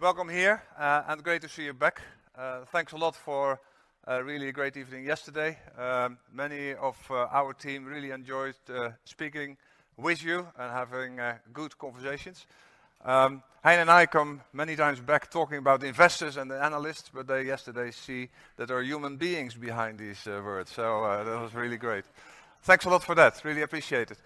Welcome here, and great to see you back. Thanks a lot for really a great evening yesterday. Many of our team really enjoyed speaking with you and having good conversations. Heine and I come many times back talking about the investors and the analysts, but they yesterday see that there are human beings behind these words. That was really great. Thanks a lot for that, really appreciate it.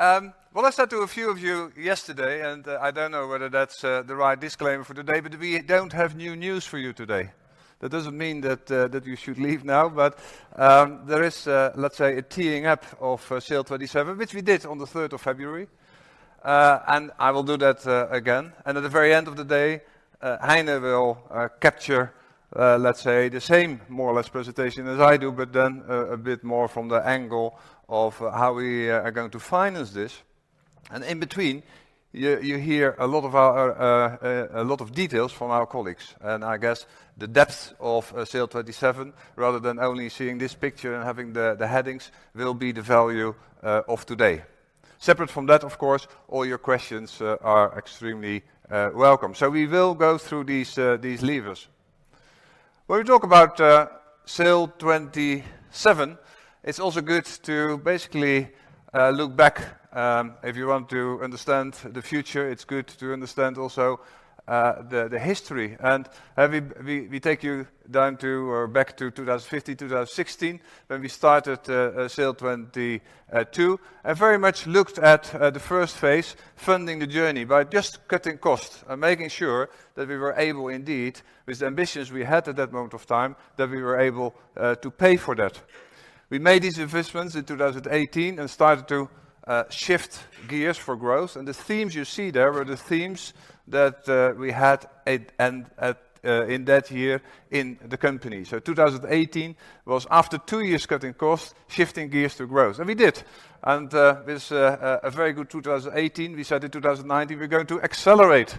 Well, I said to a few of you yesterday, and I don't know whether that's the right disclaimer for today, but we don't have new news for you today. That doesn't mean that you should leave now. There is, let's say, a teeing up of SAIL 2027, which we did on the third of February. I will do that again. At the very end of the day, Heine will capture, let's say, the same more or less presentation as I do, but then a bit more from the angle of how we are going to finance this. In between, you hear a lot of details from our colleagues. I guess the depth of SAIL 2027, rather than only seeing this picture and having the headings, will be the value of today. Separate from that, of course, all your questions are extremely welcome. We will go through these levers. When we talk about SAIL 2027, it's also good to basically look back. If you want to understand the future, it's good to understand also the history. We take you back to 2015, 2016, when we started SAIL 2022, and very much looked at the first phase funding the journey by just cutting costs and making sure that we were able, indeed, with the ambitions we had at that moment of time, to pay for that. We made these investments in 2018 and started to shift gears for growth. The themes you see there were the themes that we had in that year in the company. 2018 was after two years cutting costs, shifting gears to growth. We did. With a very good 2018, we said in 2019, we're going to accelerate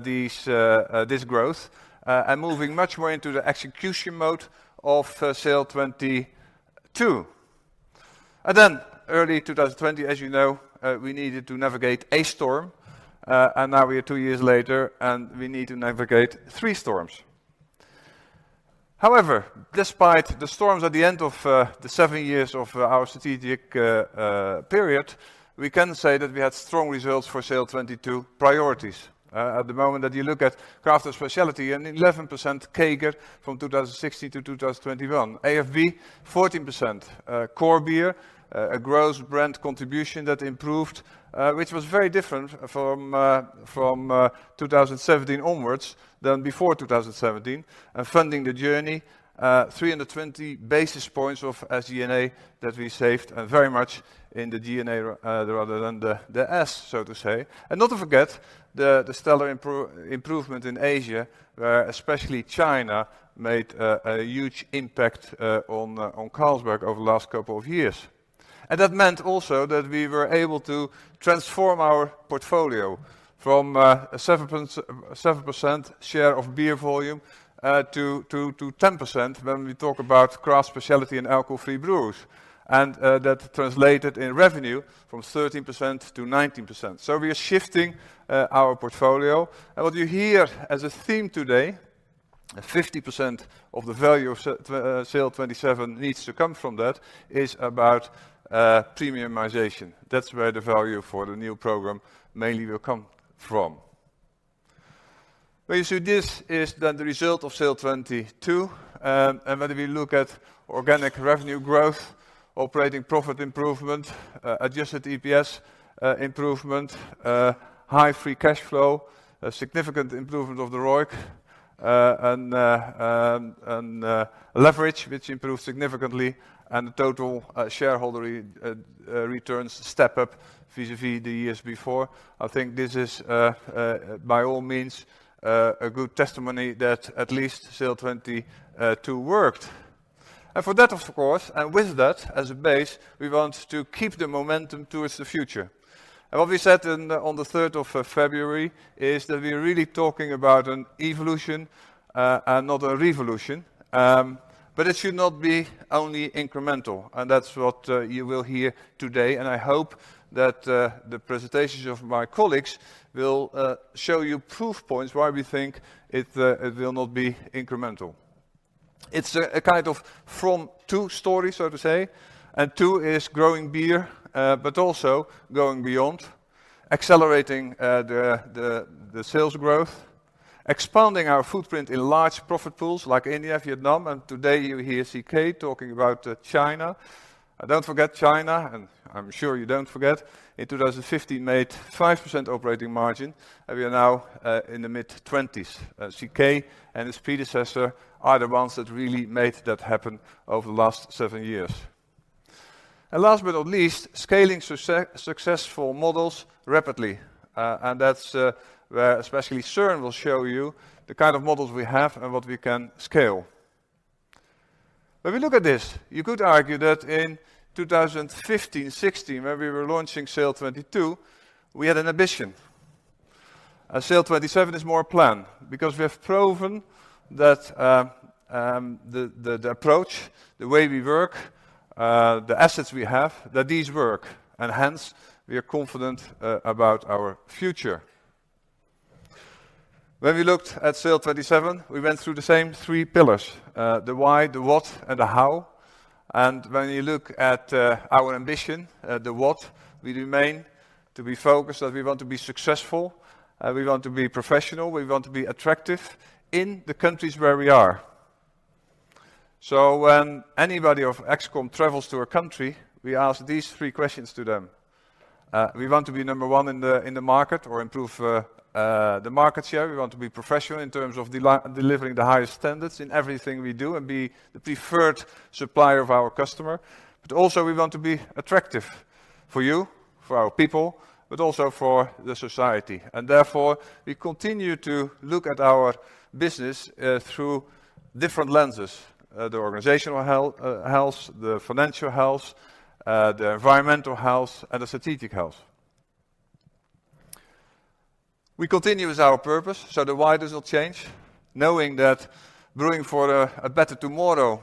this growth and moving much more into the execution mode of SAIL 2022. Early 2020, as you know, we needed to navigate a storm, and now we are two years later, and we need to navigate three storms. However, despite the storms at the end of the seven years of our strategic period, we can say that we had strong results for SAIL 2022 priorities. At the moment that you look at craft and specialty, an 11% CAGR from 2016 to 2021. AFB, 14%. Core beer, a gross brand contribution that improved, which was very different from 2017 onwards than before 2017. Funding the journey, 320 basis points of SG&A that we saved and very much in the DNA rather than the SG&A, so to say. Not to forget the stellar improvement in Asia, where especially China made a huge impact on Carlsberg over the last couple of years. That meant also that we were able to transform our portfolio from a 7% share of beer volume to 10% when we talk about craft, specialty and alcohol-free brews. That translated into revenue from 13% to 19%. We are shifting our portfolio. What you hear as a theme today, 50% of the value of SAIL 2027 needs to come from that, is about premiumization. That's where the value for the new program mainly will come from. When you see this is then the result of SAIL 2022, and when we look at organic revenue growth, operating profit improvement, adjusted EPS improvement, high free cash flow, a significant improvement of the ROIC, and leverage, which improved significantly and the total shareholder returns step up vis-à-vis the years before. I think this is by all means a good testimony that at least SAIL 2022 worked. For that, of course, and with that as a base, we want to keep the momentum towards the future. What we said on the third of February is that we're really talking about an evolution, and not a revolution. It should not be only incremental. That's what you will hear today. I hope that the presentations of my colleagues will show you proof points why we think it will not be incremental. It's a kind of from two stories, so to say, and two is growing beer, but also going beyond, accelerating the sales growth, expanding our footprint in large profit pools like India, Vietnam, and today you hear CK talking about China. Don't forget China, and I'm sure you don't forget, in 2015 made 5% operating margin. We are now in the mid-20s%. CK and his predecessor are the ones that really made that happen over the last seven years. Last but not least, scaling successful models rapidly. That's where especially Søren will show you the kind of models we have and what we can scale. When we look at this, you could argue that in 2015, 2016, when we were launching SAIL 2022, we had an ambition. SAIL 2027 is more a plan because we have proven that the approach, the way we work, the assets we have, that these work, and hence we are confident about our future. When we looked at SAIL 2027, we went through the same three pillars. The why, the what, and the how. When you look at our ambition, we remain focused that we want to be successful, we want to be professional, we want to be attractive in the countries where we are. When anybody of ExCom travels to a country, we ask these three questions to them. We want to be number one in the market or improve the market share. We want to be professional in terms of delivering the highest standards in everything we do, and be the preferred supplier of our customer. Also we want to be attractive for you, for our people, but also for the society. Therefore, we continue to look at our business through different lenses. The organizational health, the financial health, the environmental health, and the strategic health. We continue with our purpose, so the why doesn't change. Knowing that brewing for a better tomorrow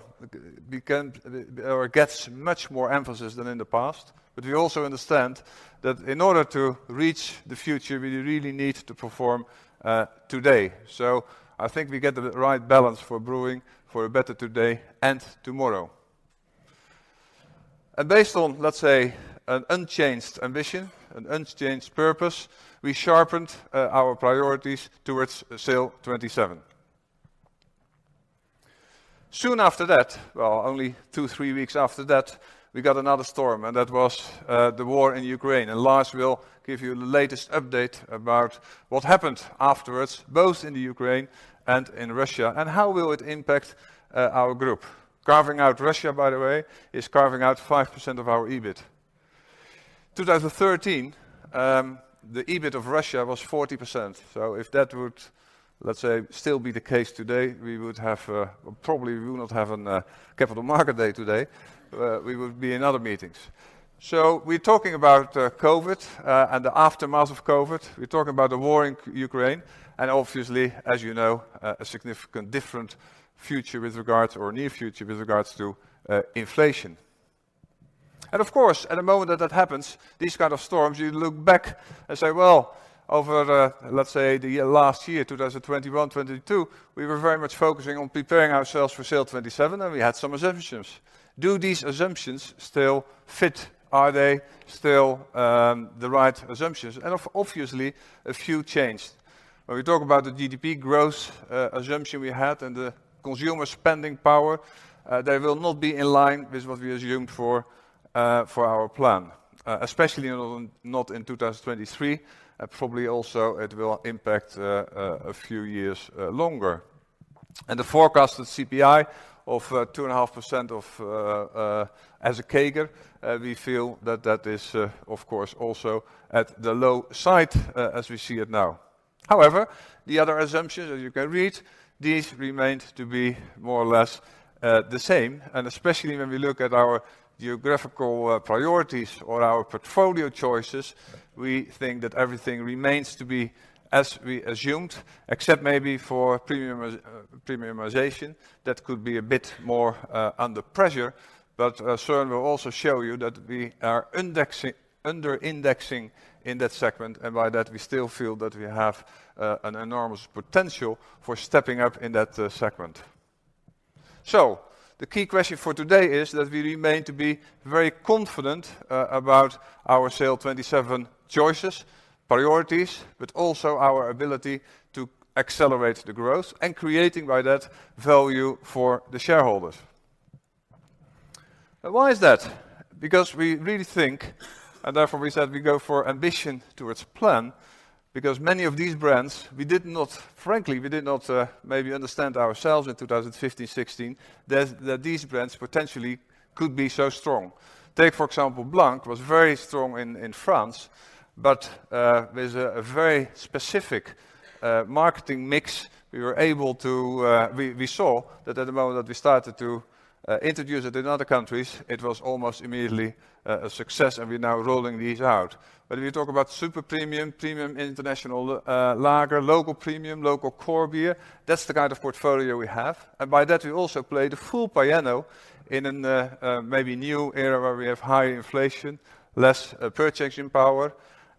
gets much more emphasis than in the past. We also understand that in order to reach the future, we really need to perform today. I think we get the right balance for brewing for a better today and tomorrow. Based on, let's say, an unchanged ambition, an unchanged purpose, we sharpened our priorities towards SAIL 2027. Soon after that, only two-three weeks after that, we got another storm, and that was the war in Ukraine. Lars will give you the latest update about what happened afterwards, both in the Ukraine and in Russia, and how will it impact our group. Carving out Russia, by the way, is carving out 5% of our EBIT. 2013, the EBIT of Russia was 40%. If that would, let's say, still be the case today, we would have, probably we would not have an, capital market day today. We would be in other meetings. We're talking about, COVID, and the aftermath of COVID. We're talking about the war in Ukraine, and obviously, as you know, a significantly different future with regards or near future with regards to, inflation. Of course, at the moment that that happens, these kind of storms, you look back and say, well, over, let's say the last year, 2021, 2022, we were very much focusing on preparing ourselves for SAIL 2027, and we had some assumptions. Do these assumptions still fit? Are they still, the right assumptions? Obviously, a few changed. When we talk about the GDP growth assumption we had and the consumer spending power, they will not be in line with what we assumed for our plan. Especially not in 2023, and probably also it will impact a few years longer. The forecasted CPI of 2.5% as a CAGR, we feel that is, of course, also at the low side, as we see it now. However, the other assumptions, as you can read, these remained to be more or less the same. Especially when we look at our geographical priorities or our portfolio choices, we think that everything remains to be as we assumed, except maybe for premiumization. That could be a bit more under pressure. Søren will also show you that we are under-indexing in that segment. By that, we still feel that we have an enormous potential for stepping up in that segment. The key question for today is that we remain to be very confident about our SAIL 2027 choices, priorities, but also our ability to accelerate the growth and creating by that value for the shareholders. Why is that? Because we really think, and therefore we said we go for ambition towards plan, because many of these brands, we did not frankly maybe understand ourselves in 2015, 2016, that these brands potentially could be so strong. Take, for example, Blanc was very strong in France, but with a very specific marketing mix, we saw that at the moment that we started to introduce it in other countries, it was almost immediately a success, and we're now rolling these out. If you talk about super premium international lager, local premium, local core beer, that's the kind of portfolio we have. By that, we also play the full piano in a maybe new era where we have high inflation, less purchasing power.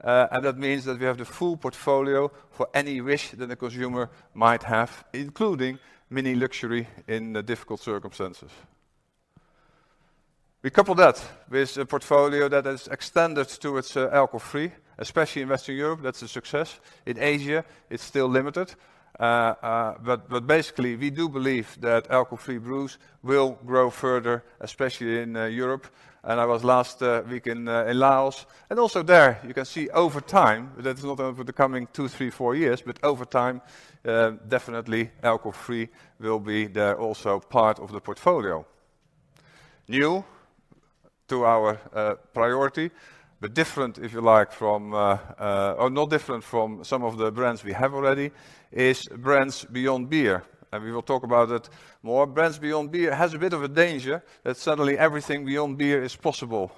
That means that we have the full portfolio for any wish that a consumer might have, including mini luxury in difficult circumstances. We couple that with a portfolio that is extended towards alcohol-free, especially in Western Europe. That's a success. In Asia, it's still limited. But basically, we do believe that alcohol-free brews will grow further, especially in Europe. I was last week in Laos. Also there you can see over time, but that's not over the coming two, three, four years, but over time, definitely alcohol-free will be the also part of the portfolio. New to our priority, but different, if you like, from or no different from some of the brands we have already is brands beyond beer. We will talk about it more. Brands beyond beer has a bit of a danger that suddenly everything beyond beer is possible.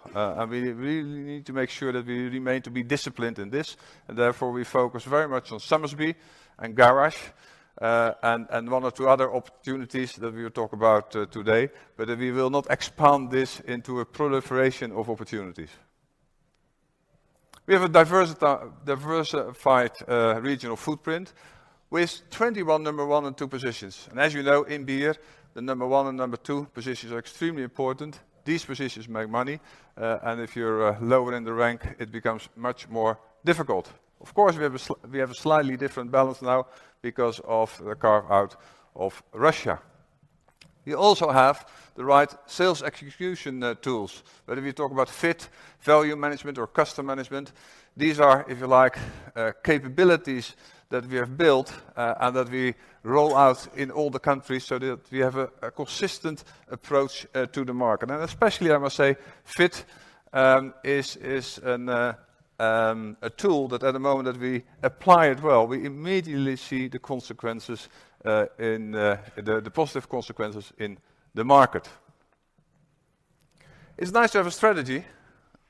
We really need to make sure that we remain to be disciplined in this. Therefore, we focus very much on Somersby and Garage, and one or two other opportunities that we will talk about, today. We will not expand this into a proliferation of opportunities. We have a diversified regional footprint with 21 number one and number two positions. As you know, in beer, the number one and number two positions are extremely important. These positions make money, and if you're lower in the rank, it becomes much more difficult. Of course, we have a slightly different balance now because of the carve-out of Russia. We also have the right sales execution tools. Whether we talk about fit, value management, or custom management, these are, if you like, capabilities that we have built, and that we roll out in all the countries so that we have a consistent approach to the market. Especially, I must say, fit is a tool that at the moment that we apply it well, we immediately see the consequences in the positive consequences in the market. It's nice to have a strategy,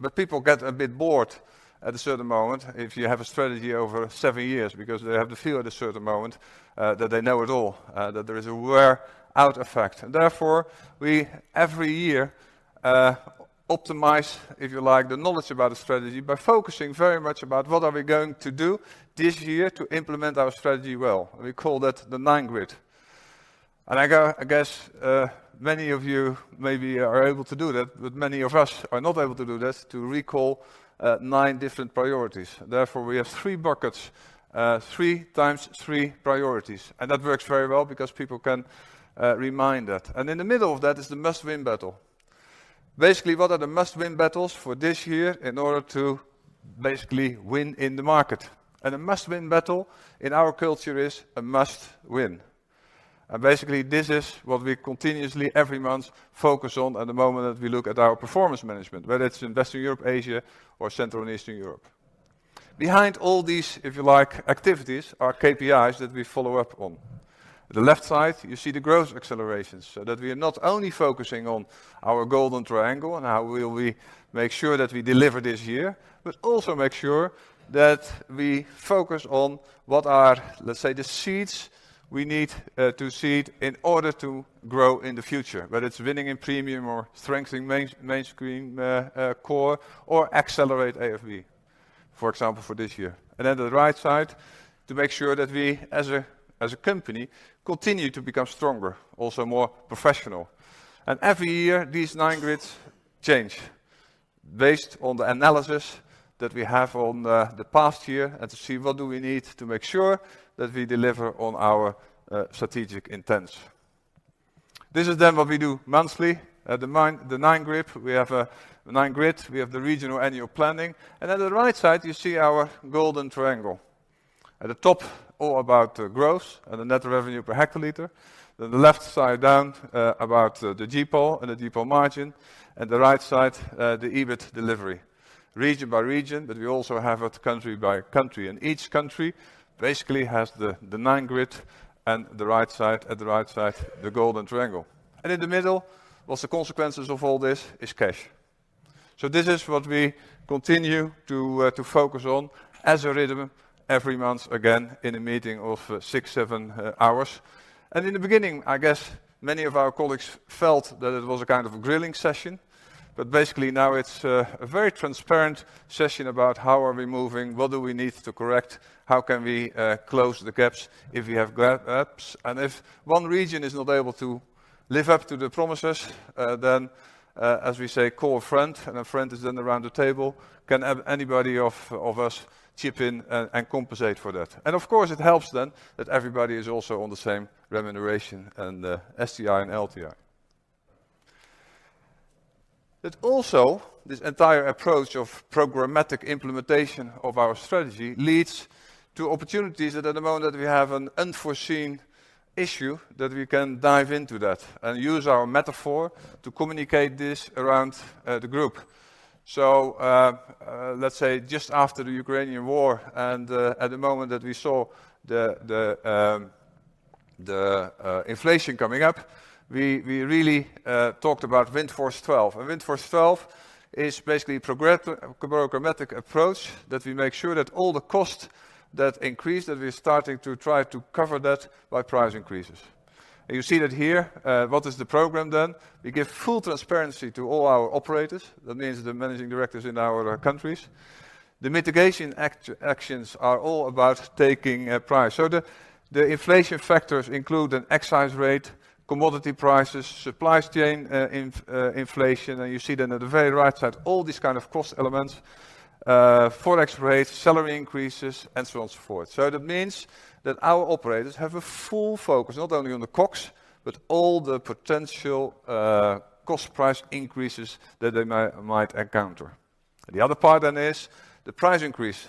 but people get a bit bored at a certain moment if you have a strategy over seven years because they have the feel at a certain moment that they know it all, that there is a wear out effect. Therefore, we every year optimize, if you like, the knowledge about a strategy by focusing very much about what are we going to do this year to implement our strategy well. We call that the nine grid. I guess many of you maybe are able to do that, but many of us are not able to do that, to recall nine different priorities. Therefore, we have three buckets, 3x3 priorities, and that works very well because people can remind that. In the middle of that is the must-win battle. Basically, what are the must-win battles for this year in order to basically win in the market? A must-win battle in our culture is a must win. Basically, this is what we continuously every month focus on at the moment that we look at our performance management, whether it's in Western Europe, Asia, or Central and Eastern Europe. Behind all these, if you like, activities are KPIs that we follow up on. The left side, you see the growth accelerations, so that we are not only focusing on our Golden Triangle and how will we make sure that we deliver this year, but also make sure that we focus on what are, let's say, the seeds we need to seed in order to grow in the future, whether it's winning in premium or strengthening mainstream core or accelerate AFB, for example, for this year. At the right side, to make sure that we as a company continue to become stronger, also more professional. Every year, these nine grids change based on the analysis that we have on the past year and to see what do we need to make sure that we deliver on our strategic intents. This is then what we do monthly. At the nine grid, we have the regional annual planning. At the right side, you see our Golden Triangle. At the top, all about growth and the net revenue per hectoliter. The left side down, about the GPOL and the GPOL margin. At the right side, the EBIT delivery. Region by region, but we also have it country by country. Each country basically has the nine grid and the right side, the Golden Triangle. In the middle, what's the consequences of all this is cash. This is what we continue to focus on as a rhythm every month again in a meeting of six, seven hours. In the beginning, I guess many of our colleagues felt that it was a kind of grilling session. Basically now it's a very transparent session about how are we moving, what do we need to correct, how can we close the gaps if we have gaps. If one region is not able to live up to the promises, then as we say, call a friend, and a friend is then around the table. Can anybody of us chip in and compensate for that? Of course it helps then that everybody is also on the same remuneration and STI and LTI. This entire approach of programmatic implementation of our strategy leads to opportunities that at the moment we have an unforeseen issue that we can dive into that and use our metaphor to communicate this around the group. Let's say just after the Ukrainian War and at the moment that we saw the inflation coming up, we really talked about Wind Force Twelve. Wind Force Twelve is basically programmatic approach that we make sure that all the costs that increase, that we're starting to try to cover that by price increases. You see that here, what is the program then? We give full transparency to all our operators. That means the managing directors in our countries. The mitigation actions are all about taking price. The inflation factors include an excise rate, commodity prices, supply chain, inflation. You see then at the very right side, all these kind of cost elements, Forex rates, salary increases, and so on and so forth. That means that our operators have a full focus not only on the costs, but all the potential cost price increases that they might encounter. The other part then is the price increase.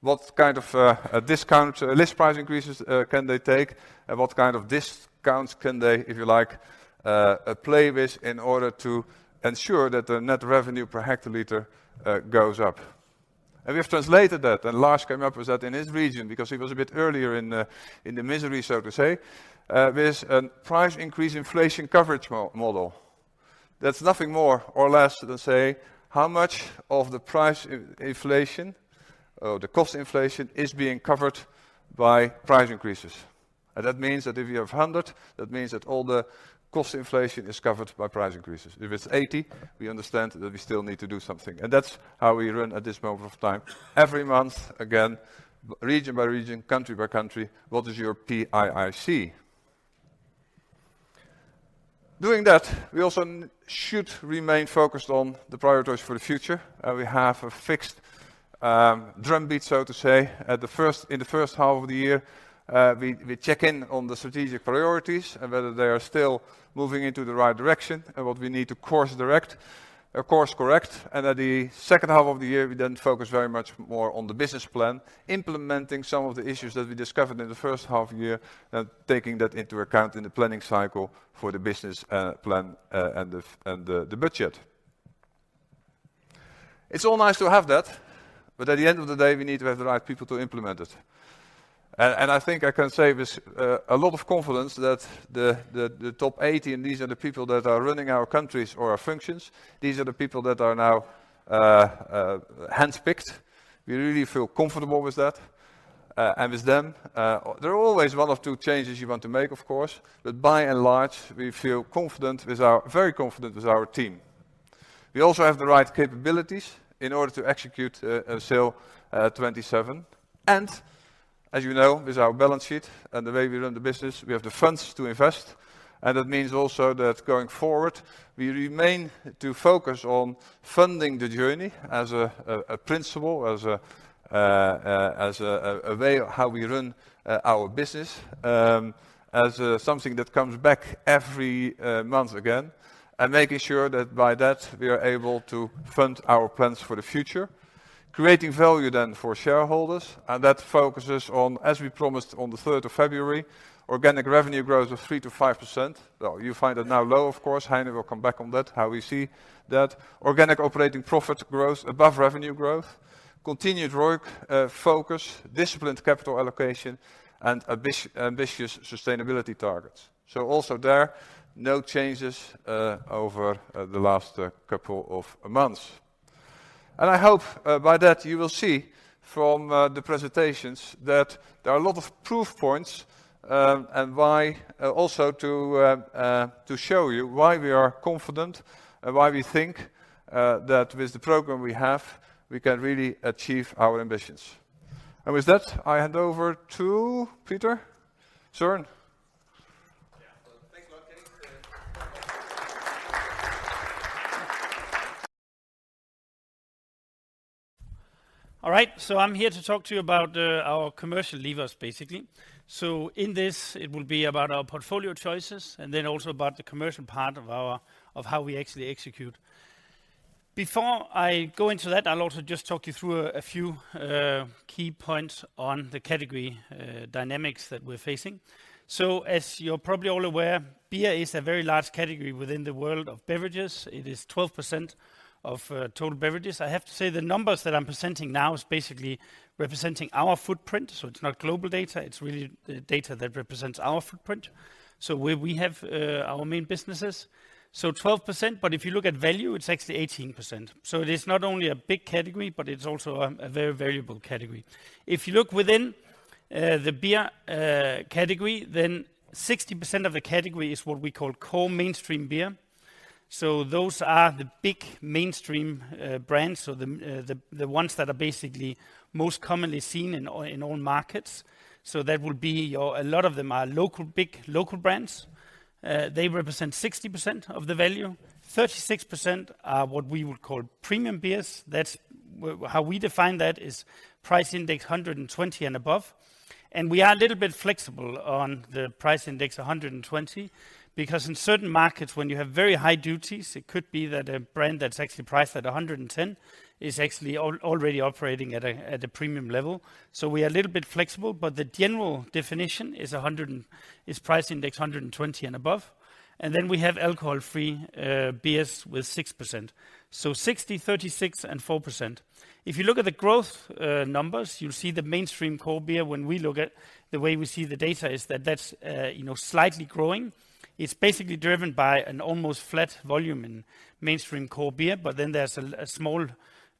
What kind of a discount list price increases can they take? What kind of discounts can they, if you like, play with in order to ensure that the net revenue per hectoliter goes up? We have translated that, and Lars came up with that in his region because he was a bit earlier in the misery, so to say, with a price increase inflation coverage model. That's nothing more or less than say how much of the price inflation, the cost inflation is being covered by price increases. That means that if you have 100, that means that all the cost inflation is covered by price increases. If it's 80, we understand that we still need to do something. That's how we run at this moment of time. Every month, again, region by region, country by country, what is your PIIC? Doing that, we also should remain focused on the priorities for the future. We have a fixed drum beat, so to say. In the first half of the year, we check in on the strategic priorities and whether they are still moving into the right direction and what we need to course correct. In the second half of the year, we then focus very much more on the business plan, implementing some of the issues that we discovered in the first half year, taking that into account in the planning cycle for the business plan, and the budget. It's all nice to have that, but at the end of the day, we need to have the right people to implement it. I think I can say this with a lot of confidence that the top 80, and these are the people that are running our countries or our functions, these are the people that are now handpicked. We really feel comfortable with that, and with them. There are always one or two changes you want to make, of course, but by and large, we feel very confident with our team. We also have the right capabilities in order to execute SAIL 2027. As you know, with our balance sheet and the way we run the business, we have the funds to invest. That means also that going forward, we remain to focus on funding the journey as a principle, as a way of how we run our business, as something that comes back every month again, and making sure that by that we are able to fund our plans for the future. Creating value then for shareholders, and that focuses on, as we promised on the third of February, organic revenue growth of 3%-5%. Well, you find that now low of course. Heini will come back on that, how we see that. Organic operating profit growth above revenue growth, continued work, focus, disciplined capital allocation and ambitious sustainability targets. Also there, no changes over the last couple of months. I hope by that you will see from the presentations that there are a lot of proof points, and why also to show you why we are confident and why we think that with the program we have, we can really achieve our ambitions. With that, I hand over to Søren. Thank you, Cees 't. All right, I'm here to talk to you about our commercial levers, basically. In this, it will be about our portfolio choices and then also about the commercial part of how we actually execute. Before I go into that, I'll also just talk you through a few key points on the category dynamics that we're facing. As you're probably all aware, beer is a very large category within the world of beverages. It is 12% of total beverages. I have to say, the numbers that I'm presenting now is basically representing our footprint, so it's not global data. It's really data that represents our footprint. Where we have our main businesses. 12%, but if you look at value, it's actually 18%. It is not only a big category, but it's also a very variable category. If you look within the beer category, then 60% of the category is what we call core mainstream beer. Those are the big mainstream brands. The ones that are basically most commonly seen in all markets. That will be a lot of them are local, big local brands. They represent 60% of the value. 36% are what we would call premium beers. That's how we define that is price index 120 and above. We are a little bit flexible on the price index 120 because in certain markets when you have very high duties, it could be that a brand that's actually priced at 110 is actually operating at a premium level. We are a little bit flexible, but the general definition is price index 120 and above. We have alcohol-free beers with 6%. So 60%, 36%, and 4%. If you look at the growth numbers, you'll see the mainstream core beer when we look at the way we see the data is that that's you know, slightly growing. It's basically driven by an almost flat volume in mainstream core beer, but there's a small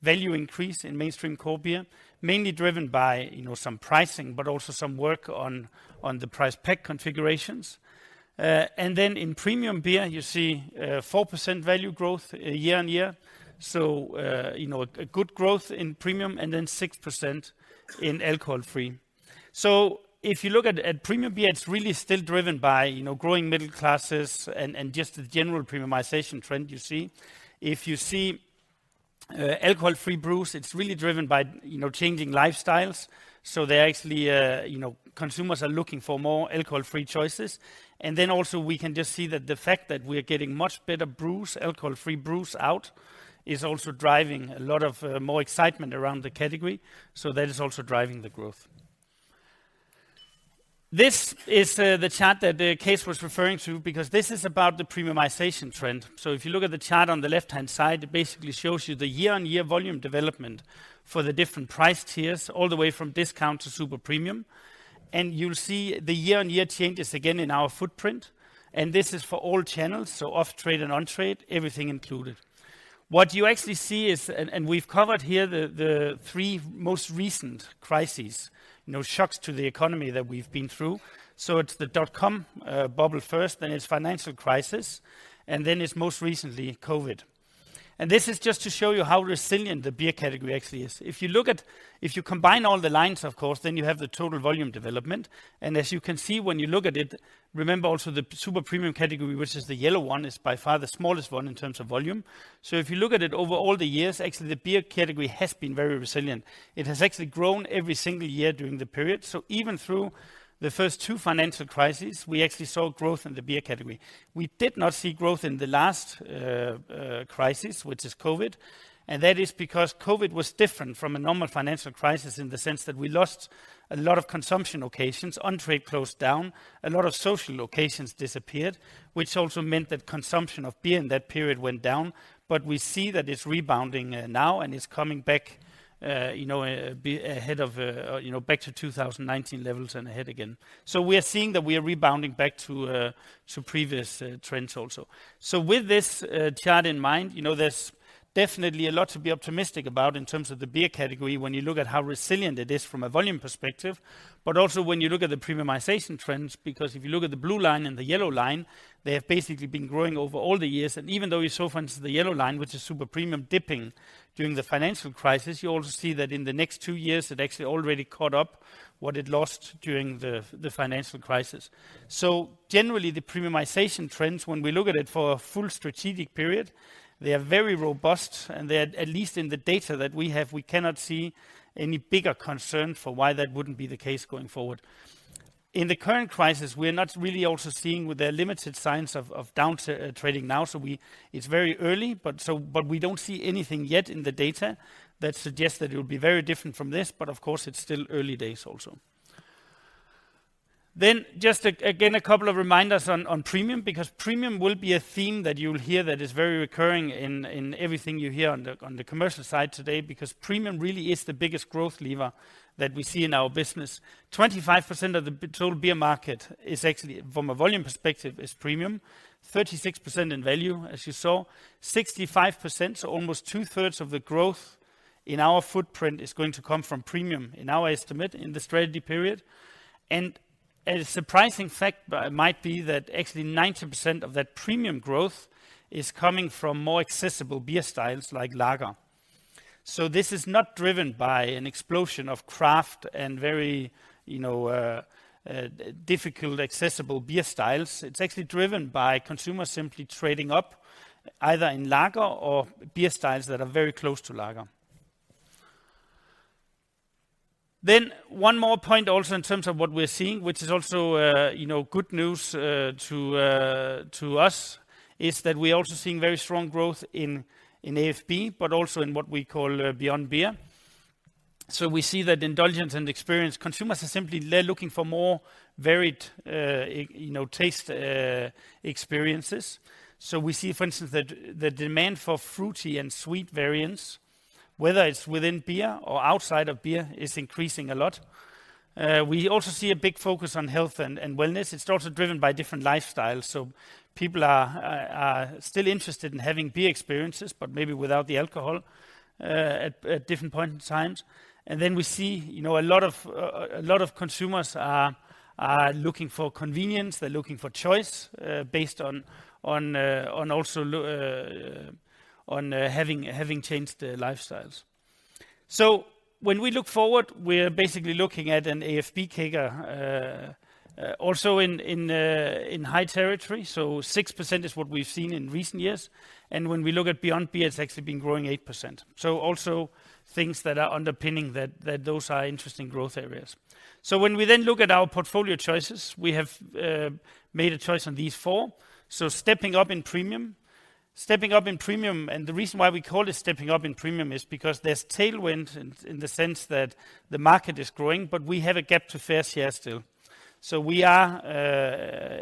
value increase in mainstream core beer, mainly driven by, you know, some pricing, but also some work on the price pack configurations. In premium beer, you see 4% value growth year-on-year. You know, a good growth in premium and then 6% in alcohol-free. If you look at premium beer, it's really still driven by, you know, growing middle classes and just the general premiumization trend you see. If you see alcohol-free brews, it's really driven by, you know, changing lifestyles. They are actually, you know, consumers are looking for more alcohol-free choices. Then also we can just see that the fact that we are getting much better brews, alcohol-free brews out, is also driving a lot of more excitement around the category. That is also driving the growth. This is the chart that Cees 't was referring to because this is about the premiumization trend. If you look at the chart on the left-hand side, it basically shows you the year-on-year volume development for the different price tiers, all the way from discount to super premium. You'll see the year-on-year changes again in our footprint. This is for all channels, so off-trade and on-trade, everything included. What you actually see is, and we've covered here the three most recent crises, you know, shocks to the economy that we've been through. It's the dot-com bubble first, then it's financial crisis, and then it's most recently COVID. This is just to show you how resilient the beer category actually is. If you combine all the lines, of course, then you have the total volume development. As you can see when you look at it, remember also the super premium category, which is the yellow one, is by far the smallest one in terms of volume. If you look at it over all the years, actually the beer category has been very resilient. It has actually grown every single year during the period. Even through the first two financial crises, we actually saw growth in the beer category. We did not see growth in the last crisis, which is COVID. That is because COVID was different from a normal financial crisis in the sense that we lost a lot of consumption locations. On-trade closed down. A lot of social locations disappeared, which also meant that consumption of beer in that period went down. We see that it's rebounding now and is coming back, you know, ahead of, you know, back to 2019 levels and ahead again. We are seeing that we are rebounding back to previous trends also. With this chart in mind, you know, there's definitely a lot to be optimistic about in terms of the beer category when you look at how resilient it is from a volume perspective, but also when you look at the premiumization trends, because if you look at the blue line and the yellow line, they have basically been growing over all the years. Even though you saw, for instance, the yellow line, which is super premium dipping during the financial crisis, you also see that in the next two years, it actually already caught up what it lost during the financial crisis. Generally, the premiumization trends, when we look at it for a full strategic period, they are very robust, and they're at least in the data that we have, we cannot see any bigger concern for why that wouldn't be the case going forward. In the current crisis, we're not really also seeing there are limited signs of down trading now, it's very early, but we don't see anything yet in the data that suggests that it will be very different from this. Of course, it's still early days also. Just again, a couple of reminders on premium, because premium will be a theme that you'll hear that is very recurring in everything you hear on the commercial side today, because premium really is the biggest growth lever that we see in our business. 25% of the total beer market is actually, from a volume perspective, is premium. 36% in value, as you saw. 65%, so almost two-thirds of the growth in our footprint is going to come from premium in our estimate in the strategy period. A surprising fact might be that actually 90% of that premium growth is coming from more accessible beer styles like lager. This is not driven by an explosion of craft and very inaccessible beer styles. It's actually driven by consumers simply trading up either in lager or beer styles that are very close to lager. One more point also in terms of what we're seeing, which is also good news to us, is that we're also seeing very strong growth in AFB, but also in what we call Beyond Beer. We see that indulgence and experience, consumers are simply they're looking for more varied, you know, taste experiences. We see, for instance, that the demand for fruity and sweet variants, whether it's within beer or outside of beer, is increasing a lot. We also see a big focus on health and wellness. It's also driven by different lifestyles. People are still interested in having beer experiences, but maybe without the alcohol, at different points in time. We see a lot of consumers are looking for convenience. They're looking for choice, based on also having changed their lifestyles. When we look forward, we're basically looking at an AFB category, also in high territory. 6% is what we've seen in recent years. When we look at beyond beer, it's actually been growing 8%. Also things that are underpinning that those are interesting growth areas. When we then look at our portfolio choices, we have made a choice on these four. Stepping up in premium. Stepping up in premium, and the reason why we call it stepping up in premium is because there's tailwind in the sense that the market is growing, but we have a gap to fair share still. We are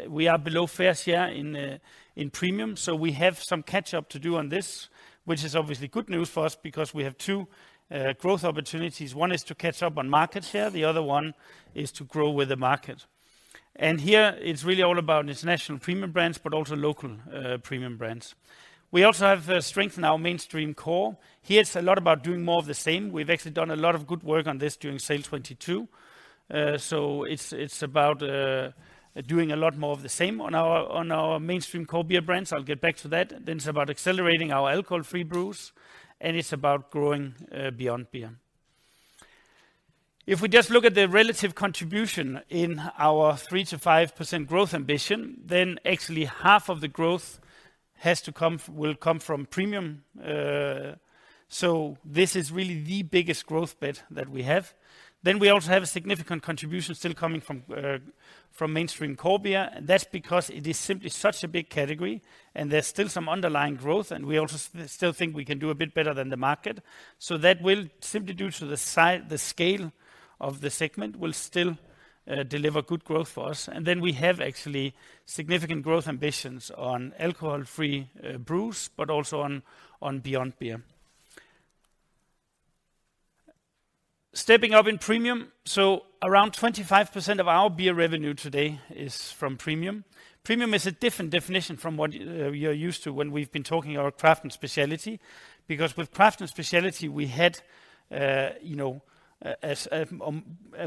below fair share in premium, so we have some catch-up to do on this, which is obviously good news for us because we have two growth opportunities. One is to catch up on market share, the other one is to grow with the market. Here it's really all about international premium brands, but also local premium brands. We also have strength in our mainstream core. Here it's a lot about doing more of the same. We've actually done a lot of good work on this during SAIL 2022. It's about doing a lot more of the same on our mainstream core beer brands. I'll get back to that. It's about accelerating our alcohol-free brews, and it's about growing beyond beer. If we just look at the relative contribution in our 3%-5% growth ambition, then actually half of the growth will come from premium. This is really the biggest growth bet that we have. We also have a significant contribution still coming from mainstream core beer. That's because it is simply such a big category and there's still some underlying growth, and we also still think we can do a bit better than the market. That will simply due to the scale of the segment, will still deliver good growth for us. Then we have actually significant growth ambitions on alcohol-free brews, but also on beyond beer. Stepping up in premium. Around 25% of our beer revenue today is from premium. Premium is a different definition from what you're used to when we've been talking our craft and specialty. Because with craft and specialty, we had you know as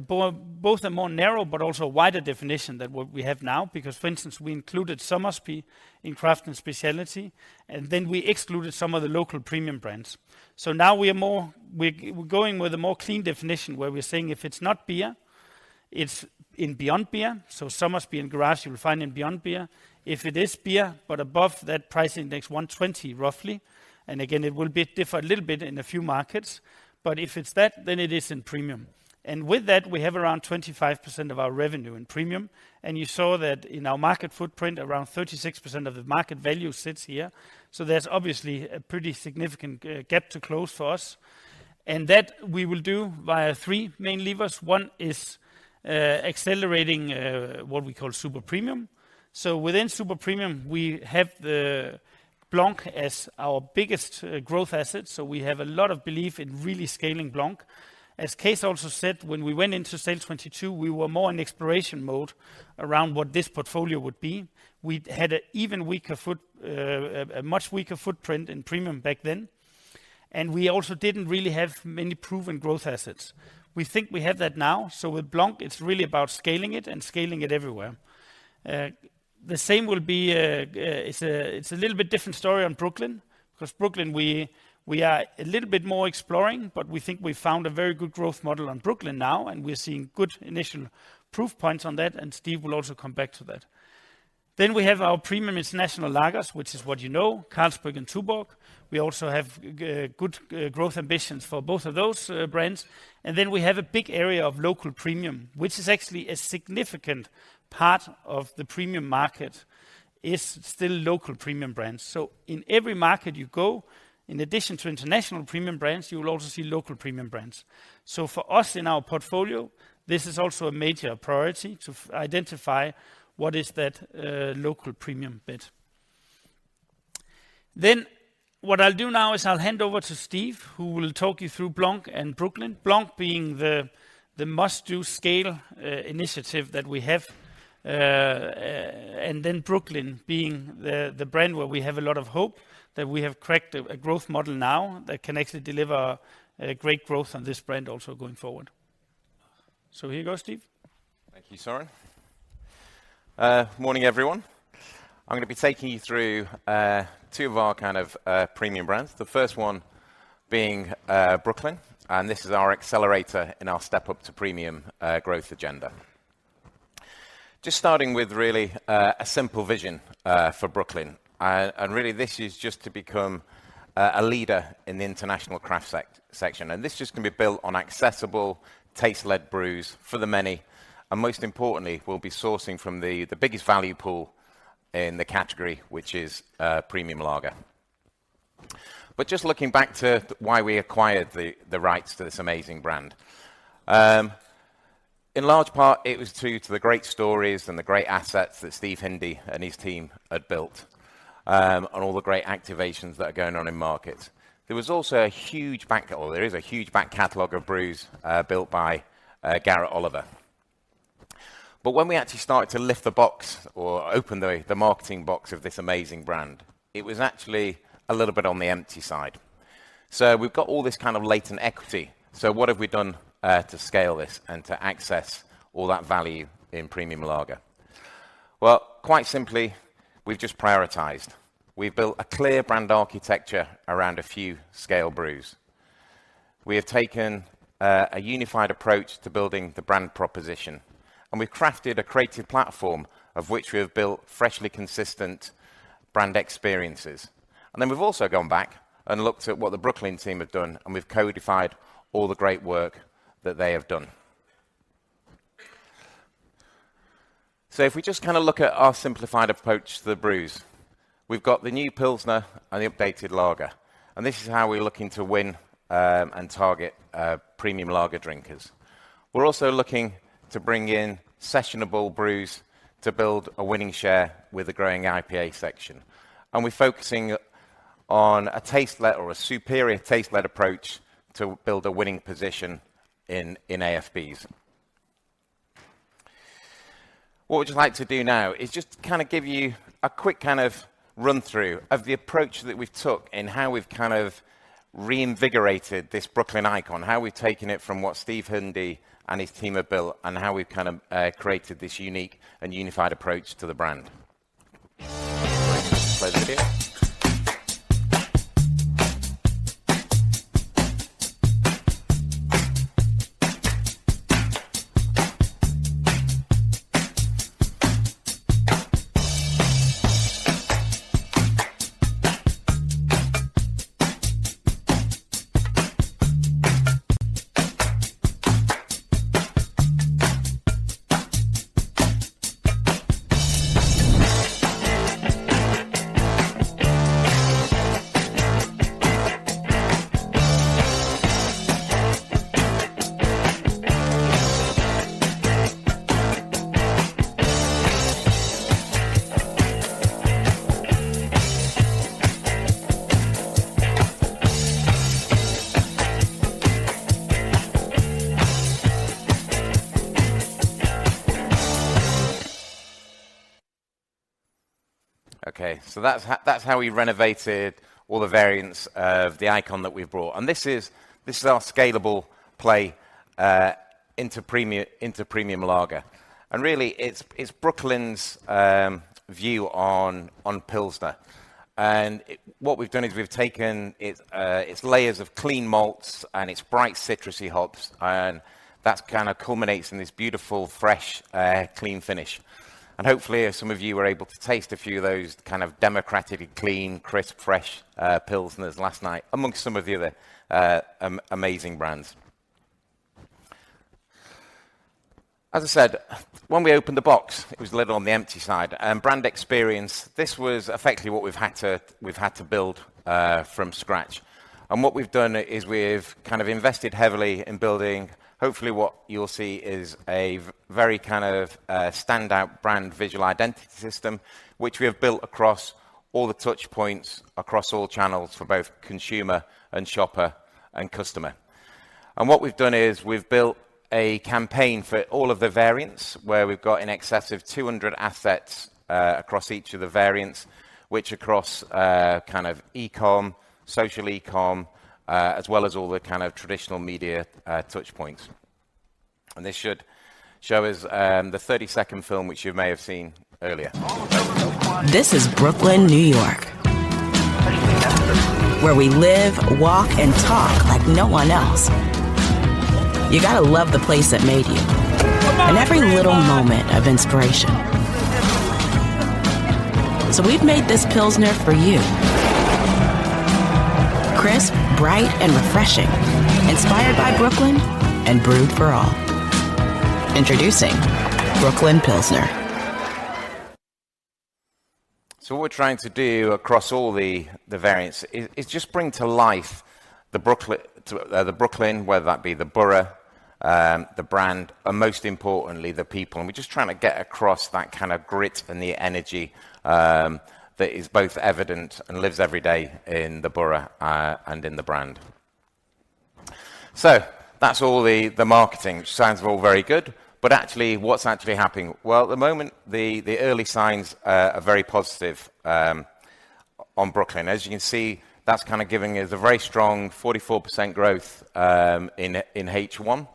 both a more narrow but also wider definition than what we have now. Because for instance, we included Somersby in craft and specialty, and then we excluded some of the local premium brands. Now we are going with a more clean definition, where we're saying, if it's not beer, it's in beyond beer. Somersby, in Garage, you will find in Beyond Beer. If it is beer, but above that price index 120 roughly, and again, it will differ a little bit in a few markets, but if it's that, then it is in premium. With that, we have around 25% of our revenue in premium. You saw that in our market footprint, around 36% of the market value sits here. There's obviously a pretty significant gap to close for us. That we will do via three main levers. One is accelerating what we call super premium. Within super premium, we have the Blanc as our biggest growth asset, so we have a lot of belief in really scaling Blanc. As Cees also said, when we went into SAIL 2022, we were more in exploration mode around what this portfolio would be. We had a much weaker footprint in premium back then. We also didn't really have many proven growth assets. We think we have that now, so with Blanc, it's really about scaling it and scaling it everywhere. The same will be. It's a little bit different story on Brooklyn, because Brooklyn, we are a little bit more exploring, but we think we found a very good growth model on Brooklyn now, and we're seeing good initial proof points on that, and Steve will also come back to that. We have our premium international lagers, which is what you know, Carlsberg and Tuborg. We also have good growth ambitions for both of those brands. We have a big area of local premium, which is actually a significant part of the premium market is still local premium brands. In every market you go, in addition to international premium brands, you will also see local premium brands. For us in our portfolio, this is also a major priority to identify what is that local premium bit. What I'll do now is I'll hand over to Steve, who will talk you through Blanc and Brooklyn. Blanc being the must-do scale initiative that we have. Brooklyn being the brand where we have a lot of hope that we have cracked a growth model now that can actually deliver great growth on this brand also going forward. Here you go, Steve. Thank you, Søren. Morning, everyone. I'm gonna be taking you through two of our kind of premium brands, the first one being Brooklyn, and this is our accelerator in our step up to premium growth agenda. Just starting with really a simple vision for Brooklyn. Really, this is just to become a leader in the international craft section. This just can be built on accessible, taste-led brews for the many. Most importantly, we'll be sourcing from the biggest value pool in the category, which is premium lager. Just looking back to why we acquired the rights to this amazing brand. In large part, it was due to the great stories and the great assets that Steve Hindy and his team had built, and all the great activations that are going on in markets. There is a huge back catalog of brews built by Garrett Oliver. When we actually started to lift the box or open the marketing box of this amazing brand, it was actually a little bit on the empty side. We've got all this kind of latent equity. What have we done to scale this and to access all that value in premium lager? Well, quite simply, we've just prioritized. We've built a clear brand architecture around a few scale brews. We have taken a unified approach to building the brand proposition, and we've crafted a creative platform of which we have built freshly consistent brand experiences. We've also gone back and looked at what the Brooklyn team have done, and we've codified all the great work that they have done. If we just kinda look at our simplified approach to the brews, we've got the new pilsner and the updated lager. This is how we're looking to win and target premium lager drinkers. We're also looking to bring in sessionable brews to build a winning share with the growing IPA section. We're focusing on a taste-led or a superior taste-led approach to build a winning position in AFBs. What we'd just like to do now is just kinda give you a quick kind of run-through of the approach that we've took and how we've kind of reinvigorated this Brooklyn icon, how we've taken it from what Steve Hindy and his team have built, and how we've kind of created this unique and unified approach to the brand. Play the video. Okay, so that's how we renovated all the variants of the icon that we've brought. This is our scalable play into premium lager. Really it's Brooklyn's view on pilsner. What we've done is we've taken its layers of clean malts and its bright citrusy hops, and that kind of culminates in this beautiful, fresh, clean finish. Hopefully, some of you were able to taste a few of those kind of democratically clean, crisp, fresh, pilsners last night, among some of the other, amazing brands. As I said, when we opened the box, it was a little on the empty side. Brand experience, this was effectively what we've had to build from scratch. What we've done is we've kind of invested heavily in building hopefully what you'll see is a very kind of, standout brand visual identity system, which we have built across all the touchpoints, across all channels for both consumer and shopper and customer. What we've done is we've built a campaign for all of the variants, where we've got in excess of 200 assets across each of the variants, which across kind of eCom, social eCom, as well as all the kind of traditional media touchpoints. This should show us the 30-second film, which you may have seen earlier. This is Brooklyn, New York. Where we live, walk, and talk like no one else. You gotta love the place that made you. Every little moment of inspiration. We've made this pilsner for you. Crisp, bright, and refreshing. Inspired by Brooklyn and brewed for all. Introducing Brooklyn Pilsner. What we're trying to do across all the variants is just bring to life the Brooklyn, whether that be the borough, the brand, and most importantly, the people. We're just trying to get across that kind of grit and the energy that is both evident and lives every day in the borough and in the brand. That's all the marketing, which sounds all very good, but actually, what's actually happening? Well, at the moment, the early signs are very positive on Brooklyn. As you can see, that's kind of giving us a very strong 44% growth in H1.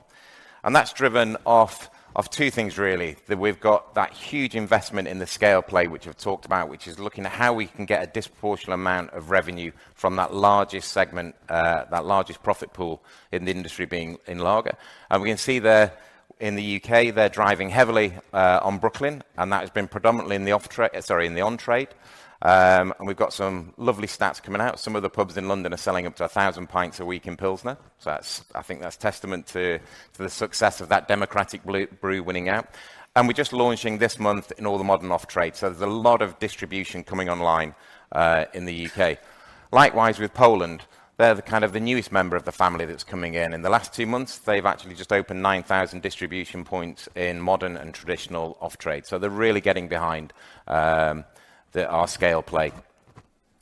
That's driven off two things really, that we've got that huge investment in the scale play, which I've talked about, which is looking at how we can get a disproportionate amount of revenue from that largest segment, that largest profit pool in the industry being in lager. We can see there in the U.K., they're driving heavily on Brooklyn, and that has been predominantly in the on trade. We've got some lovely stats coming out. Some of the pubs in London are selling up to 1,000 pints a week in pilsner. That's, I think that's testament to the success of that democratic brew winning out. We're just launching this month in all the modern off-trade. There's a lot of distribution coming online in the U.K.. Likewise, with Poland, they're the kind of the newest member of the family that's coming in. In the last two months, they've actually just opened 9,000 distribution points in modern and traditional off-trade. They're really getting behind our scale play.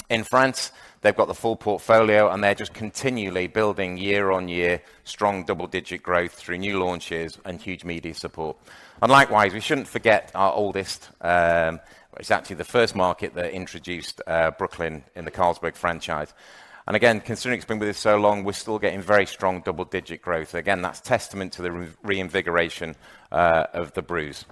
In France, they've got the full portfolio, and they're just continually building year-on-year strong double-digit growth through new launches and huge media support. Likewise, we shouldn't forget our oldest, well it's actually the first market that introduced Brooklyn in the Carlsberg franchise. Again, considering it's been with us so long, we're still getting very strong double-digit growth. Again, that's testament to the reinvigoration of the brews.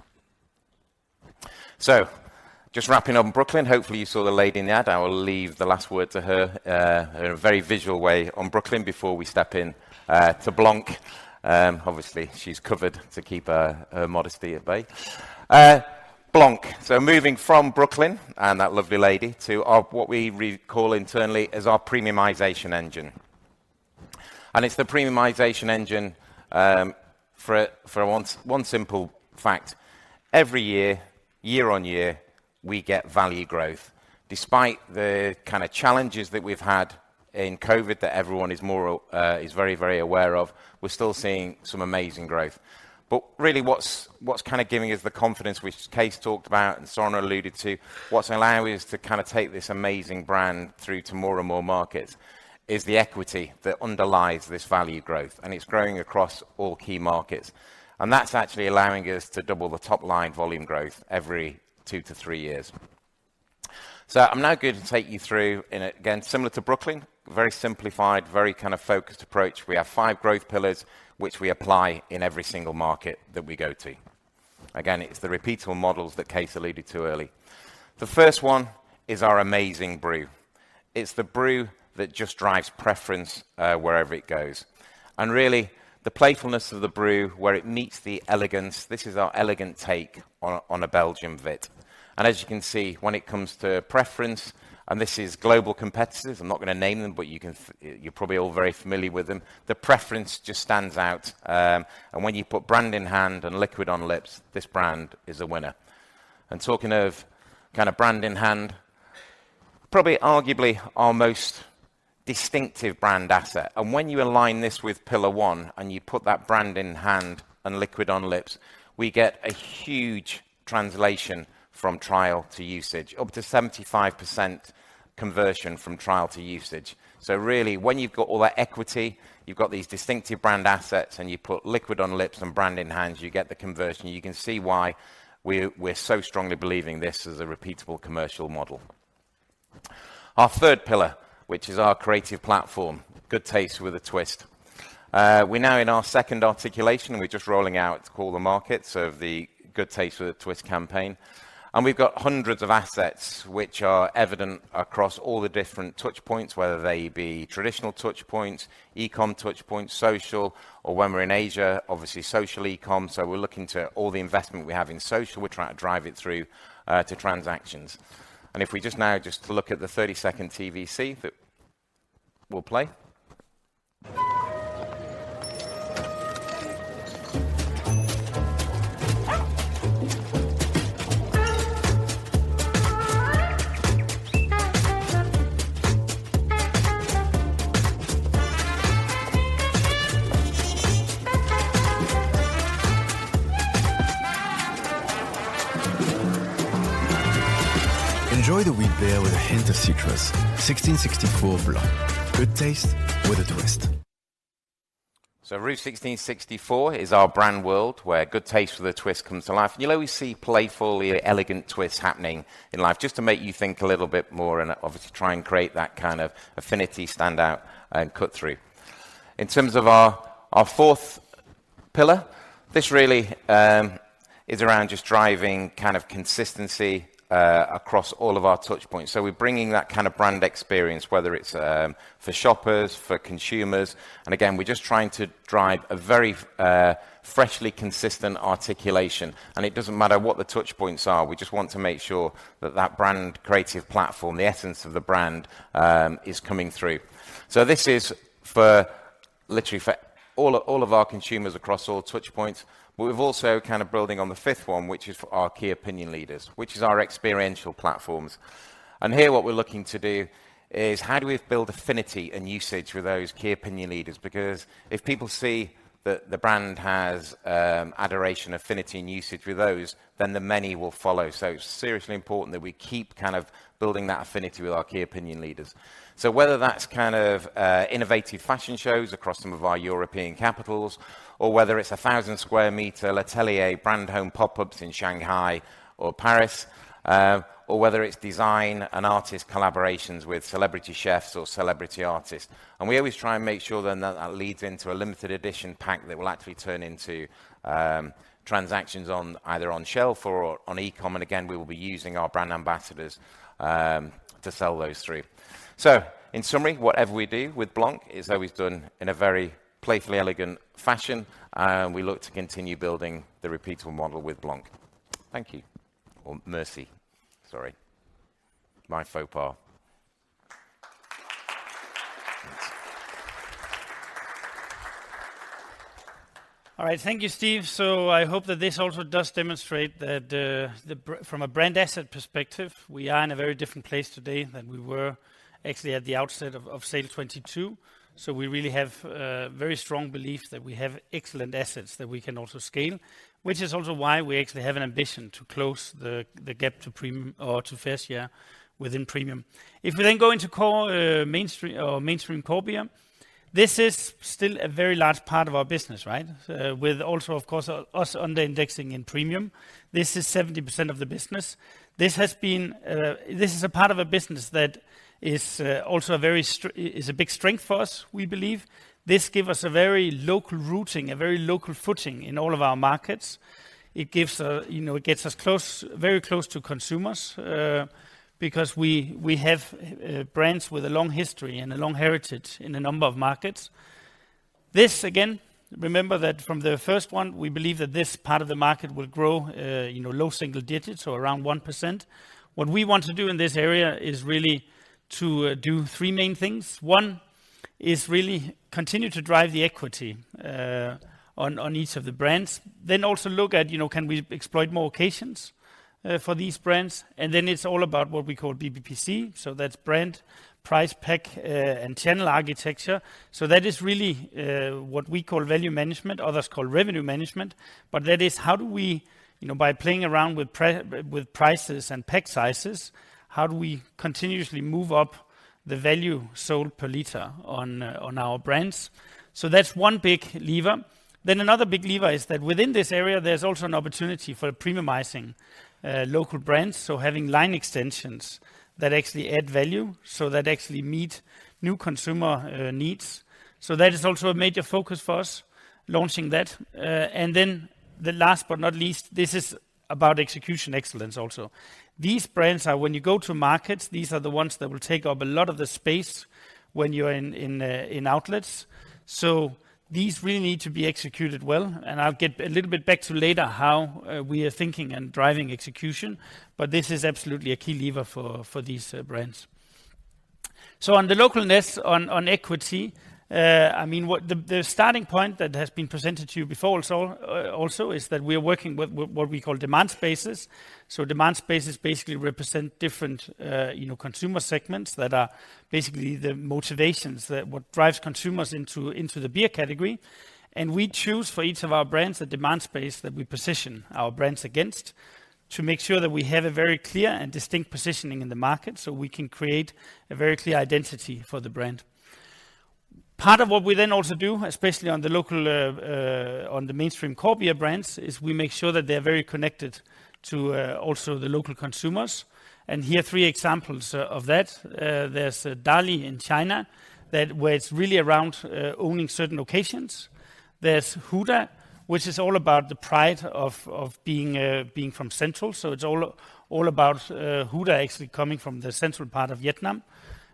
Just wrapping up on Brooklyn. Hopefully, you saw the lady in the ad. I will leave the last word to her in a very visual way on Brooklyn before we step in to Blanc. Obviously, she's covered to keep her modesty at bay. Blanc. Moving from Brooklyn and that lovely lady to our what we recall internally as our premiumization engine. It's the premiumization engine for one simple fact: every year-on-year, we get value growth. Despite the kind of challenges that we've had in COVID that everyone is very, very aware of, we're still seeing some amazing growth. Really what's kind of giving us the confidence, which Kees talked about and Søren alluded to, what's allowing us to kind of take this amazing brand through to more and more markets is the equity that underlies this value growth, and it's growing across all key markets. That's actually allowing us to double the top-line volume growth every two to three years. I'm now going to take you through in a, again, similar to Brooklyn, very simplified, very kind of focused approach. We have five growth pillars which we apply in every single market that we go to. Again, it's the repeatable models that Kees alluded to earlier. The first one is our amazing brew. It's the brew that just drives preference, wherever it goes. Really, the playfulness of the brew, where it meets the elegance, this is our elegant take on a, on a Belgian wit. As you can see, when it comes to preference, and this is global competitors, I'm not gonna name them, but you can, you're probably all very familiar with them, the preference just stands out. When you put brand in hand and liquid on lips, this brand is a winner. Talking of kind of brand in hand, probably arguably our most distinctive brand asset. When you align this with pillar one, and you put that brand in hand and liquid on lips, we get a huge translation from trial to usage, up to 75% conversion from trial to usage. Really when you've got all that equity, you've got these distinctive brand assets, and you put liquid on lips and brand in hands, you get the conversion. You can see why we're so strongly believing this is a repeatable commercial model. Our third pillar, which is our creative platform, good taste with a twist. We're now in our second articulation. We're just rolling out to all the markets of the Good Taste with a Twist campaign, and we've got hundreds of assets which are evident across all the different touch points, whether they be traditional touch points, e-com touch points, social, or when we're in Asia, obviously social e-com. We're looking at all the investment we have in social. We're trying to drive it through to transactions. If we just look at the 30-second TVC that we'll play. Enjoy the wheat beer with a hint of citrus. 1664 Blanc, good taste with a twist. Rue 1664 is our brand world where good taste with a twist comes to life. You'll always see playfully elegant twists happening in life just to make you think a little bit more and obviously try and create that kind of affinity standout and cut through. In terms of our fourth pillar, this really is around just driving kind of consistency across all of our touch points. We're bringing that kind of brand experience, whether it's for shoppers, for consumers, and again, we're just trying to drive a very freshly consistent articulation, and it doesn't matter what the touch points are. We just want to make sure that that brand creative platform, the essence of the brand, is coming through. This is for literally all of our consumers across all touch points. We've also kind of building on the fifth one, which is for our key opinion leaders, which is our experiential platforms. Here what we're looking to do is how do we build affinity and usage with those key opinion leaders? Because if people see that the brand has adoration, affinity and usage with those, then the many will follow. It's seriously important that we keep kind of building that affinity with our key opinion leaders. Whether that's kind of innovative fashion shows across some of our European capitals, or whether it's a 1,000 m2 L'Atelier brand home pop-ups in Shanghai or Paris, or whether it's design and artist collaborations with celebrity chefs or celebrity artists. We always try and make sure then that leads into a limited edition pack that will actually turn into transactions on either on shelf or on e-com. Again, we will be using our brand ambassadors to sell those through. In summary, whatever we do with Blanc is always done in a very playfully elegant fashion, and we look to continue building the repeatable model with Blanc. Thank you. Merci. Sorry. My faux pas. All right. Thank you, Steve. I hope that this also does demonstrate that from a brand asset perspective, we are in a very different place today than we were actually at the outset of SAIL 2022. We really have a very strong belief that we have excellent assets that we can also scale, which is also why we actually have an ambition to close the gap to premium or to first tier within premium. If we go into core mainstream or core beer, this is still a very large part of our business, right? With also, of course, us under-indexing in premium. This is 70% of the business. This is a part of a business that is also a big strength for us, we believe. This gives us a very local rooting, a very local footing in all of our markets. It gives, you know, it gets us close, very close to consumers, because we have brands with a long history and a long heritage in a number of markets. This again, remember that from the first one, we believe that this part of the market will grow, you know, low single digits or around 1%. What we want to do in this area is really to do three main things. One is really continue to drive the equity on each of the brands. Then also look at, you know, can we exploit more occasions for these brands? Then it's all about what we call BPPC. So that's brand, price, pack, and channel architecture. That is really what we call value management, others call revenue management. That is how do we, you know, by playing around with prices and pack sizes, how do we continuously move up the value sold per liter on our brands? That's one big lever. Another big lever is that within this area, there's also an opportunity for premiumizing local brands. Having line extensions that actually add value, so that actually meet new consumer needs. That is also a major focus for us, launching that. The last but not least, this is about execution excellence also. These brands are when you go to markets, these are the ones that will take up a lot of the space when you're in outlets. These really need to be executed well, and I'll get a little bit back to later how we are thinking and driving execution, but this is absolutely a key lever for these brands. On the localness on equity, I mean, what the starting point that has been presented to you before, also is that we are working with what we call demand spaces. Demand spaces basically represent different, you know, consumer segments that are basically the motivations that what drives consumers into the beer category. We choose for each of our brands the demand space that we position our brands against to make sure that we have a very clear and distinct positioning in the market, so we can create a very clear identity for the brand. Part of what we then also do, especially on the local, on the mainstream core beer brands, is we make sure that they're very connected to, also the local consumers. Here are three examples of that. There's Dali in China where it's really around owning certain occasions. There's Huda, which is all about the pride of being from Central. It's all about Huda actually coming from the Central part of Vietnam,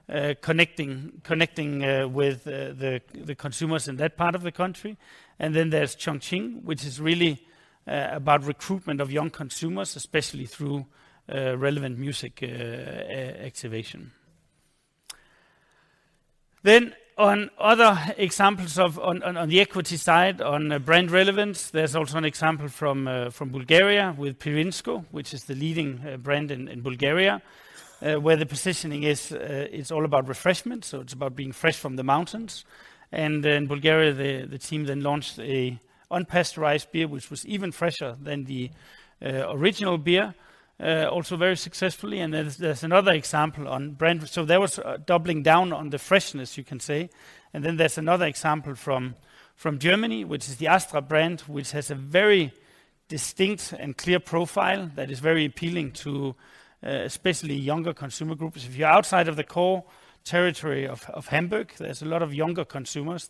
connecting with the consumers in that part of the country. There's Chongqing, which is really about recruitment of young consumers, especially through relevant music activation. On other examples of. On the equity side, on brand relevance, there's also an example from Bulgaria with Pirinsko, which is the leading brand in Bulgaria, where the positioning is all about refreshment, so it's about being fresh from the mountains. In Bulgaria the team then launched an unpasteurized beer, which was even fresher than the original beer, also very successfully. There's another example on brand. There was doubling down on the freshness you can say. Then there's another example from Germany, which is the Astra brand, which has a very distinct and clear profile that is very appealing to especially younger consumer groups. If you're outside of the core territory of Hamburg, there's a lot of younger consumers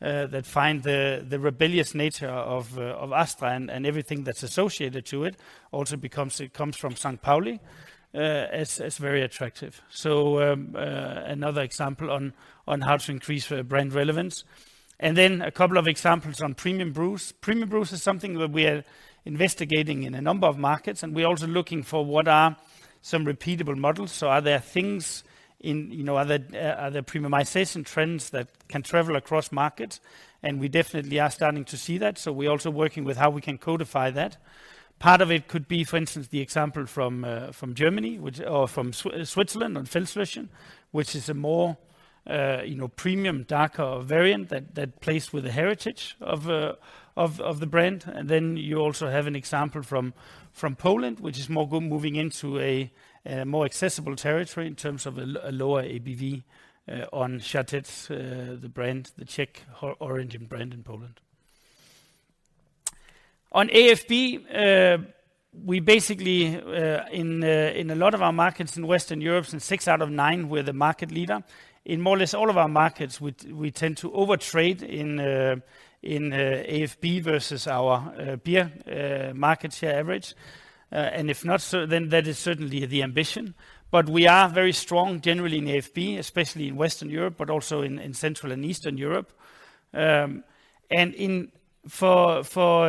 that find the rebellious nature of Astra and everything that's associated to it also becomes it comes from St. Pauli as very attractive. Another example on how to increase brand relevance. Then a couple of examples on premium brews. Premium brews is something that we are investigating in a number of markets, and we're also looking for what are some repeatable models. Are there things in, you know, are there premiumization trends that can travel across markets? We definitely are starting to see that, so we're also working with how we can codify that. Part of it could be, for instance, the example from Germany, which or from Switzerland on Feldschlösschen, which is a more, you know, premium darker variant that plays with the heritage of the brand. Then you also have an example from Poland, which is moving into a more accessible territory in terms of a lower ABV on Žatecký, the Czech-origin brand in Poland. On AFB, we basically in a lot of our markets in Western Europe, in six out of nine we're the market leader. In more or less all of our markets, we tend to overtrade in AFB versus our beer market share average. If not so, then that is certainly the ambition. We are very strong generally in AFB, especially in Western Europe, but also in Central and Eastern Europe. For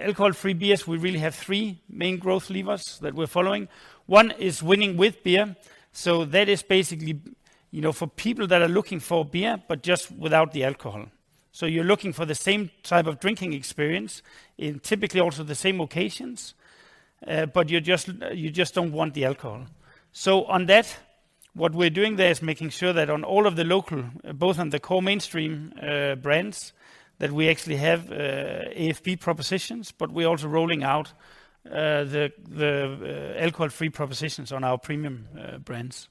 alcohol-free beers, we really have three main growth levers that we're following. One is winning with beer. So that is basically for people that are looking for beer, but just without the alcohol. So you're looking for the same type of drinking experience in typically also the same occasions, but you just don't want the alcohol. So on that, what we're doing there is making sure that on all of the local, both on the core mainstream brands, that we actually have AFB propositions, but we're also rolling out the alcohol-free propositions on our premium brands.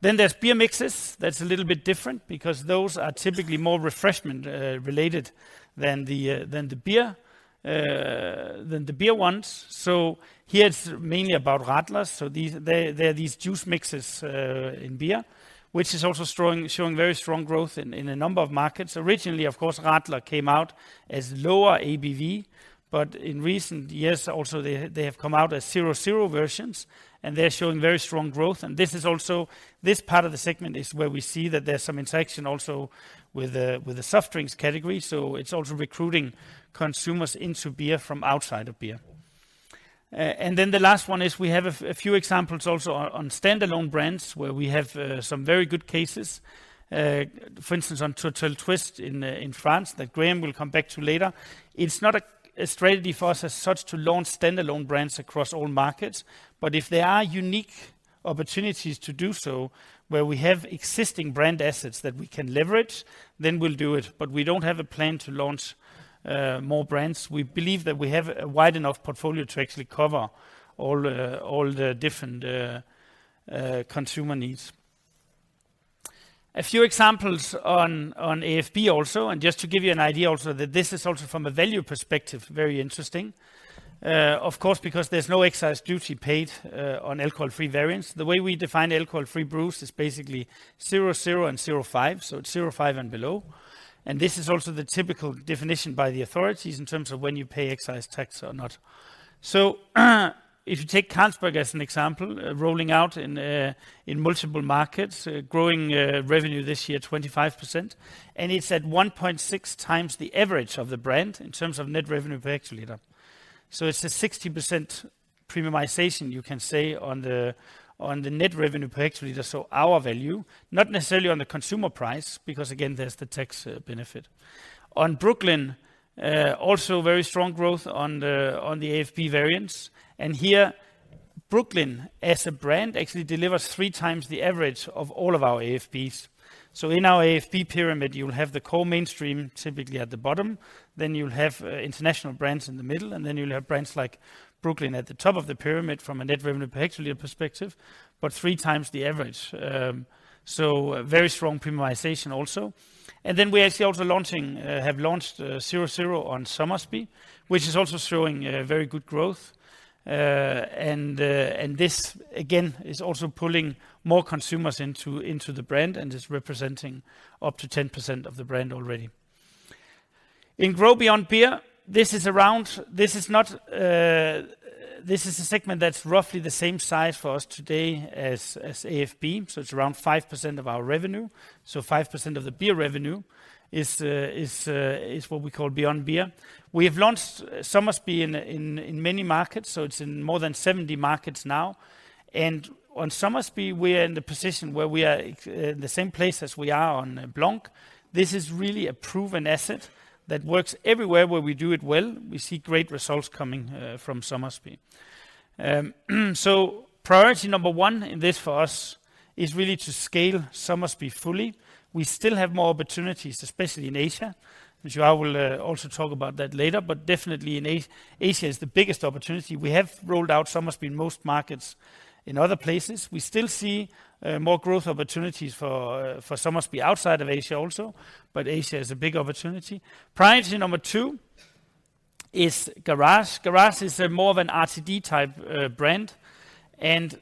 Then there's beer mixes. That's a little bit different because those are typically more refreshment related than the beer ones. Here it's mainly about Radler. These they're these juice mixes in beer, which is also showing very strong growth in a number of markets. Originally, of course, Radler came out as lower ABV, but in recent years also they have come out as zero zero versions, and they're showing very strong growth. This part of the segment is where we see that there's some interaction also with the soft drinks category. It's also recruiting consumers into beer from outside of beer. The last one is we have a few examples also on standalone brands where we have some very good cases. For instance, on Tourtel Twist in France that Graham will come back to later. It's not a strategy for us as such to launch standalone brands across all markets, but if there are unique opportunities to do so where we have existing brand assets that we can leverage, then we'll do it. We don't have a plan to launch more brands. We believe that we have a wide enough portfolio to actually cover all the different consumer needs. A few examples on AFB also, and just to give you an idea also that this is also from a value perspective, very interesting. Of course, because there's no excise duty paid on alcohol-free variants. The way we define alcohol-free brews is basically 0.0 and 0.5, so it's 0.5 and below. This is also the typical definition by the authorities in terms of when you pay excise tax or not. If you take Carlsberg as an example, rolling out in multiple markets, growing revenue this year 25%, and it's at 1.6x the average of the brand in terms of net revenue per hectoliter. It's a 60% premiumization, you can say, on the net revenue per hectoliter, so our value, not necessarily on the consumer price, because again, there's the tax benefit. On Brooklyn, also very strong growth on the AFB variants. Here, Brooklyn as a brand actually delivers 3x the average of all of our AFBs. In our AFB pyramid, you'll have the core mainstream typically at the bottom, then you'll have international brands in the middle, and then you'll have brands like Brooklyn at the top of the pyramid from a net revenue per hectoliter perspective, but three times the average. Very strong premiumization also. We're actually also have launched 0.0 on Somersby, which is also showing very good growth. This again is also pulling more consumers into the brand and is representing up to 10% of the brand already. In grow beyond beer, this is a segment that's roughly the same size for us today as AFB, so it's around 5% of our revenue. 5% of the beer revenue is what we call beyond beer. We have launched Somersby in many markets, so it's in more than 70 markets now. On Somersby, we're in the position where we are in the same place as we are on Blanc. This is really a proven asset that works everywhere where we do it well. We see great results coming from Somersby. Priority number one in this for us is really to scale Somersby fully. We still have more opportunities, especially in Asia, which I will also talk about later, but definitely in Asia is the biggest opportunity. We have rolled out Somersby in most markets. In other places, we still see more growth opportunities for Somersby outside of Asia also, but Asia is a big opportunity. Priority number two is Garage. Garage is more of an RTD-type brand, and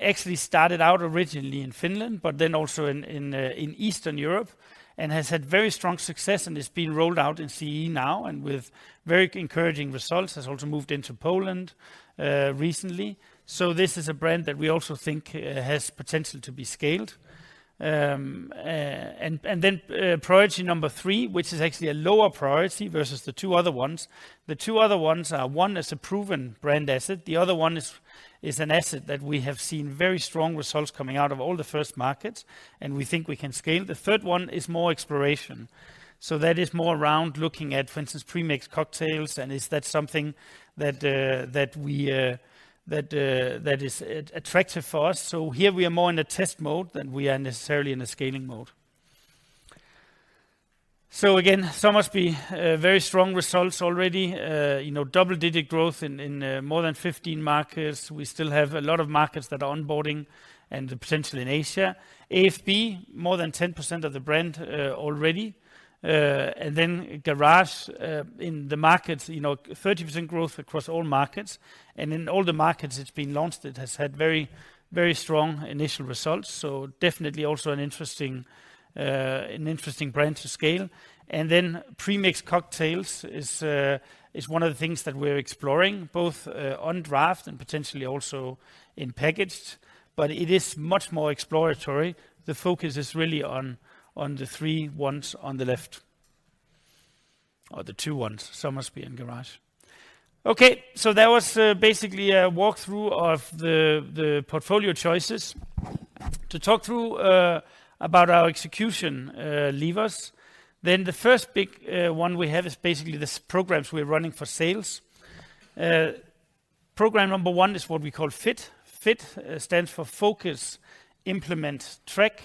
actually started out originally in Finland, but then also in Eastern Europe and has had very strong success and is being rolled out in CE now and with very encouraging results, has also moved into Poland recently. This is a brand that we also think has potential to be scaled. Priority number three, which is actually a lower priority versus the two other ones. The two other ones are, one is a proven brand asset, the other one is an asset that we have seen very strong results coming out of all the first markets, and we think we can scale. The third one is more exploration. That is more around looking at, for instance, pre-mixed cocktails, and is that something that is attractive for us. Here we are more in a test mode than we are necessarily in a scaling mode. Again, Somersby very strong results already. You know, double-digit growth in more than 15 markets. We still have a lot of markets that are onboarding and potentially in Asia. AFB, more than 10% of the brand already. And then Garage in the markets, you know, 30% growth across all markets. In all the markets it's been launched, it has had very strong initial results. Definitely also an interesting brand to scale. Pre-mixed cocktails is one of the things that we're exploring, both on draft and potentially also in packaged, but it is much more exploratory. The focus is really on the three ones on the left, or the two ones, Somersby and Garage. That was basically a walkthrough of the portfolio choices. To talk through about our execution levers, the first big one we have is basically the sales programs we're running for sales. Program number one is what we call FIT. FIT stands for Focus, Implement, Track.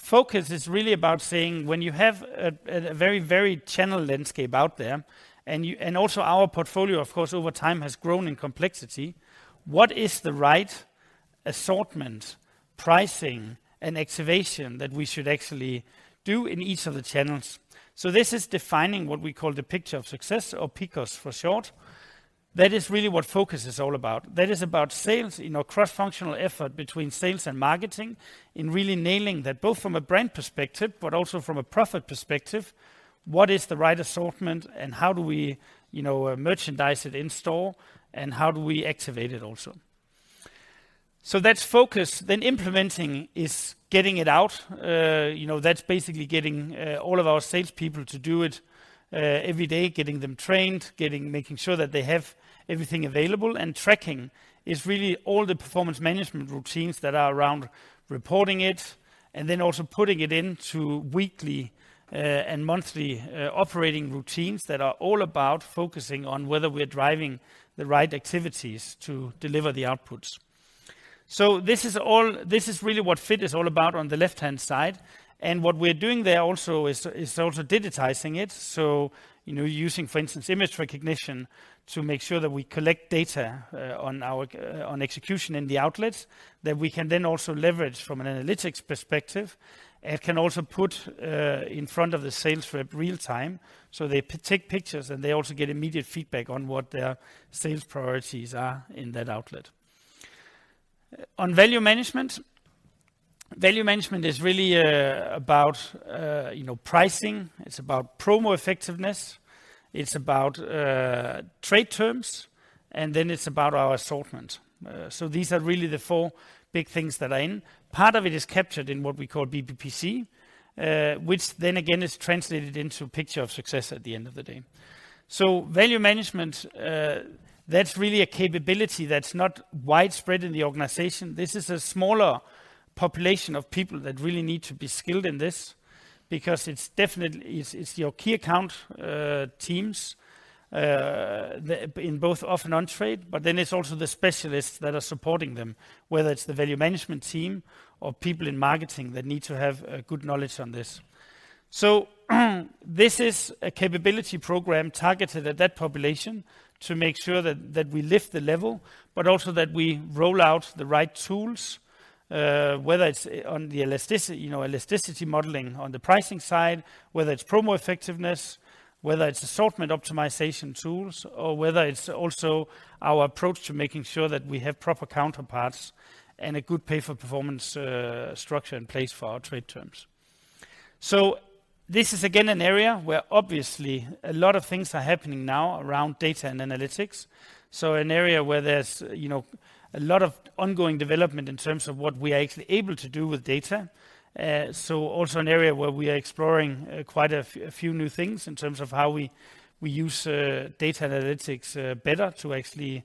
Focus is really about saying when you have a very channel landscape out there, and also our portfolio, of course, over time has grown in complexity. What is the right assortment, pricing, and activation that we should actually do in each of the channels? This is defining what we call the picture of success or PICOS for short. That is really what focus is all about. That is about sales, you know, cross-functional effort between sales and marketing in really nailing that both from a brand perspective, but also from a profit perspective, what is the right assortment and how do we, you know, merchandise it in store and how do we activate it also? That's focus. Implementing is getting it out. You know, that's basically getting all of our salespeople to do it every day, getting them trained, making sure that they have everything available. Tracking is really all the performance management routines that are around reporting it and then also putting it into weekly and monthly operating routines that are all about focusing on whether we're driving the right activities to deliver the outputs. This is really what FIT is all about on the left-hand side. What we're doing there also is also digitizing it. You know, using, for instance, image recognition to make sure that we collect data on our execution in the outlets that we can then also leverage from an analytics perspective. It can also put in front of the sales rep real-time, so they take pictures, and they also get immediate feedback on what their sales priorities are in that outlet. On value management, value management is really about pricing, it's about promo effectiveness, it's about trade terms, and then it's about our assortment. These are really the four big things that are in. Part of it is captured in what we call BPPC, which then again is translated into PICOS at the end of the day. Value management, that's really a capability that's not widespread in the organization. This is a smaller population of people that really need to be skilled in this because it's definitely it's your key account teams in both off and on-trade, but then it's also the specialists that are supporting them, whether it's the value management team or people in marketing that need to have good knowledge on this. This is a capability program targeted at that population to make sure that we lift the level but also that we roll out the right tools, whether it's on the elasticity modeling on the pricing side, whether it's promo effectiveness, whether it's assortment optimization tools, or whether it's also our approach to making sure that we have proper counterparts and a good pay-for-performance structure in place for our trade terms. This is again an area where obviously a lot of things are happening now around data and analytics, so an area where there's you know a lot of ongoing development in terms of what we are actually able to do with data. Also an area where we are exploring quite a few new things in terms of how we use data analytics better to actually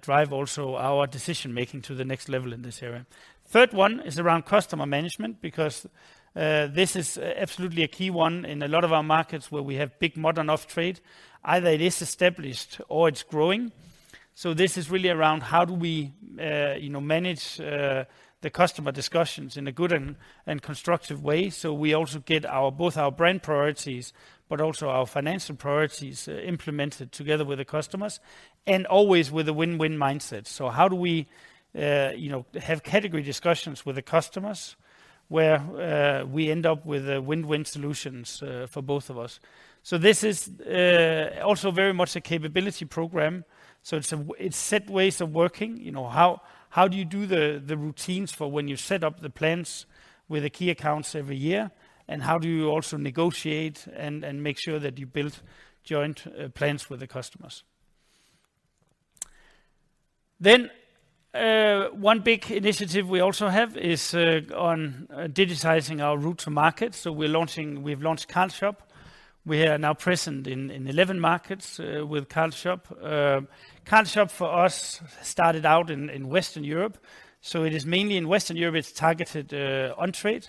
drive also our decision-making to the next level in this area. Third one is around customer management because this is absolutely a key one in a lot of our markets where we have big modern off-trade, either it is established or it's growing. This is really around how do we you know manage the customer discussions in a good and constructive way so we also get our both our brand priorities but also our financial priorities implemented together with the customers and always with a win-win mindset. How do we you know have category discussions with the customers where we end up with win-win solutions for both of us? This is also very much a capability program, it's set ways of working. You know, how do you do the routines for when you set up the plans with the key accounts every year and how do you also negotiate and make sure that you build joint plans with the customers? One big initiative we also have is on digitizing our route to market. We've launched Carl's Shop. We are now present in 11 markets with Carl's Shop. Carl's Shop for us started out in Western Europe, so it is mainly in Western Europe. It's targeted on-trade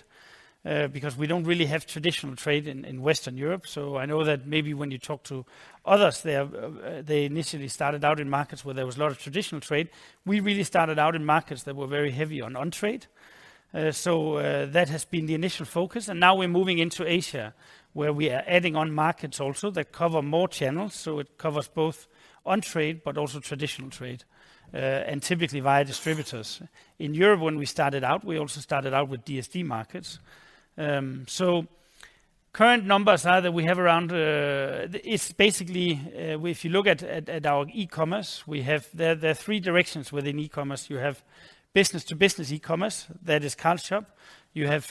because we don't really have traditional trade in Western Europe. I know that maybe when you talk to others, they initially started out in markets where there was a lot of traditional trade. We really started out in markets that were very heavy on on-trade. That has been the initial focus, and now we're moving into Asia where we are adding on markets also that cover more channels, so it covers both on-trade but also traditional trade, and typically via distributors. In Europe when we started out, we also started out with DSD markets. Current numbers are that we have around. It's basically, if you look at our e-commerce, there are three directions within e-commerce. You have business-to-business e-commerce, that is Carl's Shop. You have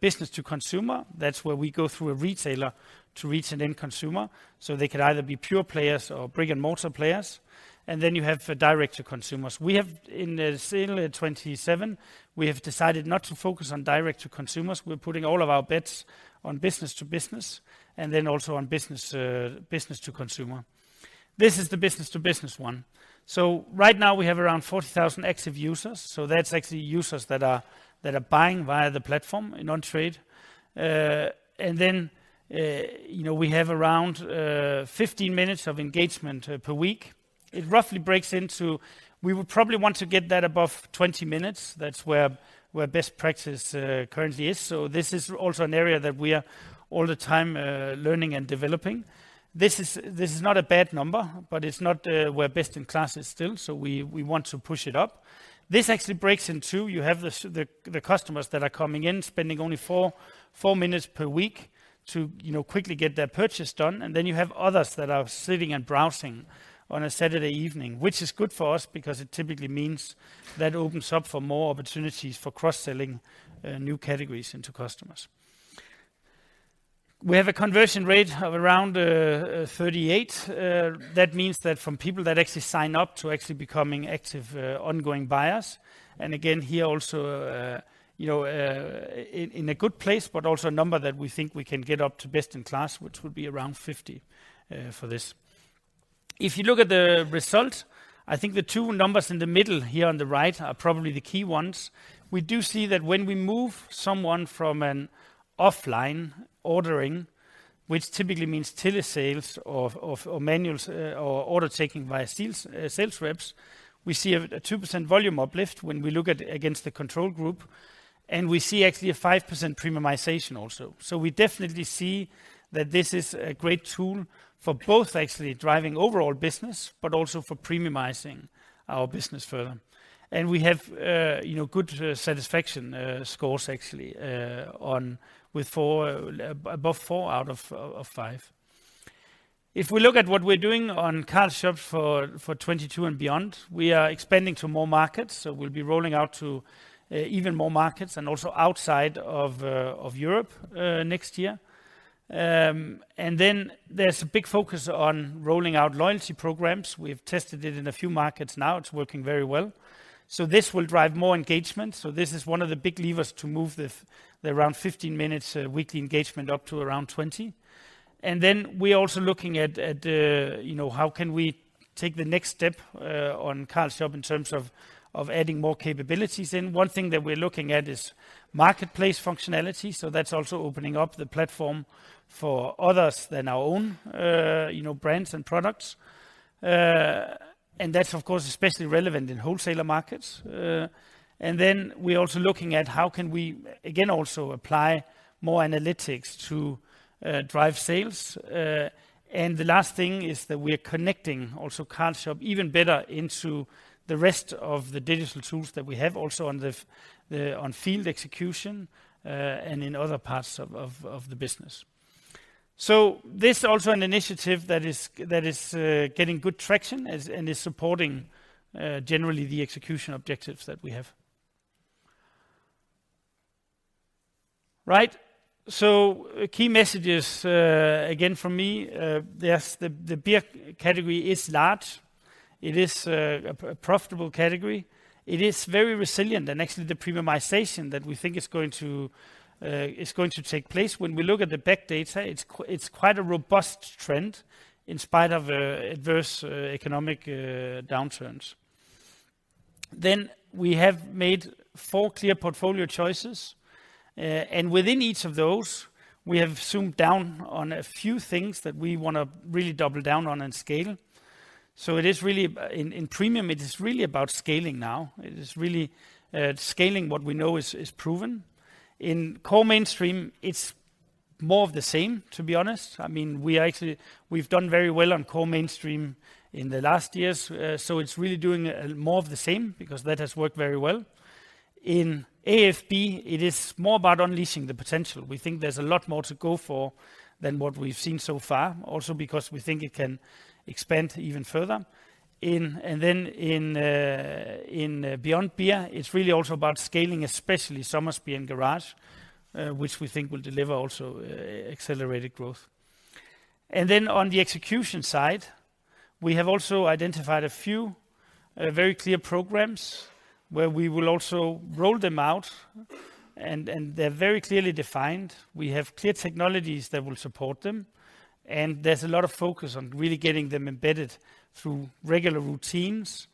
business-to-consumer, that's where we go through a retailer to reach an end consumer, so they could either be pure players or brick-and-mortar players. Then you have direct-to-consumers. We have in the SAIL 2027, we have decided not to focus on direct-to-consumers. We're putting all of our bets on business-to-business and then also on business-to-consumer. This is the business-to-business one. So right now we have around 40,000 active users, so that's actually users that are buying via the platform in on-trade. And then, you know, we have around 15 minutes of engagement per week. It roughly breaks into. We would probably want to get that above 20 minutes. That's where best practice currently is. So this is also an area that we are all the time learning and developing. This is not a bad number, but it's not where best in class is still, so we want to push it up. This actually breaks in two. You have the customers that are coming in spending only four minutes per week to, you know, quickly get their purchase done, and then you have others that are sitting and browsing on a Saturday evening, which is good for us because it typically means that opens up for more opportunities for cross-selling new categories into customers. We have a conversion rate of around 38%. That means that from people that actually sign up to actually becoming active, ongoing buyers, and again here also, you know, in a good place but also a number that we think we can get up to best in class which would be around 50, for this. If you look at the result, I think the two numbers in the middle here on the right are probably the key ones. We do see that when we move someone from an offline ordering, which typically means telesales or manuals, or order taking via sales sales reps, we see a 2% volume uplift when we look at against the control group, and we see actually a 5% premiumization also. We definitely see that this is a great tool for both actually driving overall business but also for premiumizing our business further. We have, you know, good satisfaction scores actually above four out of five. If we look at what we're doing on Carl's Shop for 2022 and beyond, we are expanding to more markets, so we'll be rolling out to even more markets and also outside of Europe next year. Then there's a big focus on rolling out loyalty programs. We've tested it in a few markets now. It's working very well. This will drive more engagement, so this is one of the big levers to move the around 15 minutes weekly engagement up to around 20 minutes. We're also looking at, you know, how can we take the next step on Carl's Shop in terms of adding more capabilities in. One thing that we're looking at is marketplace functionality. That's also opening up the platform for others than our own, you know, brands and products. That's of course especially relevant in wholesaler markets. We're also looking at how can we again also apply more analytics to drive sales. The last thing is that we're connecting also Carl's Shop even better into the rest of the digital tools that we have also on field execution and in other parts of the business. This is also an initiative that is getting good traction and is supporting generally the execution objectives that we have. Right. Key messages, again for me, the beer category is large. It is a profitable category. It is very resilient and actually the premiumization that we think is going to take place. When we look at the past data, it's quite a robust trend in spite of adverse economic downturns. We have made four clear portfolio choices. Within each of those, we have zoomed in on a few things that we wanna really double down on and scale. It is really in premium, it is really about scaling now. It is really scaling what we know is proven. In core mainstream, it's more of the same, to be honest. I mean, we've done very well on core mainstream in the last years. It's really doing more of the same because that has worked very well. In AFB, it is more about unleashing the potential. We think there's a lot more to go for than what we've seen so far, also because we think it can expand even further. In beyond beer, it's really also about scaling, especially Somersby and Garage, which we think will deliver also accelerated growth. Then on the execution side, we have also identified a few very clear programs where we will also roll them out and they're very clearly defined. We have clear technologies that will support them, and there's a lot of focus on really getting them embedded through regular routines,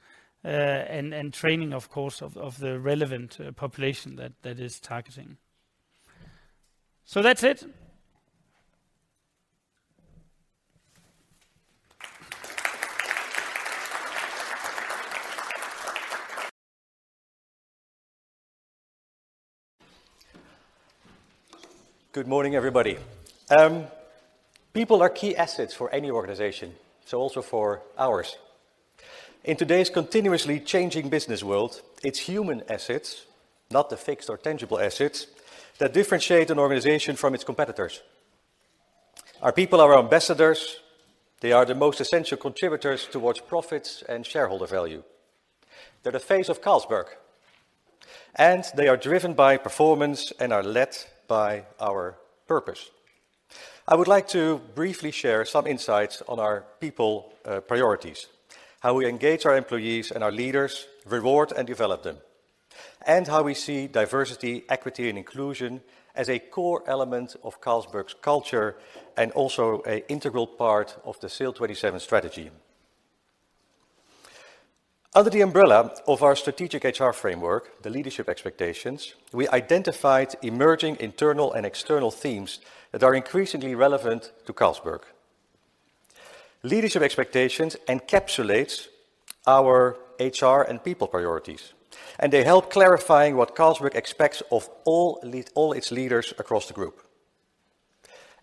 and training of course of the relevant population that is targeting. That's it. Good morning, everybody. People are key assets for any organization, so also for ours. In today's continuously changing business world, it's human assets, not the fixed or tangible assets, that differentiate an organization from its competitors. Our people are our ambassadors. They are the most essential contributors towards profits and shareholder value. They're the face of Carlsberg, and they are driven by performance and are led by our purpose. I would like to briefly share some insights on our people, priorities, how we engage our employees and our leaders, reward and develop them, and how we see diversity, equity, and inclusion as a core element of Carlsberg's culture and also a integral part of the SAIL 2027 strategy. Under the umbrella of our strategic HR framework, the leadership expectations, we identified emerging internal and external themes that are increasingly relevant to Carlsberg. Leadership expectations encapsulates our HR and people priorities, and they help clarifying what Carlsberg expects of all its leaders across the group.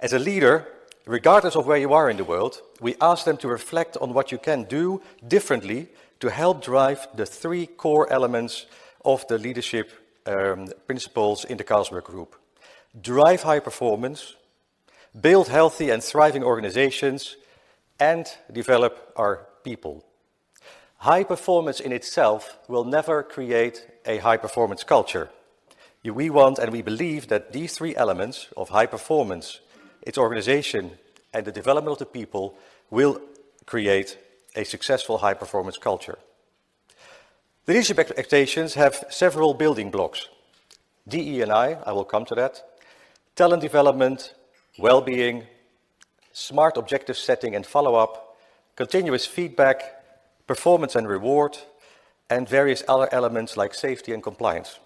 As a leader, regardless of where you are in the world, we ask them to reflect on what you can do differently to help drive the three core elements of the leadership principles in the Carlsberg Group. Drive high performance, build healthy and thriving organizations, and develop our people. High performance in itself will never create a high-performance culture. We want and we believe that these three elements of high performance, its organization, and the development of the people will create a successful high-performance culture. The leadership expectations have several building blocks. DE&I will come to that. Talent development, well-being, smart objective setting and follow-up, continuous feedback, performance and reward, and various other elements like safety and compliance.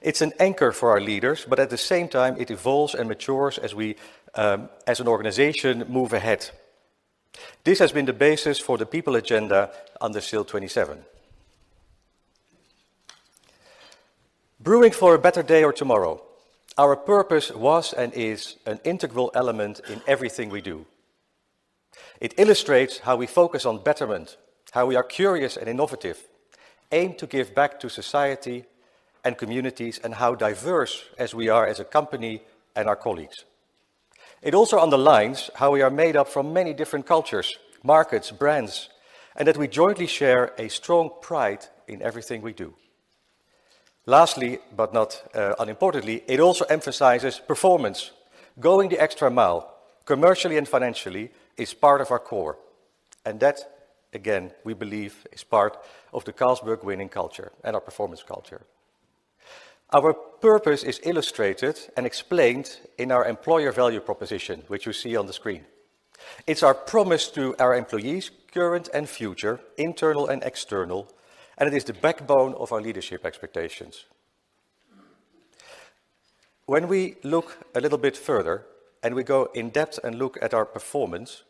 It's an anchor for our leaders, but at the same time, it evolves and matures as we as an organization move ahead. This has been the basis for the people agenda under SAIL 2027. Brewing for a better day or tomorrow, our purpose was and is an integral element in everything we do. It illustrates how we focus on betterment, how we are curious and innovative, aim to give back to society and communities, and how diverse as we are as a company and our colleagues. It also underlines how we are made up from many different cultures, markets, brands, and that we jointly share a strong pride in everything we do. Lastly, but not unimportantly, it also emphasizes performance. Going the extra mile commercially and financially is part of our core, and that, again, we believe is part of the Carlsberg winning culture and our performance culture. Our purpose is illustrated and explained in our employer value proposition, which you see on the screen. It's our promise to our employees, current and future, internal and external, and it is the backbone of our leadership expectations. When we look a little bit further and we go in depth and look at our performance,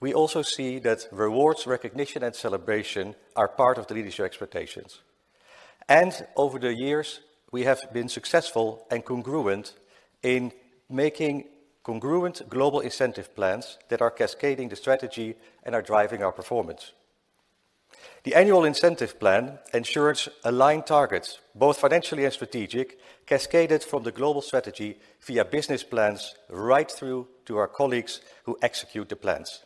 we also see that rewards, recognition, and celebration are part of the leadership expectations. Over the years, we have been successful and congruent in making congruent global incentive plans that are cascading the strategy and are driving our performance. The annual incentive plan ensures aligned targets, both financially and strategic, cascaded from the global strategy via business plans right through to our colleagues who execute the plans.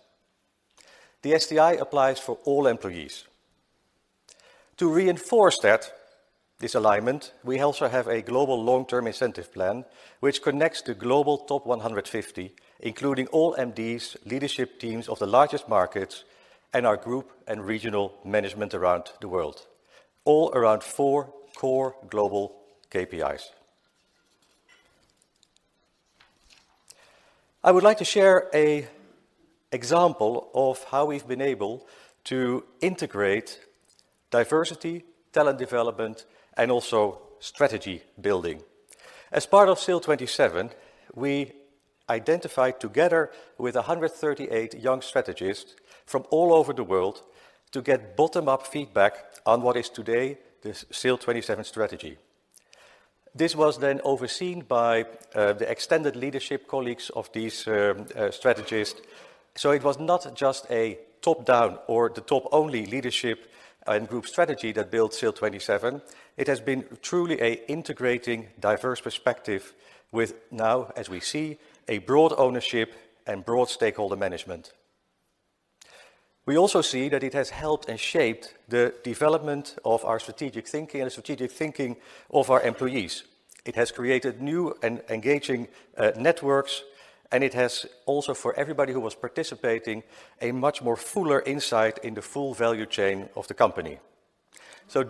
The SDI applies for all employees. To reinforce that, this alignment, we also have a global long-term incentive plan which connects the global top 150, including all MDs, leadership teams of the largest markets, and our group and regional management around the world, all around four core global KPIs. I would like to share an example of how we've been able to integrate diversity, talent development, and also strategy building. As part of SAIL 2027, we identified together with 138 young strategists from all over the world to get bottom-up feedback on what is today the SAIL 2027 strategy. This was then overseen by the extended leadership colleagues of these strategists. It was not just a top-down or the top-only leadership and group strategy that built SAIL 2027. It has been truly an integrating diverse perspective with now, as we see, a broad ownership and broad stakeholder management. We also see that it has helped and shaped the development of our strategic thinking and the strategic thinking of our employees. It has created new and engaging networks, and it has also for everybody who was participating, a much fuller insight in the full value chain of the company.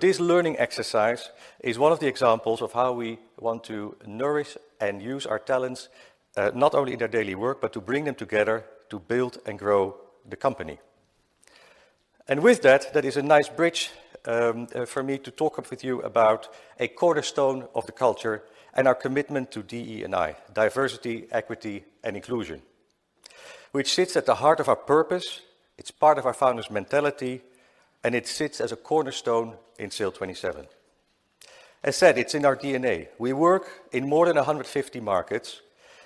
This learning exercise is one of the examples of how we want to nourish and use our talents not only in their daily work, but to bring them together to build and grow the company. With that is a nice bridge for me to talk with you about a cornerstone of the culture and our commitment to DE&I, diversity, equity, and inclusion, which sits at the heart of our purpose. It's part of our founder's mentality, and it sits as a cornerstone in SAIL 2027. As said, it's in our DNA. We work in more than 150 markets.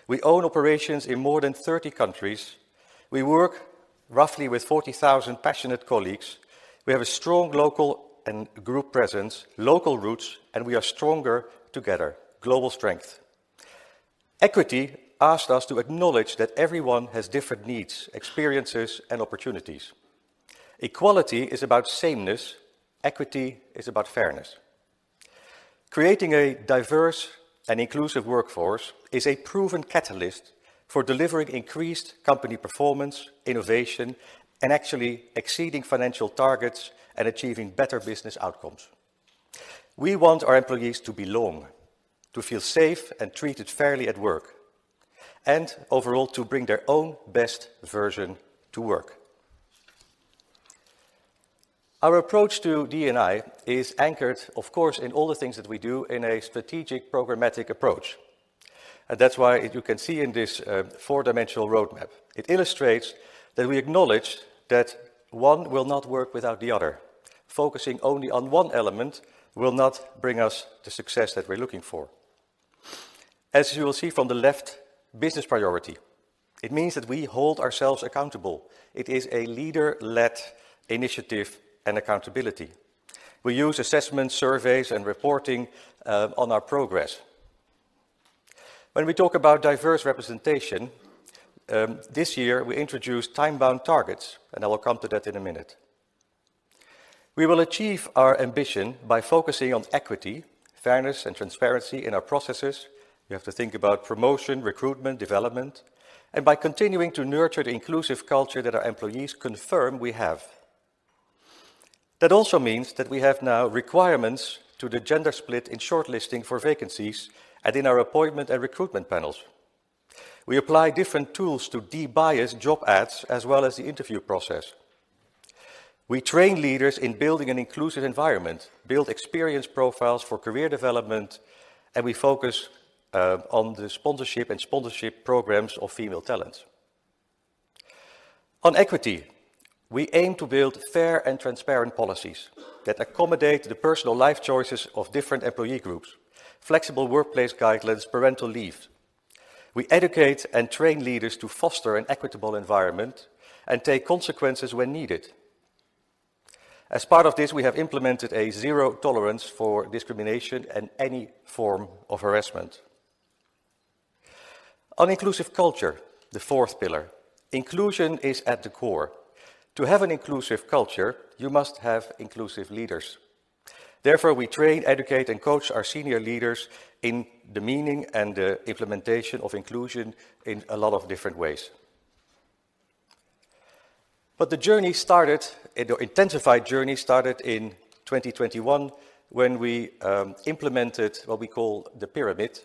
We own operations in more than 30 countries. We work roughly with 40,000 passionate colleagues. We have a strong local and group presence, local roots, and we are stronger together, global strength. Equity asks us to acknowledge that everyone has different needs, experiences, and opportunities. Equality is about sameness. Equity is about fairness. Creating a diverse and inclusive workforce is a proven catalyst for delivering increased company performance, innovation, and actually exceeding financial targets and achieving better business outcomes. We want our employees to belong, to feel safe and treated fairly at work, and overall, to bring their own best version to work. Our approach to DE&I is anchored, of course, in all the things that we do in a strategic programmatic approach. That's why you can see in this four-dimensional roadmap. It illustrates that we acknowledge that one will not work without the other. Focusing only on one element will not bring us the success that we're looking for. As you will see from the left, business priority. It means that we hold ourselves accountable. It is a leader-led initiative and accountability. We use assessment surveys and reporting on our progress. When we talk about diverse representation, this year, we introduced time-bound targets, and I will come to that in a minute. We will achieve our ambition by focusing on equity, fairness, and transparency in our processes. We have to think about promotion, recruitment, development, and by continuing to nurture the inclusive culture that our employees confirm we have. That also means that we have now requirements to the gender split in shortlisting for vacancies and in our appointment and recruitment panels. We apply different tools to de-bias job ads as well as the interview process. We train leaders in building an inclusive environment, build experience profiles for career development, and we focus on the sponsorship and sponsorship programs of female talents. On equity, we aim to build fair and transparent policies that accommodate the personal life choices of different employee groups, flexible workplace guidelines, parental leave. We educate and train leaders to foster an equitable environment and take consequences when needed. As part of this, we have implemented a zero tolerance for discrimination and any form of harassment. On inclusive culture, the fourth pillar, inclusion is at the core. To have an inclusive culture, you must have inclusive leaders. Therefore, we train, educate, and coach our senior leaders in the meaning and the implementation of inclusion in a lot of different ways. The intensified journey started in 2021 when we implemented what we call the pyramid,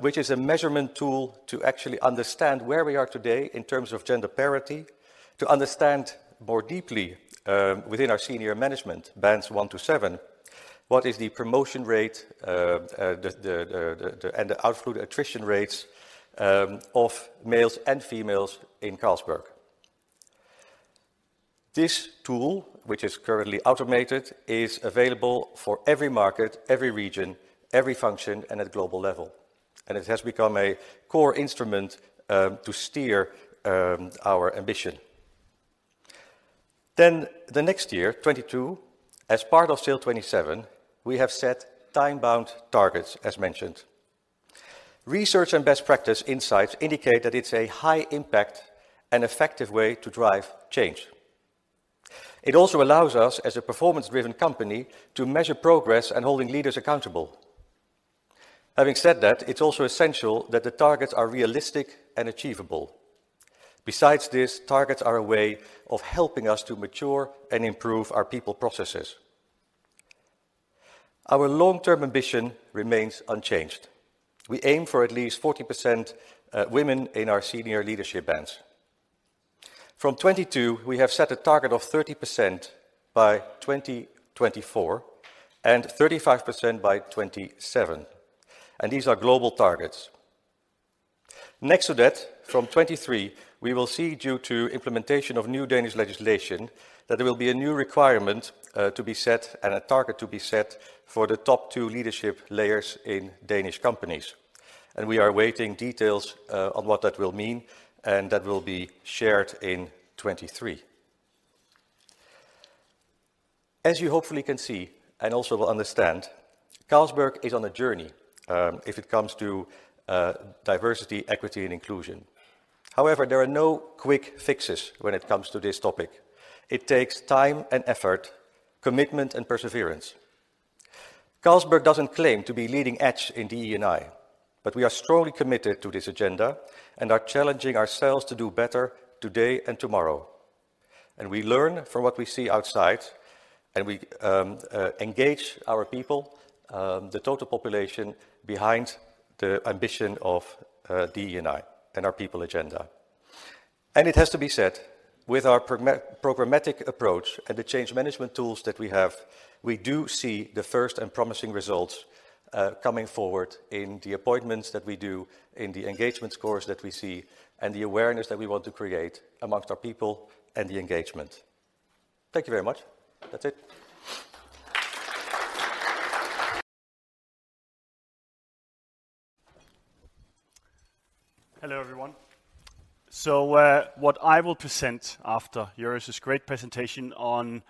which is a measurement tool to actually understand where we are today in terms of gender parity, to understand more deeply, within our senior management bands one to seven what is the promotion rate and the outflow attrition rates of males and females in Carlsberg. This tool, which is currently automated, is available for every market, every region, every function, and at global level, and it has become a core instrument to steer our ambition. The next year, 2022, as part of SAIL 2027, we have set time-bound targets, as mentioned. Research and best practice insights indicate that it's a high impact and effective way to drive change. It also allows us, as a performance-driven company, to measure progress and hold leaders accountable. Having said that, it's also essential that the targets are realistic and achievable. Besides this, targets are a way of helping us to mature and improve our people processes. Our long-term ambition remains unchanged. We aim for at least 40% women in our senior leadership bands. From 2022, we have set a target of 30% by 2024, and 35% by 2027, and these are global targets. Next to that, from 2023, we will see, due to implementation of new Danish legislation, that there will be a new requirement to be set and a target to be set for the top two leadership layers in Danish companies. We are awaiting details on what that will mean, and that will be shared in 2023. As you hopefully can see, and also will understand, Carlsberg is on a journey, if it comes to diversity, equity, and inclusion. However, there are no quick fixes when it comes to this topic. It takes time and effort, commitment and perseverance. Carlsberg doesn't claim to be leading edge in DE&I, but we are strongly committed to this agenda and are challenging ourselves to do better today and tomorrow. We learn from what we see outside, and we engage our people, the total population behind the ambition of DE&I and our people agenda. It has to be said, with our programmatic approach and the change management tools that we have, we do see the first and promising results coming forward in the appointments that we do, in the engagement scores that we see, and the awareness that we want to create amongst our people and the engagement. Thank you very much. That's it. Hello, everyone. What I will present after Joris's great presentation on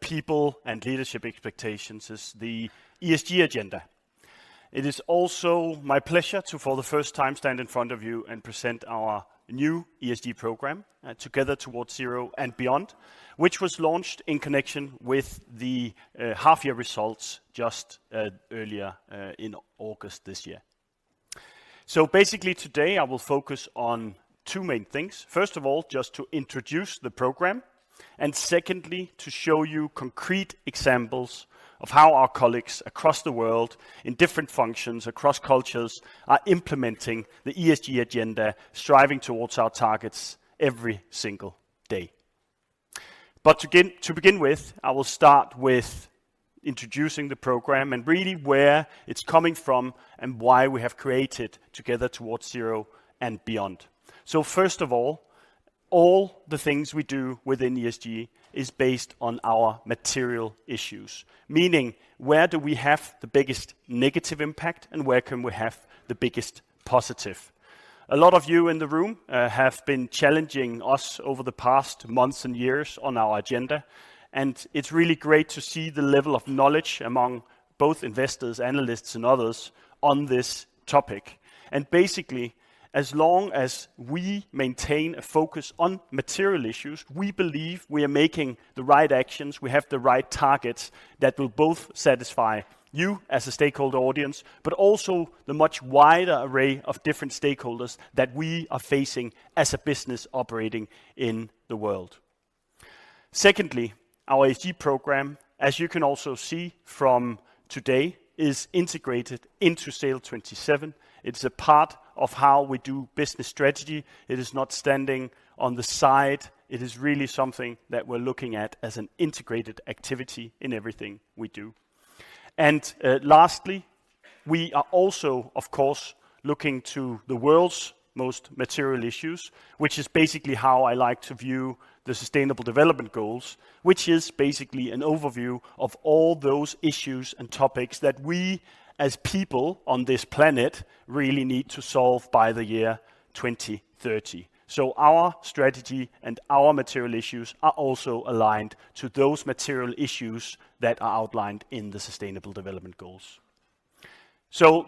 people and leadership expectations is the ESG agenda. It is also my pleasure to, for the first time, stand in front of you and present our new ESG program, Together Towards ZERO and Beyond, which was launched in connection with the half-year results just earlier in August this year. Basically, today, I will focus on two main things. First of all, just to introduce the program, and secondly, to show you concrete examples of how our colleagues across the world in different functions, across cultures, are implementing the ESG agenda, striving towards our targets every single day. To begin with, I will start with introducing the program and really where it's coming from and why we have created Together Towards ZERO and Beyond. First of all the things we do within ESG is based on our material issues, meaning where do we have the biggest negative impact and where can we have the biggest positive? A lot of you in the room have been challenging us over the past months and years on our agenda, and it's really great to see the level of knowledge among both investors, analysts and others on this topic. Basically, as long as we maintain a focus on material issues, we believe we are making the right actions, we have the right targets that will both satisfy you as a stakeholder audience, but also the much wider array of different stakeholders that we are facing as a business operating in the world. Secondly, our ESG program, as you can also see from today, is integrated into SAIL 2027. It's a part of how we do business strategy. It is not standing on the side. It is really something that we're looking at as an integrated activity in everything we do. Lastly, we are also, of course, looking to the world's most material issues, which is basically how I like to view the Sustainable Development Goals, which is basically an overview of all those issues and topics that we as people on this planet really need to solve by the year 2030. Our strategy and our material issues are also aligned to those material issues that are outlined in the Sustainable Development Goals.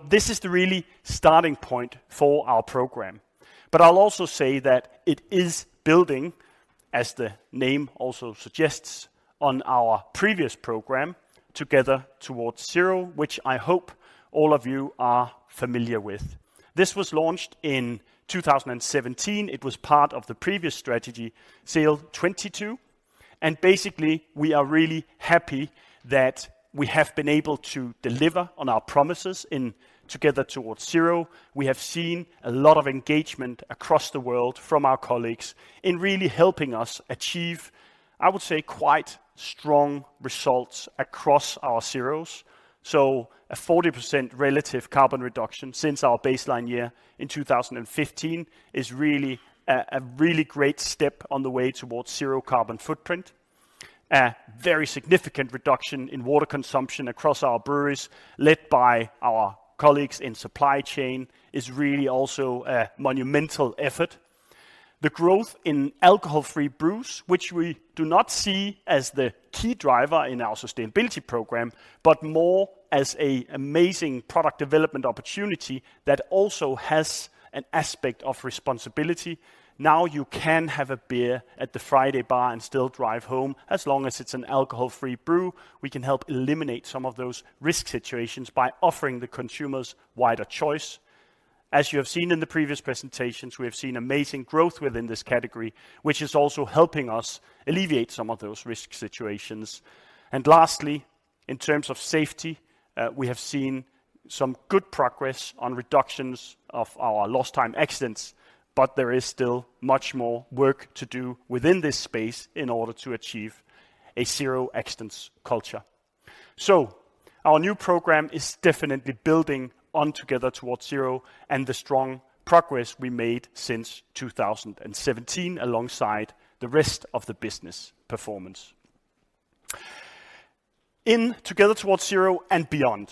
This is the really starting point for our program. I'll also say that it is building, as the name also suggests, on our previous program, Together Towards ZERO, which I hope all of you are familiar with. This was launched in 2017. It was part of the previous strategy, SAIL 2022. Basically, we are really happy that we have been able to deliver on our promises in Together Towards ZERO. We have seen a lot of engagement across the world from our colleagues in really helping us achieve, I would say, quite strong results across our zeros. A 40% relative carbon reduction since our baseline year in 2015 is really a really great step on the way towards zero carbon footprint. A very significant reduction in water consumption across our breweries, led by our colleagues in supply chain, is really also a monumental effort. The growth in alcohol-free brews, which we do not see as the key driver in our sustainability program, but more as an amazing product development opportunity that also has an aspect of responsibility. Now you can have a beer at the Friday bar and still drive home. As long as it's an alcohol-free brew, we can help eliminate some of those risk situations by offering the consumers wider choice. As you have seen in the previous presentations, we have seen amazing growth within this category, which is also helping us alleviate some of those risk situations. Lastly, in terms of safety, we have seen some good progress on reductions of our lost time accidents, but there is still much more work to do within this space in order to achieve a zero accidents culture. Our new program is definitely building on Together Towards ZERO and the strong progress we made since 2017 alongside the rest of the business performance. In Together Towards ZERO and Beyond,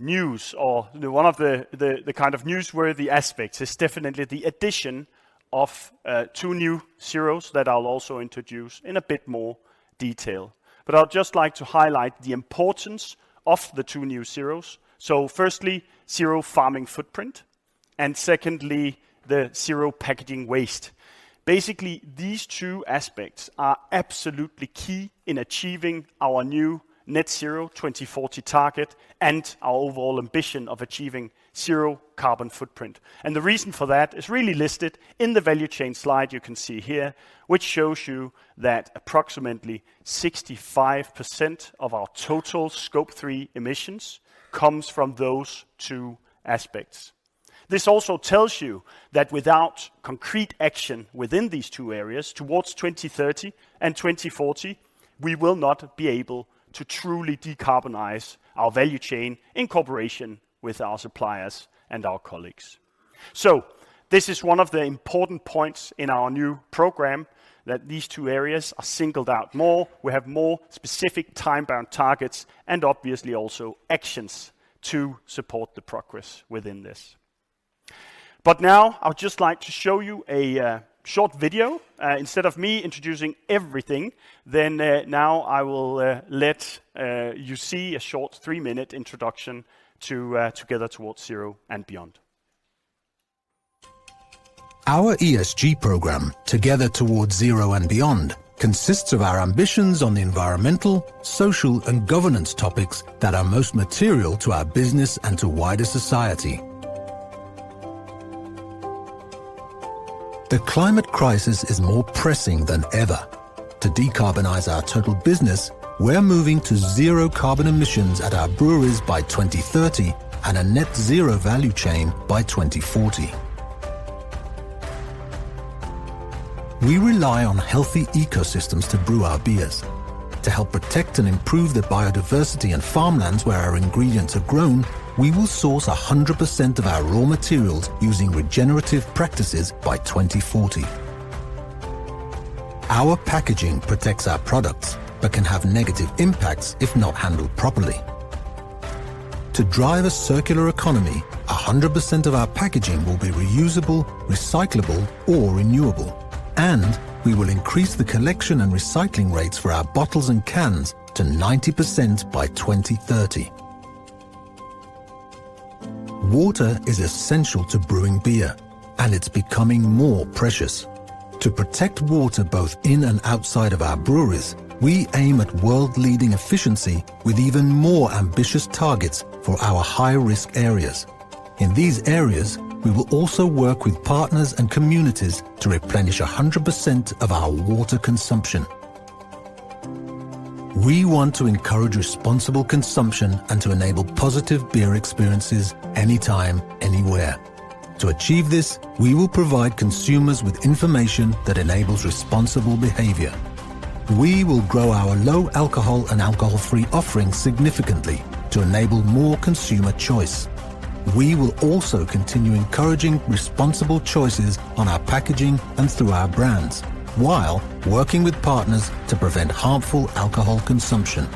one of the kind of newsworthy aspects is definitely the addition of two new zeros that I'll also introduce in a bit more detail. I'd just like to highlight the importance of the two new zeros. Firstly, zero farming footprint, and secondly, the zero packaging waste. Basically, these two aspects are absolutely key in achieving our new net-zero 2040 target and our overall ambition of achieving zero-carbon footprint. The reason for that is really listed in the value chain slide you can see here, which shows you that approximately 65% of our total Scope 3 emissions comes from those two aspects. This also tells you that without concrete action within these two areas towards 2030 and 2040, we will not be able to truly decarbonize our value chain in cooperation with our suppliers and our colleagues. This is one of the important points in our new program that these two areas are singled out more. We have more specific time-bound targets and obviously also actions to support the progress within this. Now I would just like to show you a short video. Instead of me introducing everything, now I will let you see a short three-minute introduction to Together Towards ZERO and Beyond. Our ESG program, Together Towards ZERO and Beyond, consists of our ambitions on the environmental, social, and governance topics that are most material to our business and to wider society. The climate crisis is more pressing than ever. To decarbonize our total business, we're moving to zero carbon emissions at our breweries by 2030 and a net zero value chain by 2040. We rely on healthy ecosystems to brew our beers. To help protect and improve the biodiversity and farmlands where our ingredients are grown, we will source 100% of our raw materials using regenerative practices by 2040. Our packaging protects our products but can have negative impacts if not handled properly. To drive a circular economy, 100% of our packaging will be reusable, recyclable, or renewable, and we will increase the collection and recycling rates for our bottles and cans to 90% by 2030. Water is essential to brewing beer, and it's becoming more precious. To protect water both in and outside of our breweries, we aim at world-leading efficiency with even more ambitious targets for our high-risk areas. In these areas, we will also work with partners and communities to replenish 100% of our water consumption. We want to encourage responsible consumption and to enable positive beer experiences anytime, anywhere. To achieve this, we will provide consumers with information that enables responsible behavior. We will grow our low-alcohol and alcohol-free offerings significantly to enable more consumer choice. We will also continue encouraging responsible choices on our packaging and through our brands while working with partners to prevent harmful alcohol consumption.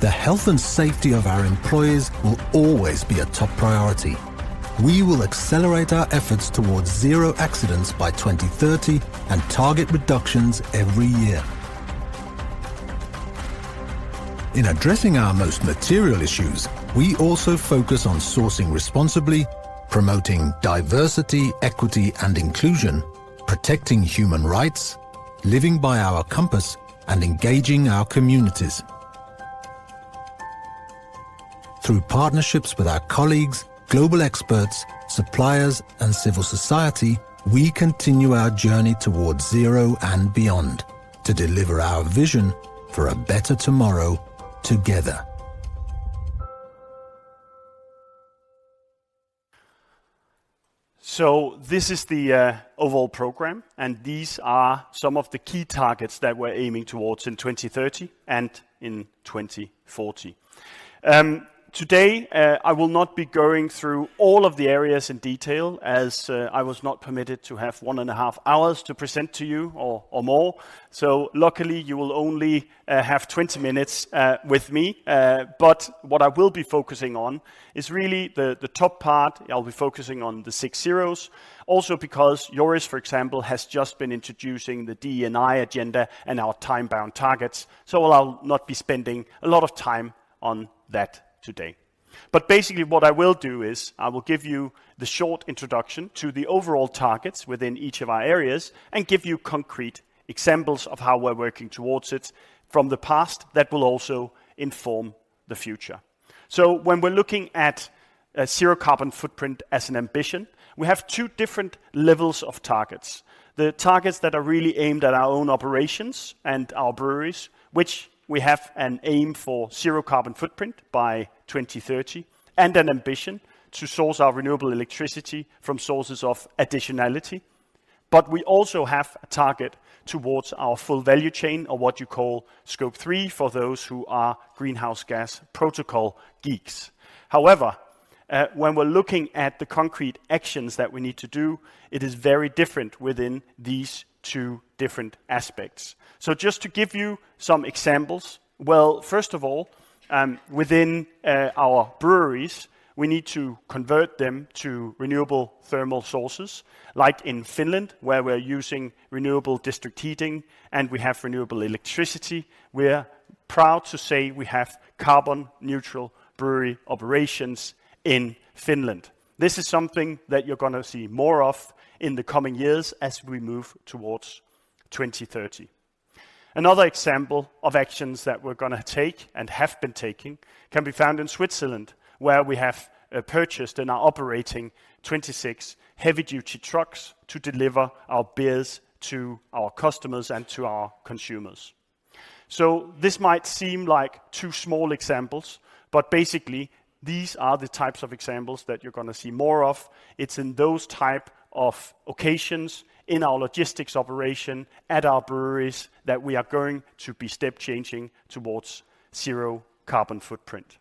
The health and safety of our employees will always be a top priority. We will accelerate our efforts towards zero accidents by 2030 and target reductions every year. In addressing our most material issues, we also focus on sourcing responsibly, promoting diversity, equity, and inclusion, protecting human rights, living by our compass, and engaging our communities. Through partnerships with our colleagues, global experts, suppliers, and civil society, we continue our journey towards zero and beyond to deliver our vision for a better tomorrow together. This is the overall program, and these are some of the key targets that we're aiming towards in 2030 and in 2040. Today, I will not be going through all of the areas in detail as I was not permitted to have 1.5 hours to present to you or more. Luckily, you will only have 20 minutes with me. What I will be focusing on is really the top part. I'll be focusing on the six zeros. Also because Joris, for example, has just been introducing the DE&I agenda and our time-bound targets, so I'll not be spending a lot of time on that today. Basically, what I will do is I will give you the short introduction to the overall targets within each of our areas and give you concrete examples of how we're working towards it from the past that will also inform the future. When we're looking at a zero carbon footprint as an ambition, we have two different levels of targets. The targets that are really aimed at our own operations and our breweries, which we have an aim for zero carbon footprint by 2030 and an ambition to source our renewable electricity from sources of additionality. We also have a target towards our full value chain or what you call Scope 3 for those who are Greenhouse Gas Protocol geeks. However, when we're looking at the concrete actions that we need to do, it is very different within these two different aspects. Just to give you some examples, first of all, within our breweries, we need to convert them to renewable thermal sources like in Finland, where we're using renewable district heating and we have renewable electricity. We're proud to say we have carbon-neutral brewery operations in Finland. This is something that you're gonna see more of in the coming years as we move towards 2030. Another example of actions that we're gonna take and have been taking can be found in Switzerland, where we have purchased and are operating 26 heavy-duty trucks to deliver our beers to our customers and to our consumers. This might seem like two small examples, but basically these are the types of examples that you're gonna see more of. It's in those type of occasions in our logistics operation at our breweries that we are going to be step changing towards zero carbon footprint.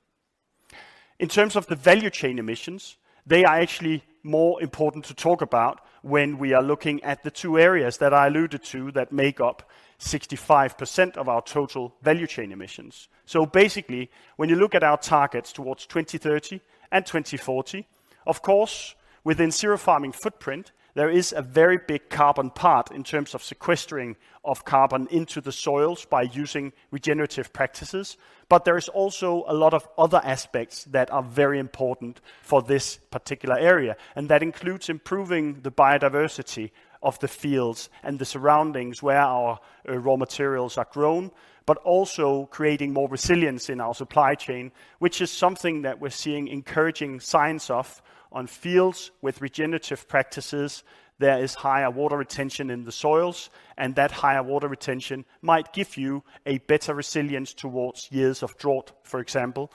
In terms of the value chain emissions, they are actually more important to talk about when we are looking at the two areas that I alluded to that make up 65% of our total value chain emissions. Basically, when you look at our targets towards 2030 and 2040, of course, within zero farming footprint, there is a very big carbon part in terms of sequestering of carbon into the soils by using regenerative practices. There is also a lot of other aspects that are very important for this particular area, and that includes improving the biodiversity of the fields and the surroundings where our raw materials are grown, but also creating more resilience in our supply chain, which is something that we're seeing encouraging signs of on fields with regenerative practices. There is higher water retention in the soils, and that higher water retention might give you a better resilience towards years of drought, for example.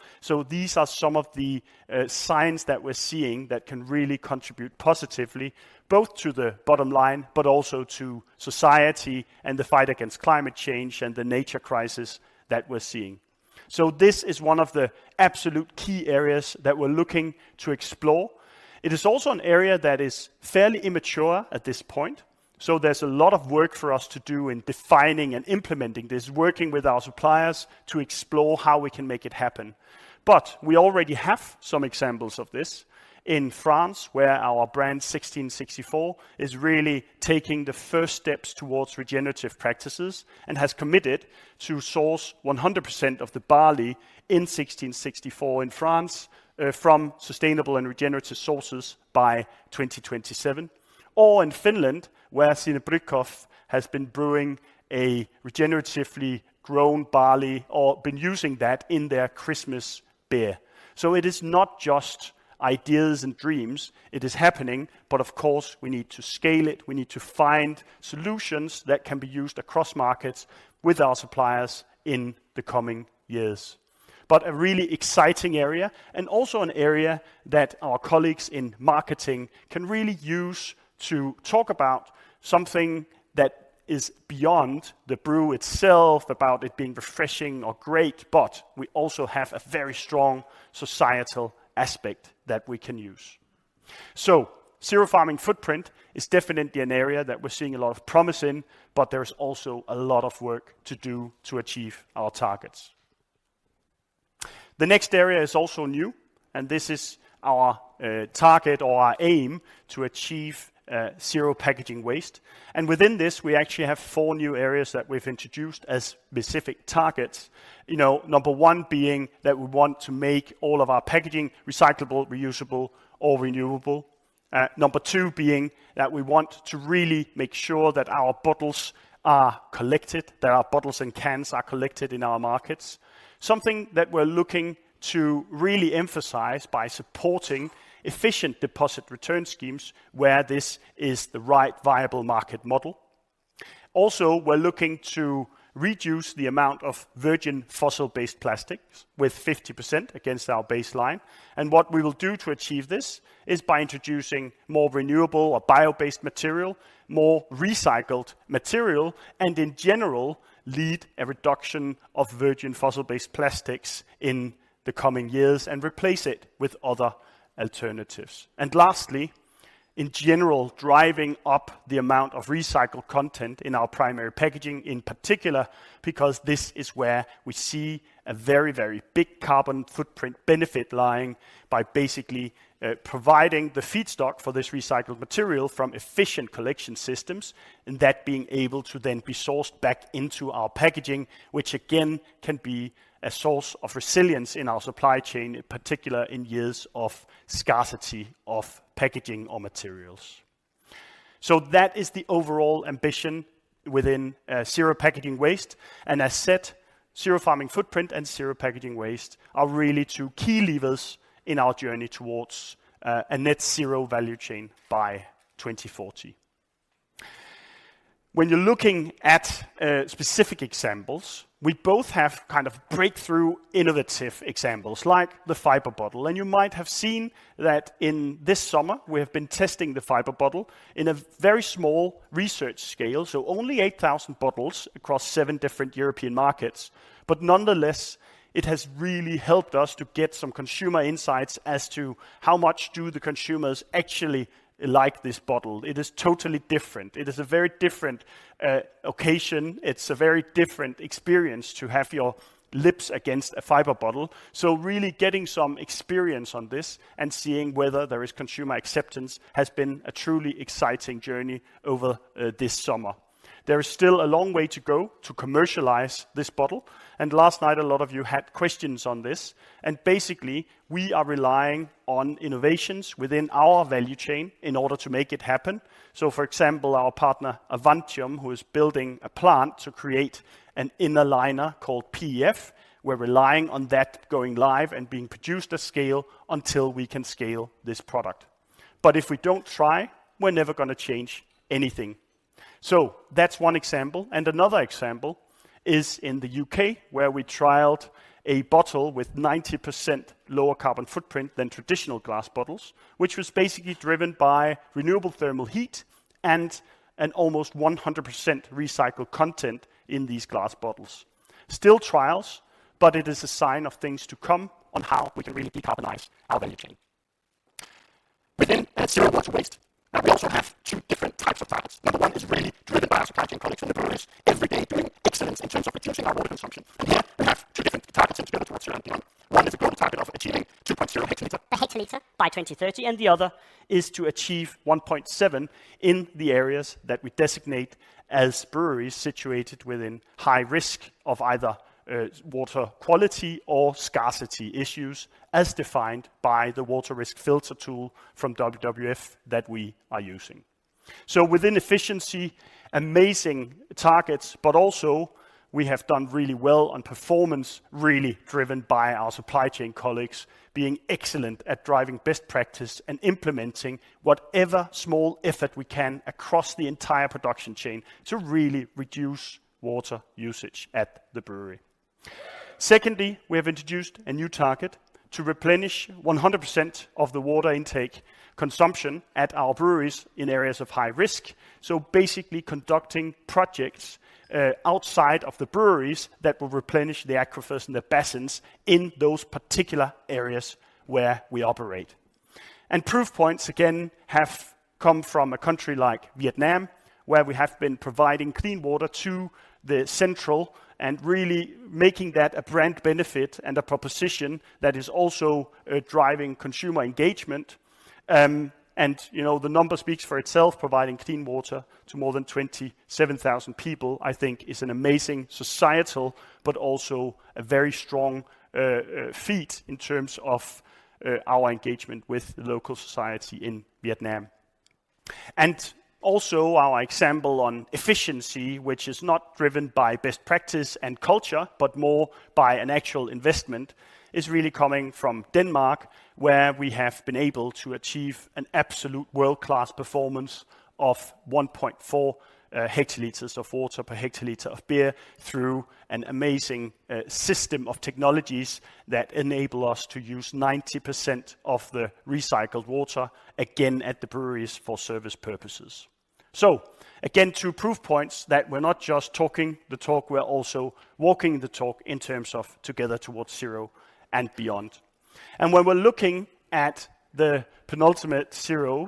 These are some of the signs that we're seeing that can really contribute positively both to the bottom line but also to society and the fight against climate change and the nature crisis that we're seeing. This is one of the absolute key areas that we're looking to explore. It is also an area that is fairly immature at this point, so there's a lot of work for us to do in defining and implementing this, working with our suppliers to explore how we can make it happen. We already have some examples of this in France, where our brand 1664 is really taking the first steps towards regenerative practices and has committed to source 100% of the barley in 1664 in France from sustainable and regenerative sources by 2027. In Finland, where Sinebrychoff has been brewing a regeneratively grown barley or been using that in their Christmas beer. It is not just ideas and dreams, it is happenin g. Of course we need to scale it. We need to find solutions that can be used across markets with our suppliers in the coming years. A really exciting area and also an area that our colleagues in marketing can really use to talk about something that is beyond the brew itself, about it being refreshing or great. We also have a very strong societal aspect that we can use. Zero farming footprint is definitely an area that we're seeing a lot of promise in, but there is also a lot of work to do to achieve our targets. The next area is also new, and this is our target or our aim to achieve zero packaging waste. Within this, we actually have four new areas that we've introduced as specific targets. You know, number one being that we want to make all of our packaging recyclable, reusable or renewable. Number two being that we want to really make sure that our bottles are collected, that our bottles and cans are collected in our markets. Something that we're looking to really emphasize by supporting efficient deposit return schemes where this is the right viable market model. Also, we're looking to reduce the amount of virgin fossil-based plastics with 50% against our baseline. What we will do to achieve this is by introducing more renewable or bio-based material, more recycled material, and in general, lead a reduction of virgin fossil-based plastics in the coming years and replace it with other alternatives. Lastly, in general, driving up the amount of recycled content in our primary packaging in particular, because this is where we see a very, very big carbon footprint benefit lying by basically providing the feedstock for this recycled material from efficient collection systems and that being able to then be sourced back into our packaging, which again, can be a source of resilience in our supply chain, in particular in years of scarcity of packaging or materials. That is the overall ambition within zero packaging waste. As said, zero farming footprint and zero packaging waste are really two key levers in our journey towards a net zero value chain by 2040. When you're looking at specific examples, we both have kind of breakthrough innovative examples like the fiber bottle. You might have seen that in this summer we have been testing the fiber bottle in a very small research scale, so only 8,000 bottles across seven different European markets. Nonetheless, it has really helped us to get some consumer insights as to how much do the consumers actually like this bottle. It is totally different. It is a very different occasion. It's a very different experience to have your lips against a fiber bottle. Really getting some experience on this and seeing whether there is consumer acceptance has been a truly exciting journey over this summer. There is still a long way to go to commercialize this bottle, and last night a lot of you had questions on this. Basically, we are relying on innovations within our value chain in order to make it happen. For example, our partner Avantium, who is building a plant to create an inner liner called PEF, we're relying on that going live and being produced at scale until we can scale this product. If we don't try, we're never gonna change anything. That's one example. Another example is in the U.K. where we trialed a bottle with 90% lower carbon footprint than traditional glass bottles, which was basically driven by renewable thermal heat and an almost 100% recycled content in these glass bottles. Still trials. It is a sign of things to come on how we can really decarbonize our value chain. Within zero water waste, now we also have two different types of trials. Number one is really driven by our supply chain colleagues in the breweries every day doing excellence in terms of reducing our water consumption. Here we have two different targets in Together Towards ZERO and Beyond. One is a global target of achieving 2.0 hl per hectoliter by 2030, and the other is to achieve 1.7 hl in the areas that we designate as breweries situated within high risk of either water quality or scarcity issues, as defined by the Water Risk Filter tool from WWF that we are using. Within efficiency, amazing targets, but also we have done really well on performance, really driven by our supply chain colleagues being excellent at driving best practice and implementing whatever small effort we can across the entire production chain to really reduce water usage at the brewery. Secondly, we have introduced a new target to replenish 100% of the water intake consumption at our breweries in areas of high risk. Basically conducting projects outside of the breweries that will replenish the aquifers and the basins in those particular areas where we operate. Proof points again have come from a country like Vietnam, where we have been providing clean water to the central and really making that a brand benefit and a proposition that is also driving consumer engagement. You know, the number speaks for itself. Providing clean water to more than 27,000 people, I think is an amazing societal, but also a very strong feat in terms of our engagement with the local society in Vietnam. Our example on efficiency, which is not driven by best practice and culture, but more by an actual investment, is really coming from Denmark, where we have been able to achieve an absolute world-class performance of 1.4 hl of water per hectoliter of beer through an amazing system of technologies that enable us to use 90% of the recycled water again at the breweries for service purposes. Again, two proof points that we're not just talking the talk, we're also walking the talk in terms of Together Towards ZERO and Beyond. When we're looking at the penultimate zero,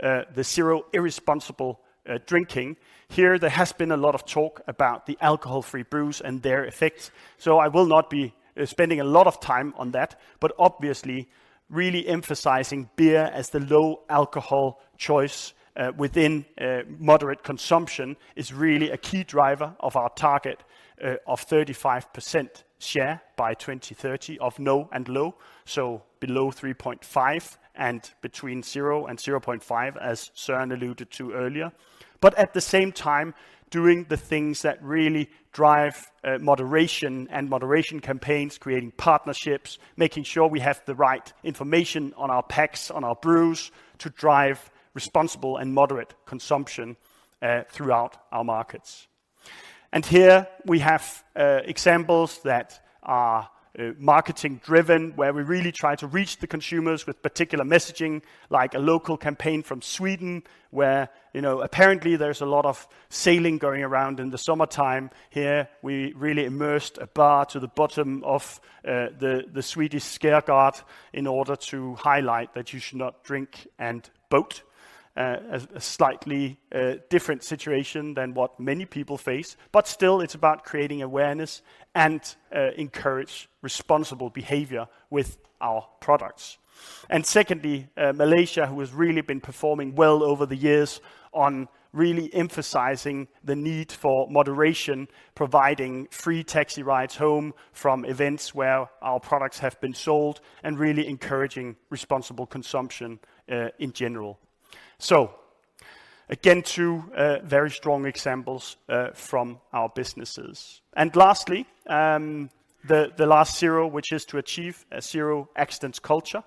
the zero irresponsible drinking. Here there has been a lot of talk about the alcohol-free brews and their effects, so I will not be spending a lot of time on that. Obviously, really emphasizing beer as the low alcohol choice within moderate consumption is really a key driver of our target of 35% share by 2030 of no and low. Below 3.5 and between 0 and 0.5, as Søren alluded to earlier. At the same time, doing the things that really drive moderation campaigns, creating partnerships, making sure we have the right information on our packs, on our brews to drive responsible and moderate consumption throughout our markets. Here we have examples that are marketing driven, where we really try to reach the consumers with particular messaging like a local campaign from Sweden, where, you know, apparently there's a lot of sailing going around in the summertime. Here we really immersed a bar to the bottom of the Swedish Skagerrak in order to highlight that you should not drink and boat. A slightly different situation than what many people face, but still it's about creating awareness and encourage responsible behavior with our products. Secondly, Malaysia, who has really been performing well over the years on really emphasizing the need for moderation, providing free taxi rides home from events where our products have been sold, and really encouraging responsible consumption in general. Again, two very strong examples from our businesses. Lastly, the last zero, which is to achieve a zero accidents culture.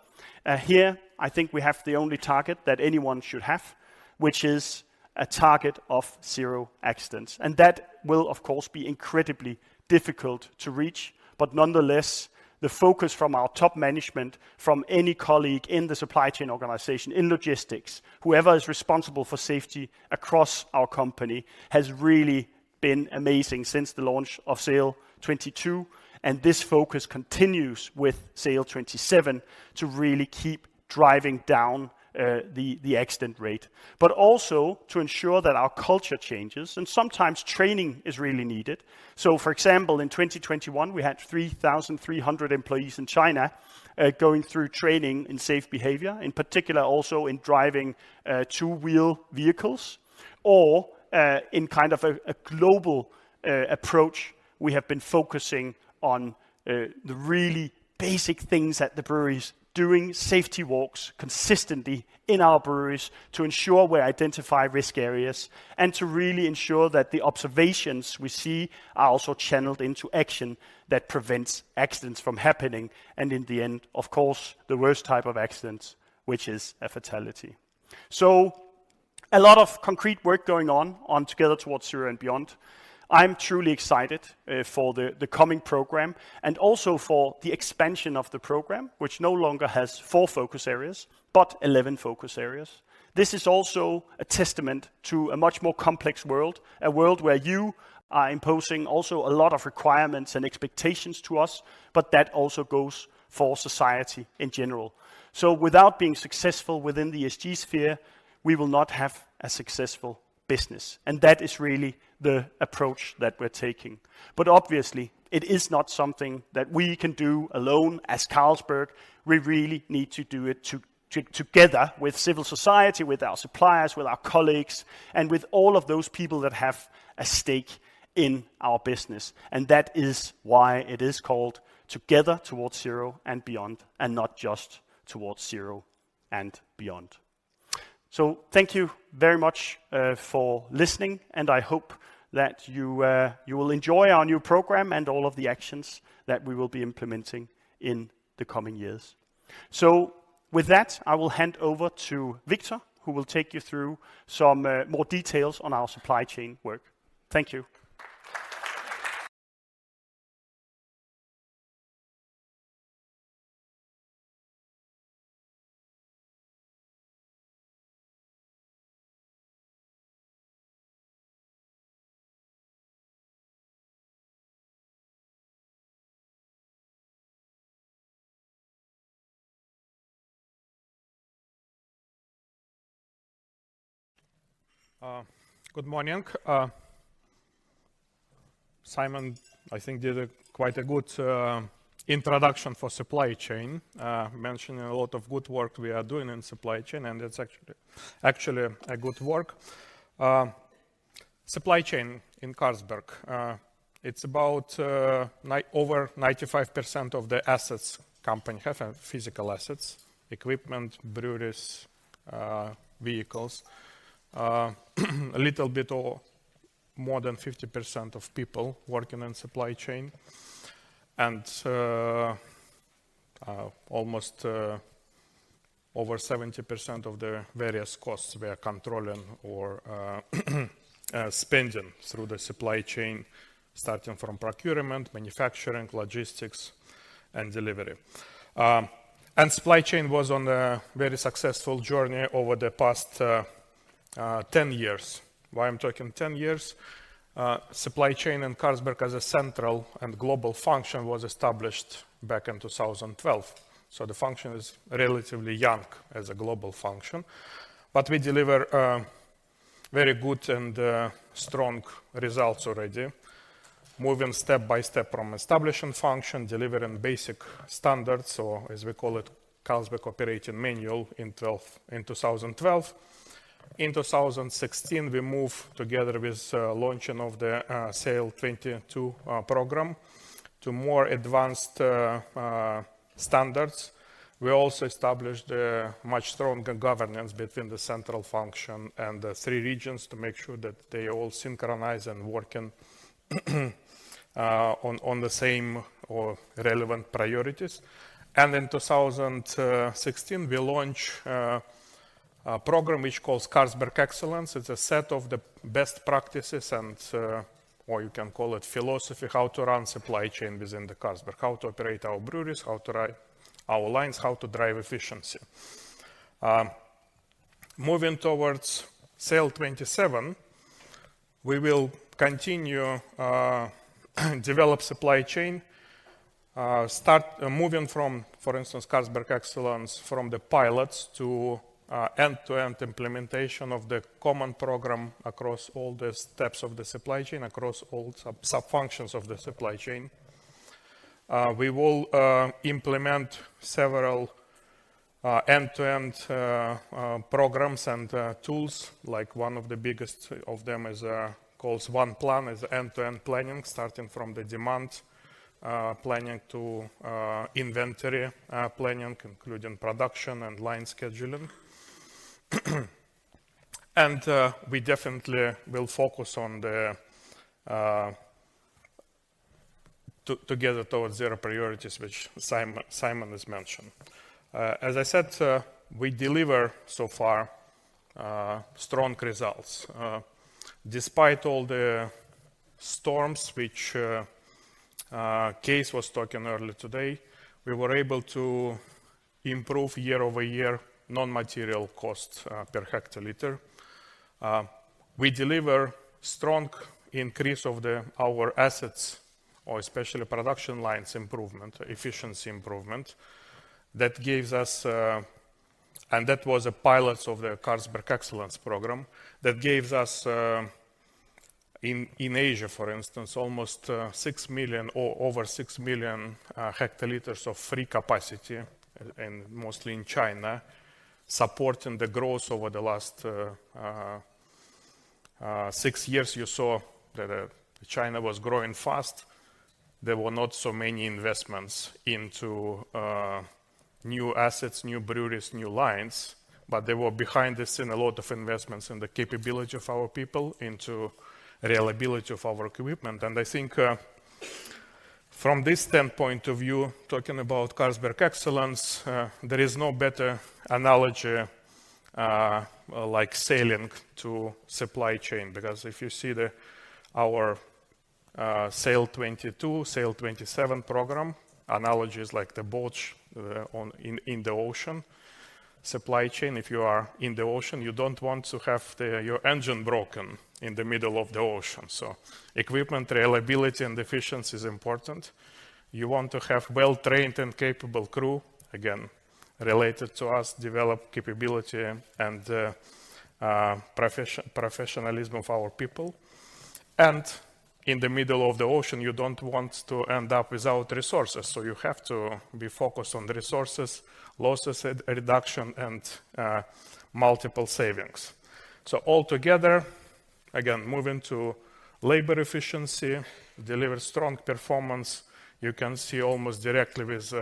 Here I think we have the only target that anyone should have, which is a target of zero accidents. That will of course be incredibly difficult to reach. Nonetheless, the focus from our top management, from any colleague in the supply chain organization, in logistics, whoever is responsible for safety across our company has really been amazing since the launch of SAIL 2022. This focus continues with SAIL 2027 to really keep driving down the accident rate, but also to ensure that our culture changes and sometimes training is really needed. For example, in 2021 we had 3,300 employees in China going through training in safe behavior, in particular also in driving two-wheel vehicles or in kind of a global approach we have been focusing on the really basic things at the breweries. Doing safety walks consistently in our breweries to ensure we identify risk areas and to really ensure that the observations we see are also channeled into action that prevents accidents from happening. In the end, of course, the worst type of accident, which is a fatality. A lot of concrete work going on Together Towards ZERO and Beyond. I'm truly excited for the coming program and also for the expansion of the program, which no longer has four focus areas but eleven focus areas. This is also a testament to a much more complex world, a world where you are imposing also a lot of requirements and expectations to us, but that also goes for society in general. Without being successful within the ESG sphere, we will not have a successful business. That is really the approach that we're taking. Obviously it is not something that we can do alone as Carlsberg. We really need to do it together with civil society, with our suppliers, with our colleagues, and with all of those people that have a stake in our business. That is why it is called Together Towards ZERO and Beyond, and not just Towards Zero and Beyond. Thank you very much for listening, and I hope that you will enjoy our new program and all of the actions that we will be implementing in the coming years. With that, I will hand over to Victor, who will take you through some more details on our supply chain work. Thank you. Good morning. Simon, I think did a quite a good introduction for supply chain. Mentioning a lot of good work we are doing in supply chain, and it's actually a good work. Supply chain in Carlsberg. It's about over 95% of the assets company have physical assets, equipment, breweries vehicles. A little bit or more than 50% of people working in supply chain and almost over 70% of the various costs we are controlling or spending through the supply chain, starting from procurement, manufacturing, logistics and delivery. Supply chain was on a very successful journey over the past 10 years. Why I'm talking 10 years? Supply chain in Carlsberg as a central and global function was established back in 2012. The function is relatively young as a global function, but we deliver very good and strong results already. Moving step by step from establishing function, delivering basic standards or as we call it, Carlsberg Operating Manual in 2012. In 2016, we move together with launching of the SAIL 2022 program to more advanced standards. We also established a much stronger governance between the central function and the three regions to make sure that they all synchronize and working on the same or relevant priorities. In 2016, we launch a program which calls Carlsberg Excellence. It's a set of the best practices and or you can call it philosophy, how to run supply chain within the Carlsberg. How to operate our breweries, how to ride our lines, how to drive efficiency. Moving towards SAIL 2027, we will continue develop supply chain, start moving from, for instance, Carlsberg Excellence from the pilots to end-to-end implementation of the common program across all the steps of the supply chain, across all sub functions of the supply chain. We will implement several end-to-end programs and tools, like one of the biggest of them is called One Plan is end-to-end planning, starting from the demand planning to inventory planning, including production and line scheduling. We definitely will focus on the Together Towards ZERO priorities, which Simon has mentioned. As I said, we deliver so far strong results. Despite all the storms which Cees 't was talking earlier today, we were able to improve year-over-year non-material cost per hectoliter. We deliver strong increase of our assets or especially production lines improvement, efficiency improvement. That gives us. That was a pilots of the Carlsberg Excellence program that gave us in Asia, for instance, almost 6 million hl or over 6 million hl of free capacity in mostly in China, supporting the growth over the last six years. You saw that China was growing fast. There were not so many investments into new assets, new breweries, new lines, but they were behind this in a lot of investments in the capability of our people into reliability of our equipment. I think from this standpoint of view, talking about Carlsberg Excellence, there is no better analogy like sailing to supply chain. If you see our SAIL 2022, SAIL 2027 program, analogy is like the boat in the ocean. Supply chain, if you are in the ocean, you don't want to have your engine broken in the middle of the ocean. Equipment reliability and efficiency is important. You want to have well trained and capable crew, again, related to us, develop capability and professionalism of our people. In the middle of the ocean, you don't want to end up without resources. You have to be focused on the resources, losses reduction, and multiple savings. Altogether, again, moving to labor efficiency, deliver strong performance. You can see almost directly with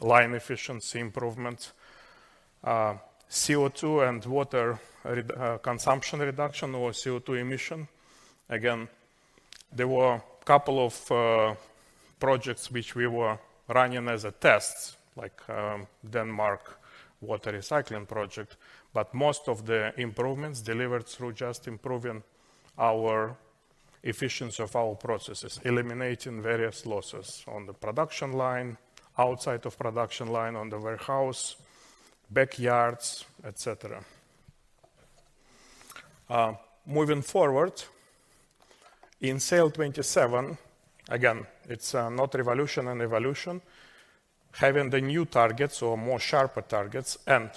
line efficiency improvement. CO2 and water consumption reduction or CO2 emission. Again, there were a couple of projects which we were running as a test, like, Denmark water recycling project, but most of the improvements delivered through just improving our efficiency of our processes, eliminating various losses on the production line, outside of production line, on the warehouse, backyards, etc. Moving forward, in SAIL 2027, again, it's not revolution and evolution. Having the new targets or more sharper targets and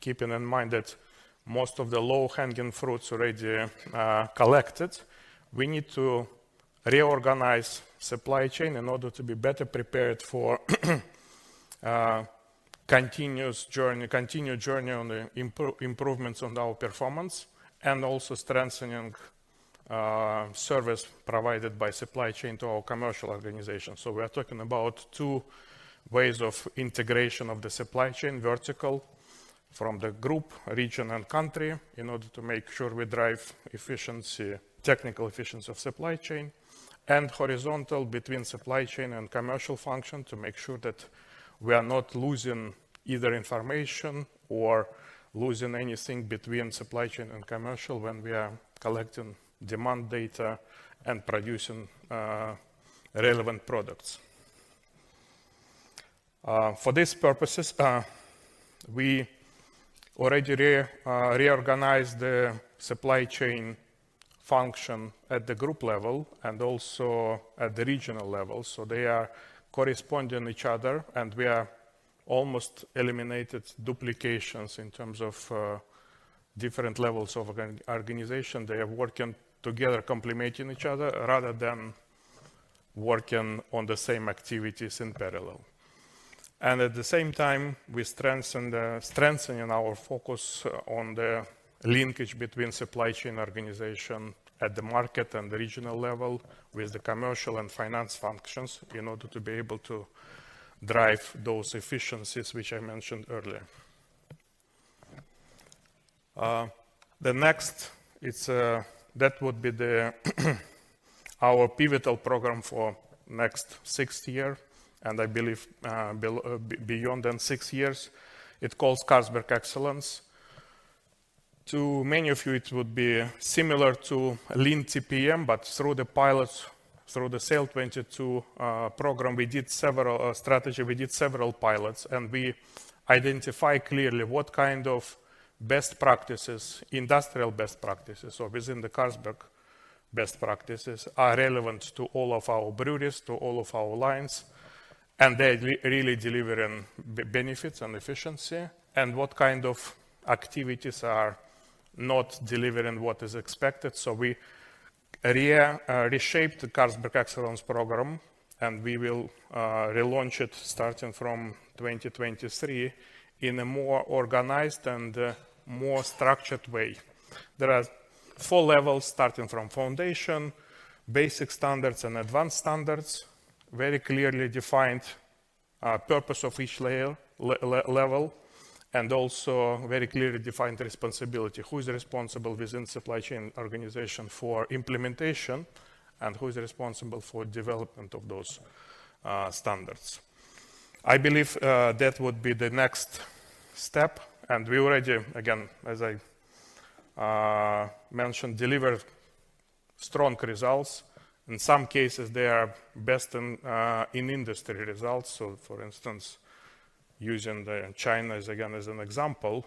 keeping in mind that most of the low-hanging fruits already are collected, we need to reorganize supply chain in order to be better prepared for continued journey on the improvements on our performance and also strengthening service provided by supply chain to our commercial organization. We are talking about two ways of integration of the supply chain, vertical from the group, region and country, in order to make sure we drive efficiency, technical efficiency of supply chain, and horizontal between supply chain and commercial function to make sure that we are not losing either information or losing anything between supply chain and commercial when we are collecting demand data and producing relevant products. For this purposes, we already reorganized the supply chain function at the group level and also at the regional level. They are corresponding each other and we are almost eliminated duplications in terms of different levels of organization. They are working together complementing each other rather than working on the same activities in parallel. At the same time, we are strengthening our focus on the linkage between supply chain organization at the market and the regional level with the commercial and finance functions in order to be able to drive those efficiencies which I mentioned earlier. The next, that would be our pivotal program for the next six years, and I believe beyond than six years. It calls Carlsberg Excellence. To many of you, it would be similar to Lean TPM, but through the pilots, through the SAIL 2022 program, we did several pilots, and we identify clearly what kind of best practices, industrial best practices or within the Carlsberg best practices are relevant to all of our breweries, to all of our lines. They really delivering benefits and efficiency and what kind of activities are not delivering what is expected. We reshaped the Carlsberg Excellence program, and we will relaunch it starting from 2023 in a more organized and more structured way. There are four levels starting from foundation, basic standards and advanced standards, very clearly defined purpose of each layer, level, and also very clearly defined responsibility. Who is responsible within supply chain organization for implementation, and who is responsible for development of those standards. I believe that would be the next step. We already, again, as I mentioned, delivered strong results. In some cases, they are best in industry results. For instance, using China again as an example,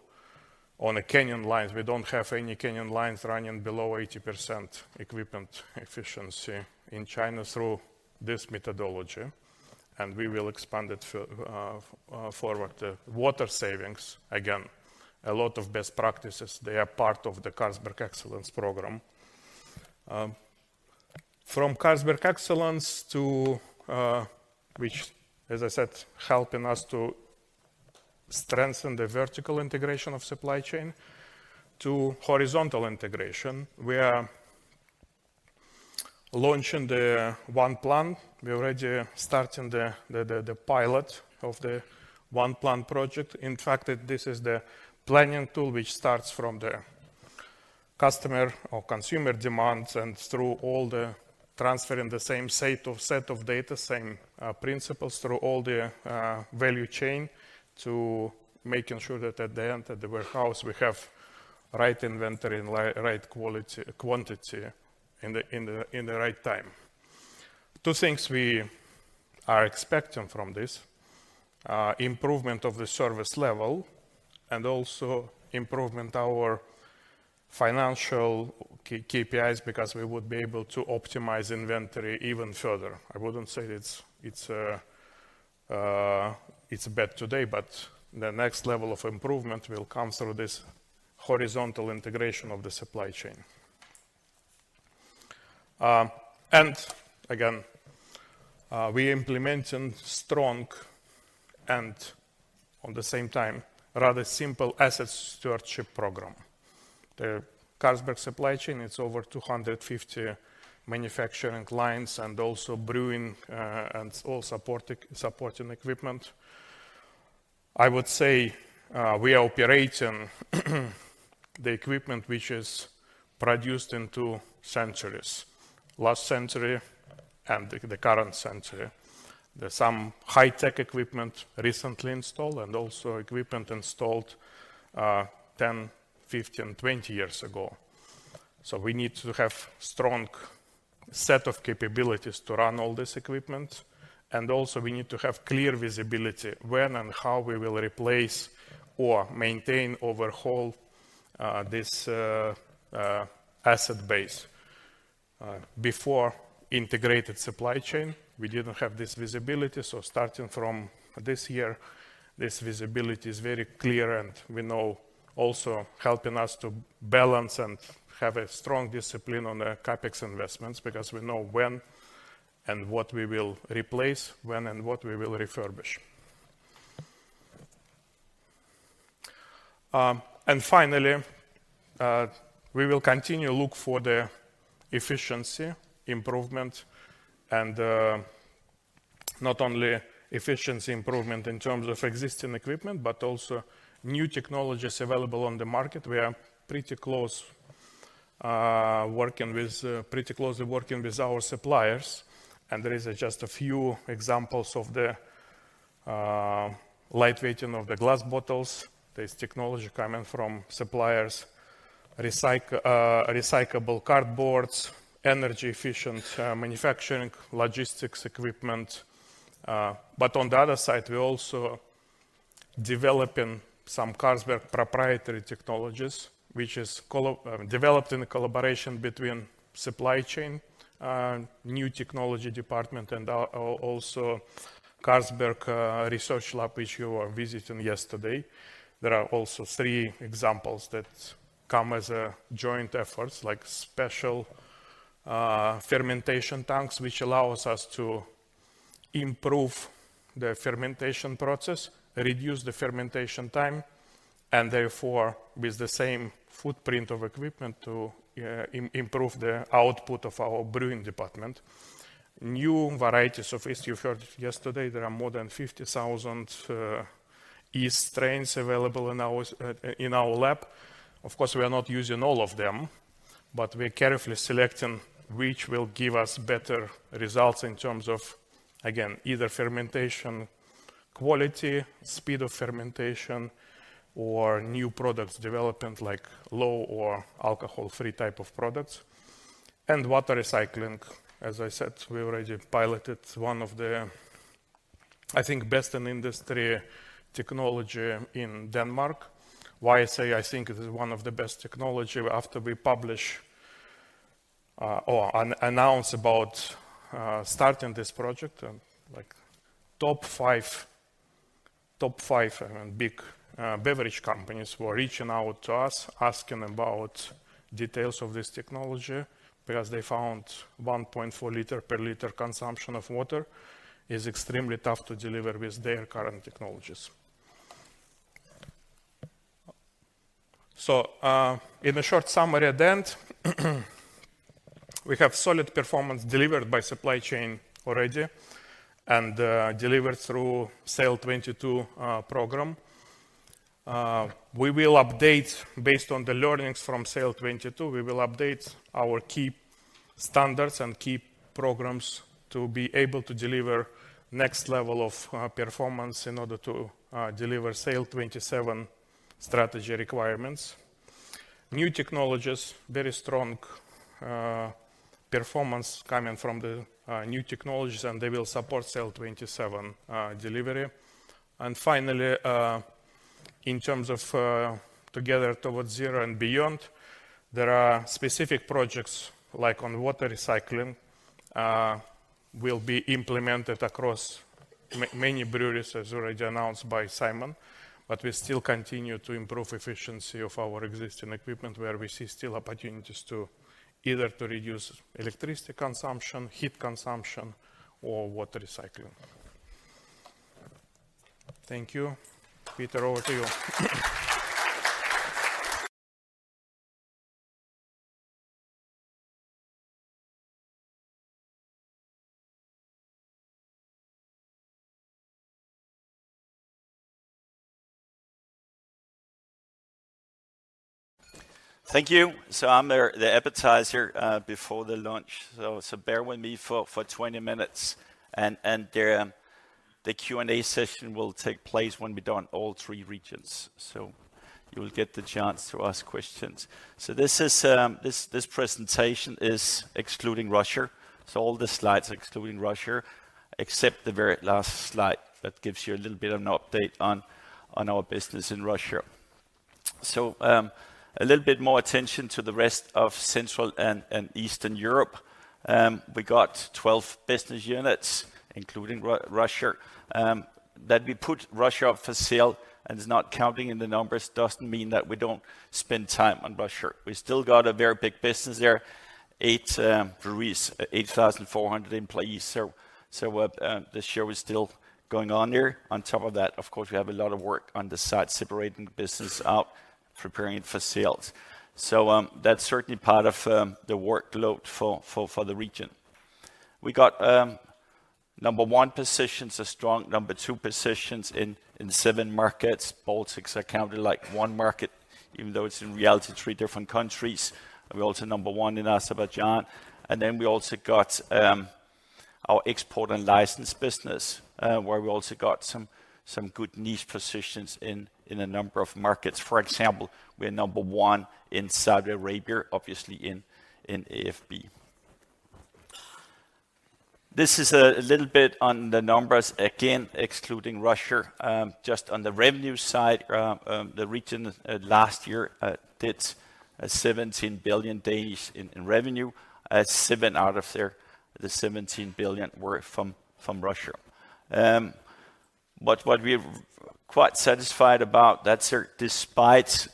on any canning lines, we don't have any canning lines running below 80% equipment efficiency in China through this methodology, and we will expand it forward. Water savings, again, a lot of best practices. They are part of the Carlsberg Excellence program. From Carlsberg Excellence to which as I said, helping us to strengthen the vertical integration of supply chain to horizontal integration. We are launching the One Plan. We already starting the pilot of the One Plan project. In fact, this is the planning tool which starts from the customer or consumer demands and through all the transfer in the same set of data, same principles through all the value chain to making sure that at the end, at the warehouse, we have right inventory and right quantity in the right time. Two things we are expecting from this. Improvement of the service level and also improvement of our financial KPIs because we would be able to optimize inventory even further. I wouldn't say it's bad today, but the next level of improvement will come through this horizontal integration of the supply chain. We implemented strong and at the same time, rather simple asset stewardship program. The Carlsberg supply chain, it's over 250 manufacturing lines and also brewing, and all supporting equipment. I would say, we are operating the equipment which is produced in two centuries, last century and the current century. There's some high-tech equipment recently installed and also equipment installed 10, 15, 20 years ago. We need to have a strong set of capabilities to run all this equipment. We need to have clear visibility when and how we will replace or maintain, overhaul this asset base. Before integrated supply chain, we didn't have this visibility. Starting from this year, this visibility is very clear and we know also helping us to balance and have a strong discipline on the CapEx investments because we know when and what we will replace, when and what we will refurbish. Finally, we will continue look for the efficiency improvement and not only efficiency improvement in terms of existing equipment, but also new technologies available on the market. We are working pretty closely with our suppliers. There is just a few examples of the lightweighting of the glass bottles. There's technology coming from suppliers. Recyclable cardboards, energy efficient manufacturing, logistics equipment. On the other side, we're also developing some Carlsberg proprietary technologies, which is developed in collaboration between supply chain, new technology department and also Carlsberg research lab, which you were visiting yesterday. There are also three examples that come as a joint efforts like special fermentation tanks, which allows us to improve the fermentation process, reduce the fermentation time, and therefore, with the same footprint of equipment to improve the output of our brewing department. New varieties of yeast you heard yesterday. There are more than 50,000 yeast strains available in our lab. Of course, we are not using all of them, but we're carefully selecting which will give us better results in terms of, again, either fermentation quality, speed of fermentation, or new products development like low or alcohol-free type of products. Water recycling, as I said, we already piloted one of the, I think, best in industry technology in Denmark. Why I say I think it is one of the best technology? After we publish or announce about starting this project, like top five big beverage companies were reaching out to us asking about details of this technology because they found 1.4 L per liter consumption of water is extremely tough to deliver with their current technologies. In a short summary at the end, we have solid performance delivered by supply chain already and delivered through SAIL 2022 program. We will update our key standards and key programs based on the learnings from SAIL 2022 to be able to deliver next level of performance in order to deliver SAIL 2027 strategy requirements. New technologies, very strong performance coming from the new technologies, and they will support SAIL 2027 delivery. Finally, in terms of Together Towards ZERO and Beyond, there are specific projects like on water recycling, will be implemented across many breweries, as already announced by Simon. We still continue to improve efficiency of our existing equipment, where we see still opportunities to either to reduce electricity consumption, heat consumption, or water recycling. Thank you. Peter, over to you. Thank you. I'm the appetizer before the lunch, so bear with me for 20 minutes and the Q&A session will take place when we're done all three regions. You will get the chance to ask questions. This presentation is excluding Russia. All the slides excluding Russia, except the very last slide that gives you a little bit of an update on our business in Russia. A little bit more attention to the rest of Central and Eastern Europe. We got 12 business units, including Russia that we put up for sale and is not counting in the numbers doesn't mean that we don't spend time on Russia. We still got a very big business there. Eight breweries, 8,400 employees. This year we're still going on there. On top of that, of course, we have a lot of work on the side, separating the business out, preparing it for sales. That's certainly part of the workload for the region. We got number one positions, a strong number two positions in seven markets. Baltics are counted like one market, even though it's in reality three different countries. We're also number one in Azerbaijan. Then we also got our export and license business, where we also got some good niche positions in a number of markets. For example, we are number one in Saudi Arabia, obviously in AFB. This is a little bit on the numbers, again, excluding Russia. Just on the revenue side, the region last year did 17 billion in revenue. Seven out of the 17 billion were from Russia. What we're quite satisfied about is that despite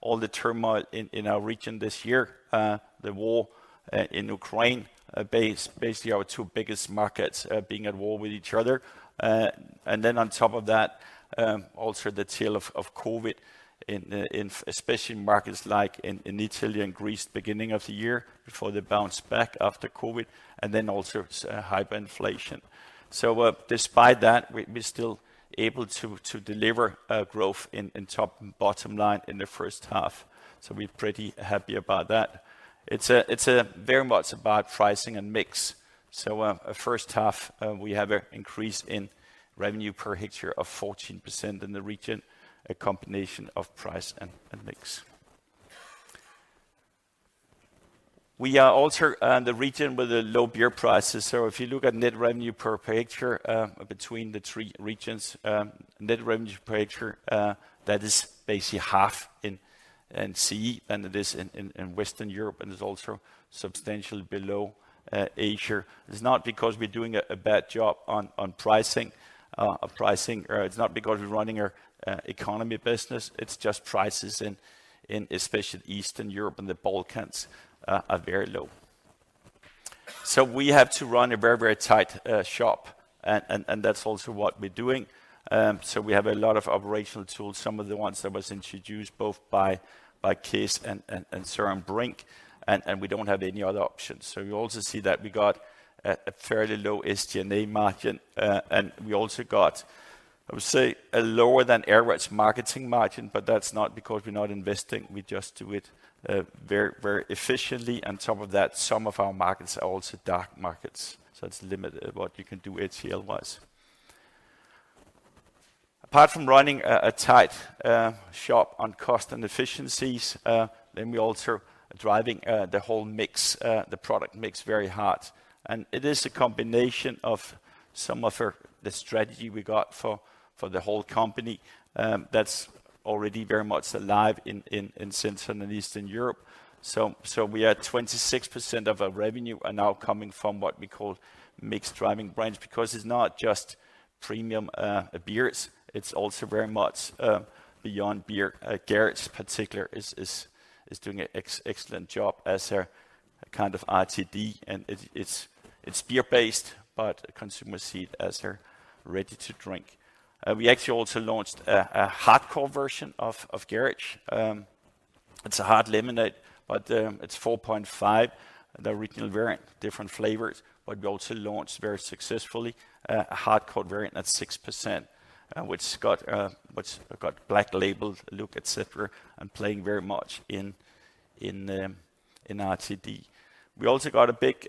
all the turmoil in our region this year, the war in Ukraine, basically our two biggest markets being at war with each other. Then on top of that, also the tail of COVID in especially in markets like Italy and Greece beginning of the year before they bounced back after COVID, and then also it's hyperinflation. Despite that, we're still able to deliver growth in top and bottom line in the first half. We're pretty happy about that. It's very much about pricing and mix. In the first half, we have an increase in revenue per hectoliter of 14% in the region, a combination of price and mix. We are also the region with the low beer prices. If you look at net revenue per hectoliter between the three regions, net revenue per hectoliter that is basically half in CE than it is in Western Europe and is also substantially below Asia. It's not because we're doing a bad job on pricing, or it's not because we're running our uneconomic business. It's just prices in especially Eastern Europe and the Balkans are very low. We have to run a very tight shop, and that's also what we're doing. We have a lot of operational tools, some of the ones that was introduced both by Cees 't Hart and Søren Brinck, and we don't have any other options. You also see that we got a fairly low SG&A margin, and we also got, I would say, a lower than average marketing margin, but that's not because we're not investing. We just do it very efficiently. On top of that, some of our markets are also dry markets, so it's limited what you can do HCL-wise. Apart from running a tight shop on cost and efficiencies, we're also driving the whole mix, the product mix very hard. It is a combination of some of our. The strategy we got for the whole company, that's already very much alive in Central and Eastern Europe. We had 26% of our revenue are now coming from what we call mixed driving brands, because it's not just premium beers, it's also very much beyond beer. Garage in particular is doing an excellent job as our kind of RTD, and it's beer based, but consumers see it as their ready to drink. We actually also launched a hardcore version of Garage. It's a hard lemonade, but it's 4.5%, the original variant, different flavors. But we also launched very successfully a hardcore variant that's 6%, which got black label look, etc., and playing very much in RTD. We also got a big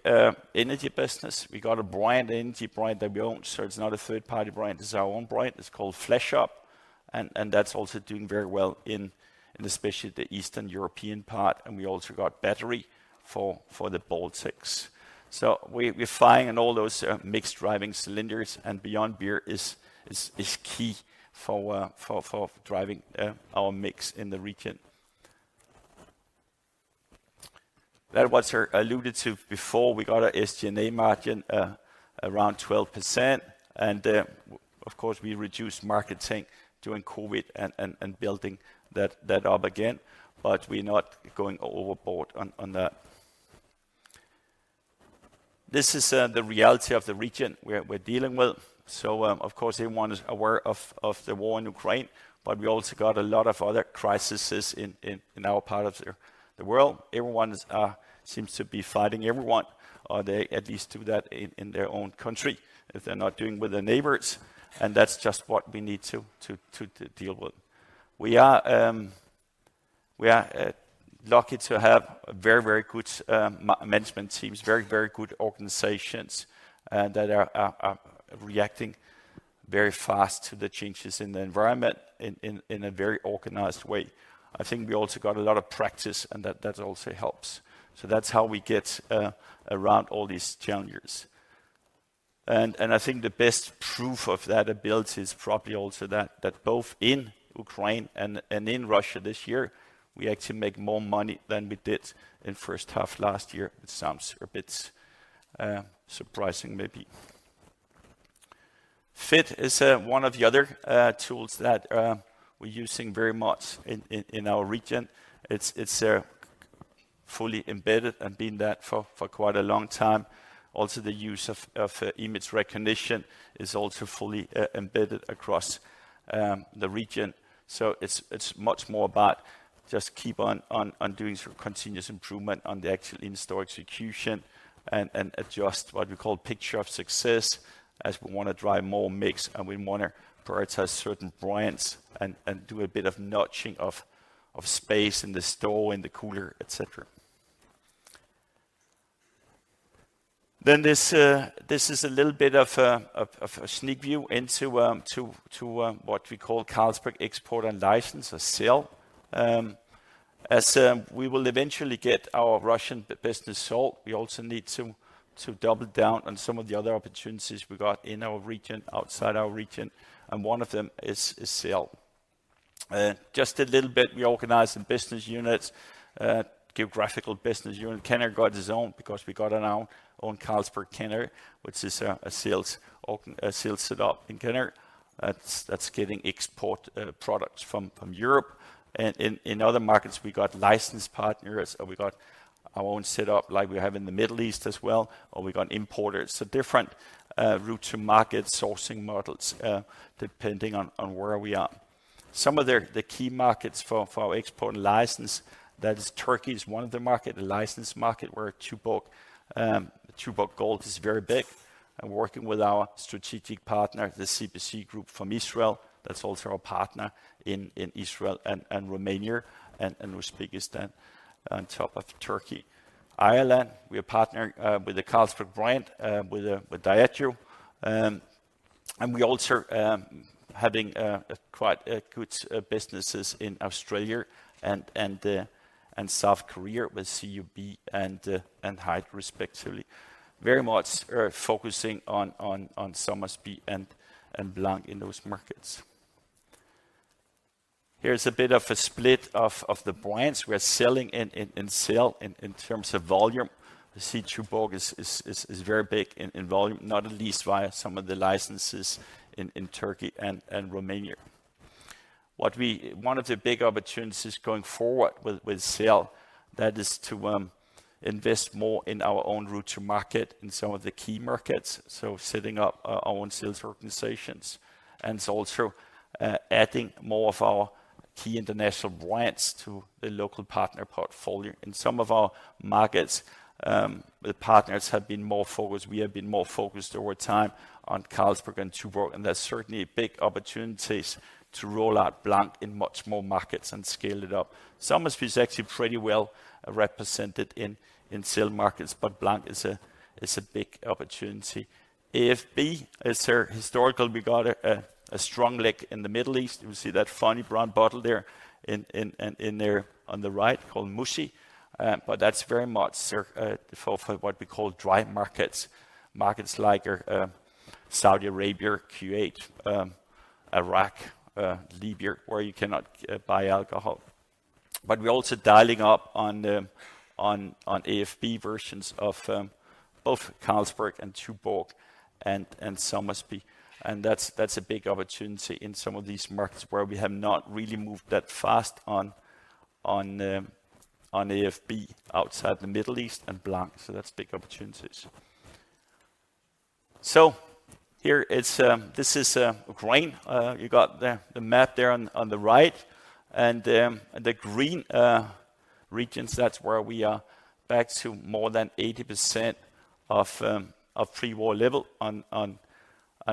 energy business. We got a branded energy brand that we own, so it's not a third-party brand. This is our own brand. It's called Flash Up, and that's also doing very well in especially the Eastern European part. We also got Battery for the Baltics. We're flying in all those mixed drink categories and beyond beer is key for driving our mix in the region. That was alluded to before. We got our SG&A margin around 12%. Of course, we reduced marketing during COVID and building that up again, but we're not going overboard on that. This is the reality of the region we're dealing with. Of course, everyone is aware of the war in Ukraine, but we also got a lot of other crises in our part of the world. Everyone seems to be fighting everyone, or they at least do that in their own country if they're not doing with their neighbors, and that's just what we need to deal with. We are lucky to have very good management teams, very good organizations, and that are reacting very fast to the changes in the environment in a very organized way. I think we also got a lot of practice, and that also helps. That's how we get around all these challenges. I think the best proof of that ability is probably also that both in Ukraine and in Russia this year, we actually make more money than we did in first half last year. It sounds a bit surprising maybe. FIT is one of the other tools that we're using very much in our region. It's fully embedded and been that for quite a long time. Also, the use of image recognition is also fully embedded across the region. It's much more about just keep on doing sort of continuous improvement on the actual in-store execution and adjust what we call picture of success as we wanna drive more mix, and we wanna prioritize certain brands and do a bit of notching of space in the store, in the cooler, etc. This is a little bit of a sneak view into what we call Carlsberg Export & License or CEL. As we will eventually get our Russian business sold, we also need to double down on some of the other opportunities we got in our region, outside our region, and one of them is CEL. Just a little bit, we organize the business units, geographical business unit. Canada got its own because we got our own Carlsberg Canada, which is a sales set up in Canada that's getting export products from Europe. In other markets we got license partners, or we got our own set up like we have in the Middle East as well, or we got importers. Different route to market sourcing models depending on where we are. Some of the key markets for our export and license, that is Turkey is one of the market, the license market where Tuborg Tuborg Gold is very big. Working with our strategic partner, the CBC Group from Israel, that's also our partner in Israel and Romania and Uzbekistan on top of Turkey. Ireland, we are partnering with the Carlsberg brand with Diageo. We also have a quite good businesses in Australia and South Korea with CUB and Hite, respectively. Very much focusing on Somersby and 1664 Blanc in those markets. Here's a bit of a split of the brands we are selling in CEL in terms of volume. You see Tuborg is very big in volume, not least via some of the licenses in Turkey and Romania. One of the big opportunities going forward with CEL, that is to invest more in our own route to market in some of the key markets. Setting up our own sales organizations, and it's also adding more of our key international brands to the local partner portfolio. In some of our markets, the partners have been more focused, we have been more focused over time on Carlsberg and Tuborg, and there's certainly big opportunities to roll out Blanc in much more markets and scale it up. Somersby is actually pretty well represented in scale markets, but Blanc is a big opportunity. AFB is historical. We got a strong link in the Middle East. You see that funny brown bottle there in there on the right called Moussy. But that's very much for what we call dry markets. Markets like Saudi Arabia, Kuwait, Iraq, Libya, where you cannot buy alcohol. But we're also dialing up on the AFB versions of both Carlsberg and Tuborg and Somersby. That's a big opportunity in some of these markets where we have not really moved that fast on AFB outside the Middle East and Blanc. That's big opportunities. This is Ukraine. You got the map there on the right, and the green regions, that's where we are back to more than 80% of pre-war level on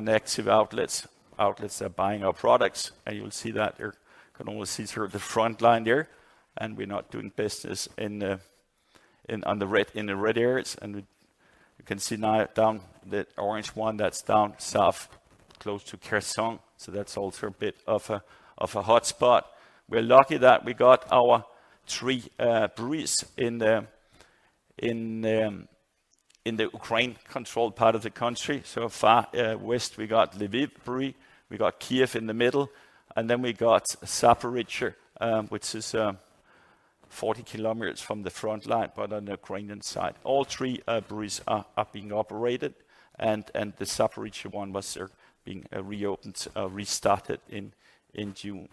active outlets that are buying our products. You'll see that there you can only see through the front line there. We're not doing business in the red areas. You can see now down that orange one that's down south, close to Kherson, so that's also a bit of a hotspot. We're lucky that we got our three breweries in the Ukraine-controlled part of the country. Far west, we got Lviv Brewery, we got Kyiv in the middle, and then we got Zaporizhzhia, which is 40 km from the front line, but on the Ukrainian side. All three breweries are being operated and the Zaporizhzhia one was being reopened, restarted in June.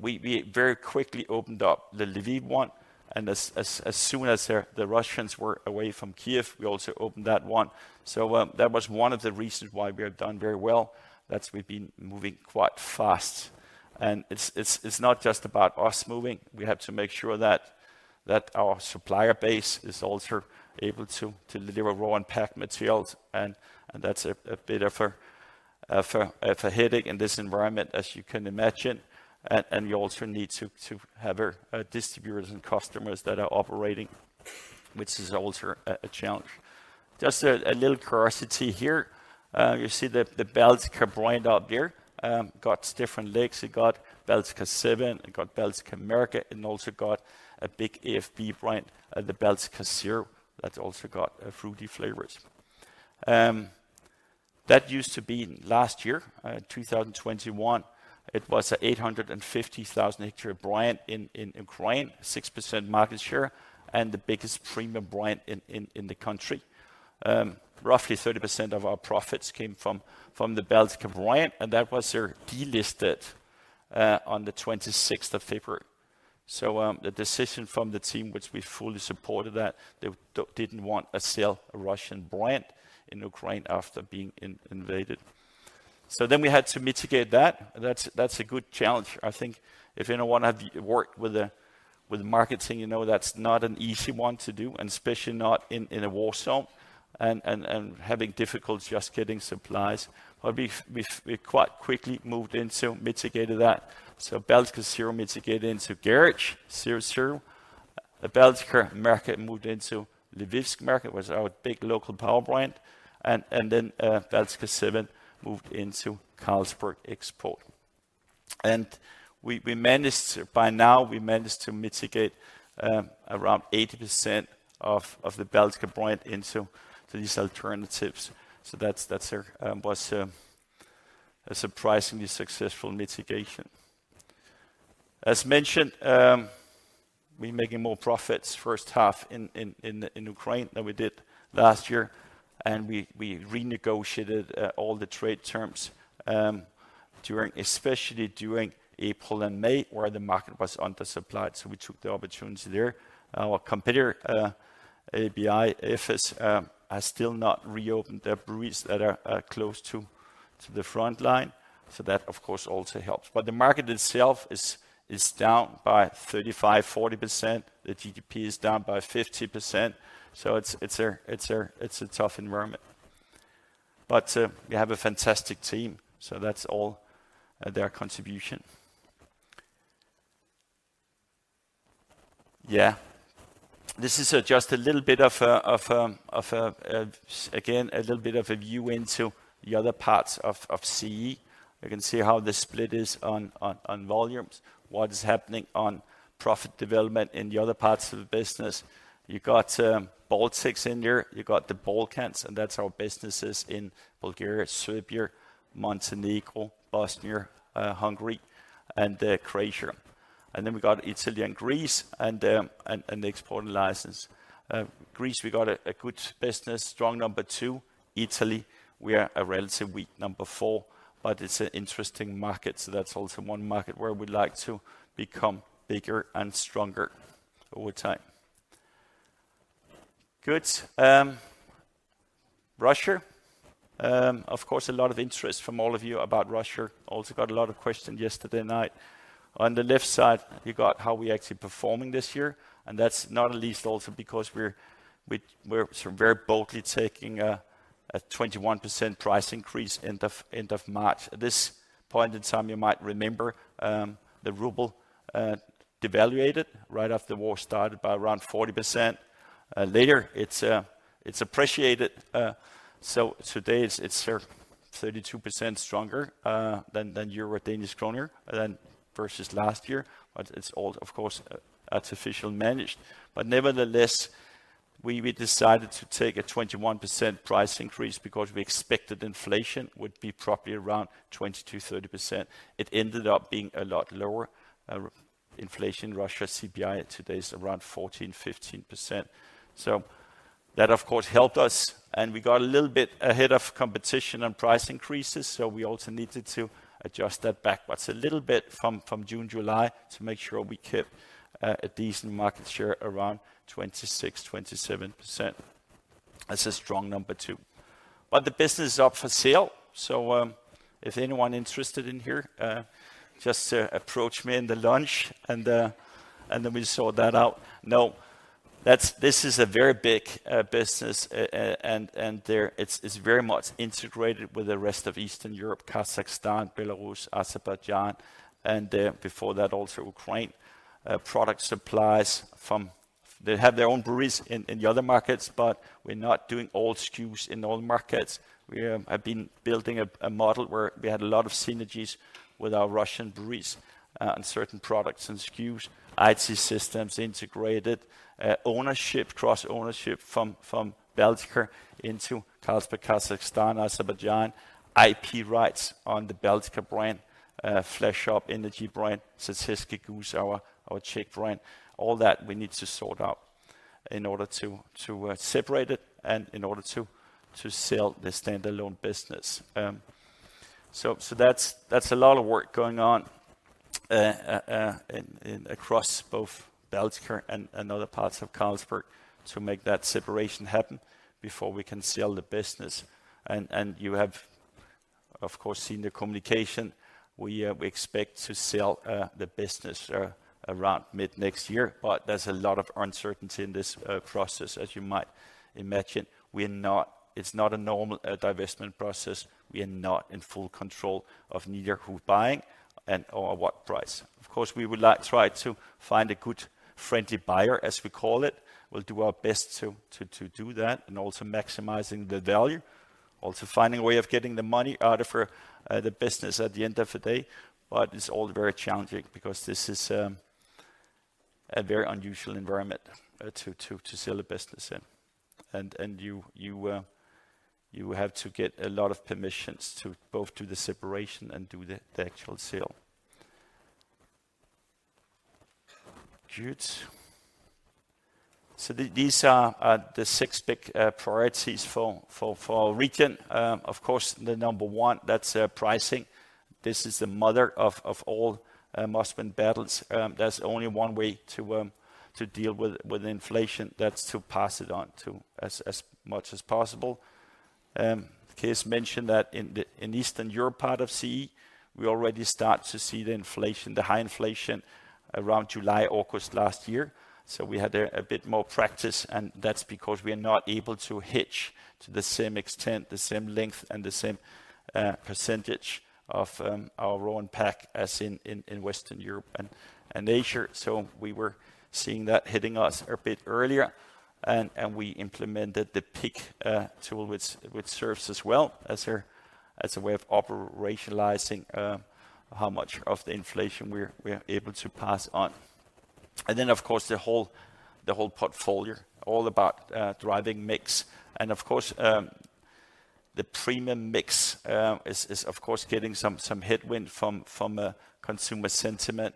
We very quickly opened up the Lviv one, and as soon as the Russians were away from Kyiv, we also opened that one. That was one of the reasons why we have done very well, that we've been moving quite fast. It's not just about us moving. We have to make sure that our supplier base is also able to deliver raw and packed materials and that's a bit of a headache in this environment, as you can imagine. We also need to have our distributors and customers that are operating, which is also a challenge. Just a little curiosity here. You see the Baltika brand up there, got different lagers. It got Baltika Seven, it got Baltika Märzen, and also got a big AFB brand, the Baltika Zero, that's also got fruity flavors. That used to be last year, 2021, it was an 850,000 hl brand in Ukraine, 6% market share, and the biggest premium brand in the country. Roughly 30% of our profits came from the Baltika brand, and that was delisted on February 26. The decision from the team, which we fully supported that, they didn't want to sell a Russian brand in Ukraine after being invaded. We had to mitigate that. That's a good challenge. I think if anyone have worked with the marketing, you know that's not an easy one to do, and especially not in a war zone and having difficulty just getting supplies. We quite quickly moved in to mitigate that. Baltika Zero mitigated into Garage Zero Zero. The Baltika Märzen moved into Lvivske Märzen, was our big local power brand. Baltika Seven moved into Carlsberg Export. By now, we managed to mitigate around 80% of the Baltika brand into these alternatives. That's a surprisingly successful mitigation. As mentioned, we're making more profits first half in Ukraine than we did last year, and we renegotiated all the trade terms during, especially during April and May, where the market was undersupplied. We took the opportunity there. Our competitor, ABI, Efes, has still not reopened their breweries that are close to the front line. That of course also helps. The market itself is down by 35%-40%. The GDP is down by 50%. It's a tough environment. We have a fantastic team, so that's all their contribution. Yeah. This is just a little bit of a view into the other parts of CE. You can see how the split is on volumes, what is happening on profit development in the other parts of the business. You got Baltics in here, you got the Balkans, and that's our businesses in Bulgaria, Serbia, Montenegro, Bosnia, Hungary, and Croatia. Then we got Italy and Greece and the export and license. Greece, we got a good business, strong number two. Italy, we are a relatively weak number four, but it's an interesting market. That's also one market where we'd like to become bigger and stronger over time. Good. Russia, of course a lot of interest from all of you about Russia, also got a lot of questions yesterday night. On the left side you got how we're actually performing this year, and that's not least also because we're sort of very boldly taking a 21% price increase end of March. At this point in time you might remember, the ruble devalued right after war started by around 40%. Later it's appreciated. Today it's sort of 32% stronger than Euro, Danish kroner versus last year. It's all of course artificially managed. Nevertheless, we decided to take a 21% price increase because we expected inflation would be probably around 20%-30%. It ended up being a lot lower. Inflation Russia CPI today is around 14%-15%. That of course helped us, and we got a little bit ahead of competition and price increases, so we also needed to adjust that backwards a little bit from June, July to make sure we kept a decent market share around 26%-27%. That's a strong number too. The business is up for sale, so if anyone interested in here, just approach me in the lunch and then we sort that out. No. This is a very big business, and it's very much integrated with the rest of Eastern Europe, Kazakhstan, Belarus, Azerbaijan, and before that also Ukraine. Product supplies from. They have their own breweries in the other markets, but we're not doing all SKUs in all markets. We have been building a model where we had a lot of synergies with our Russian breweries on certain products and SKUs, IT systems integrated, ownership, cross ownership from Baltika into Carlsberg Kazakhstan, Azerbaijan, IP rights on the Baltika brand, Flash Up energy brand, Žatecký Gus, our Czech brand. All that we need to sort out in order to separate it and in order to sell the standalone business. That's a lot of work going on across both Baltika and other parts of Carlsberg to make that separation happen before we can sell the business. You have of course seen the communication. We expect to sell the business around mid-next year, but there's a lot of uncertainty in this process, as you might imagine. It's not a normal divestment process. We are not in full control of neither who's buying and or what price. Of course, we would try to find a good friendly buyer, as we call it. We'll do our best to do that and also maximizing the value. Also finding a way of getting the money out of the business at the end of the day. It's all very challenging because this is a very unusual environment to sell a business in. You have to get a lot of permissions to both do the separation and do the actual sale. Good. These are the six big priorities for region. Of course, the number one, that's pricing. This is the mother of all must-win battles. There's only one way to deal with inflation. That's to pass it on to as much as possible. Cees mentioned that in the Eastern Europe part of CEE, we already start to see the inflation, the high inflation around July, August last year. We had a bit more practice, and that's because we are not able to hedge to the same extent, the same length and the same percentage of our raw and pack as in Western Europe and Asia. We were seeing that hitting us a bit earlier and we implemented the PIIC tool which serves us well as a way of operationalizing how much of the inflation we're able to pass on. Of course, the whole portfolio all about driving mix. Of course, the premium mix is of course getting some headwind from a consumer sentiment.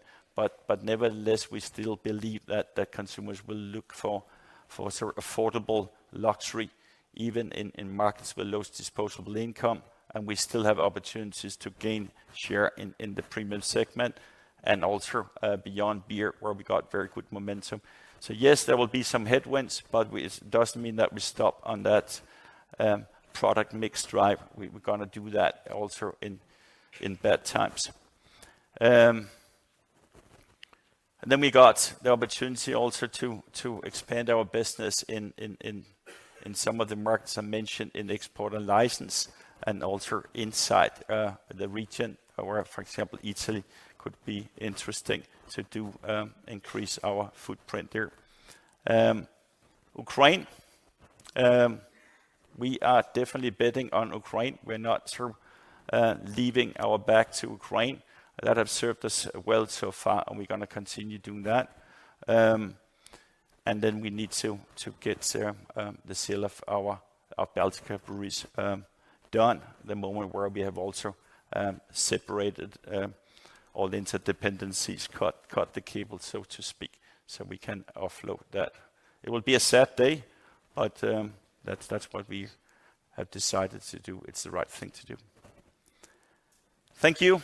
Nevertheless, we still believe that consumers will look for sort of affordable luxury even in markets with low disposable income, and we still have opportunities to gain share in the premium segment. Beyond Beer, where we got very good momentum. Yes, there will be some headwinds, but it doesn't mean that we stop on that product mix drive. We're gonna do that also in bad times. We got the opportunity also to expand our business in some of the markets I mentioned in export and license, and also inside the region where, for example, Italy could be interesting to do increase our footprint there. Ukraine, we are definitely betting on Ukraine. We're not sort of leaving our back to Ukraine. That has served us well so far, and we're gonna continue doing that. We need to get the sale of our Baltika breweries done the moment where we have also separated all the interdependencies, cut the cable, so to speak, so we can offload that. It will be a sad day, but that's what we have decided to do. It's the right thing to do. Thank you.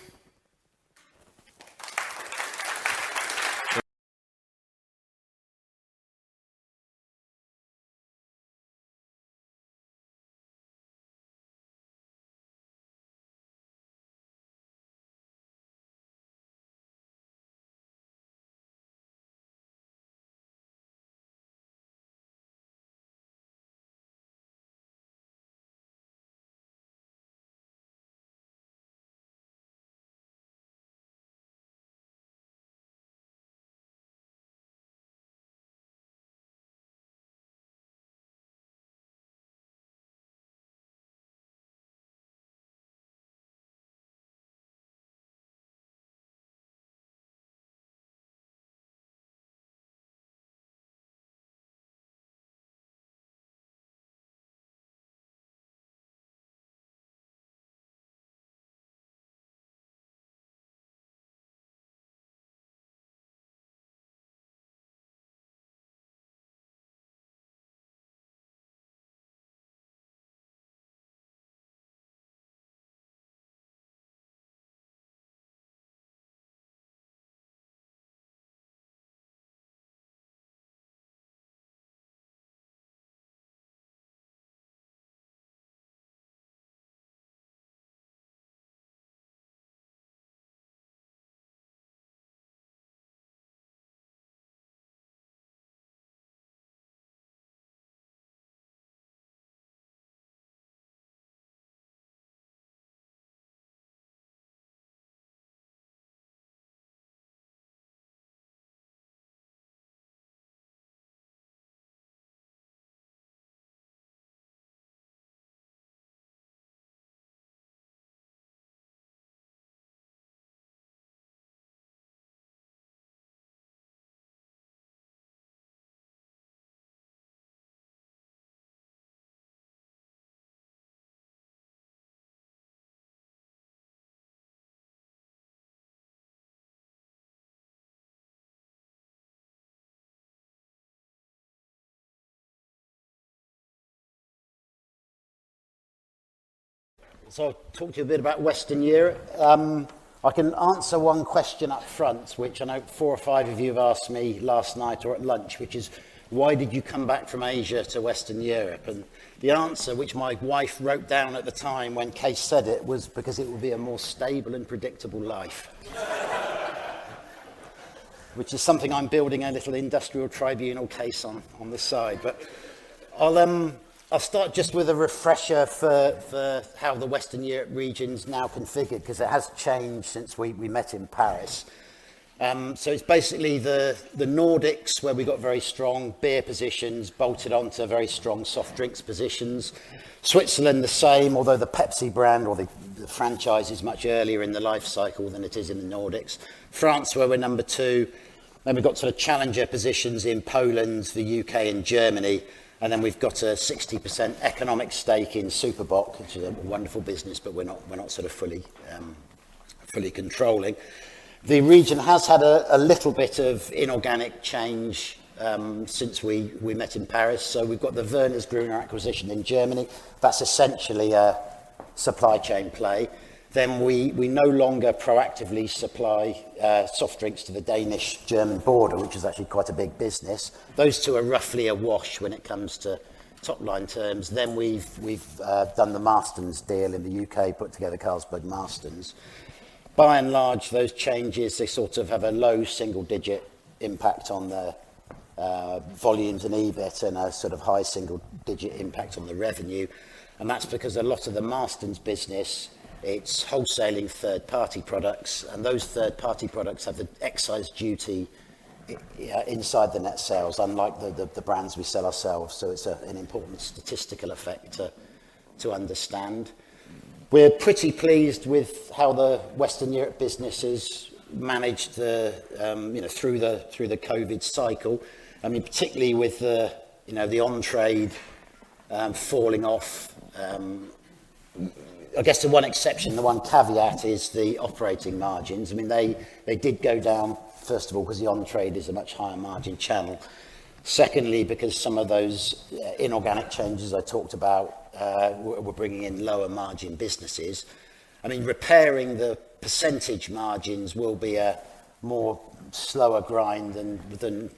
More slower grind than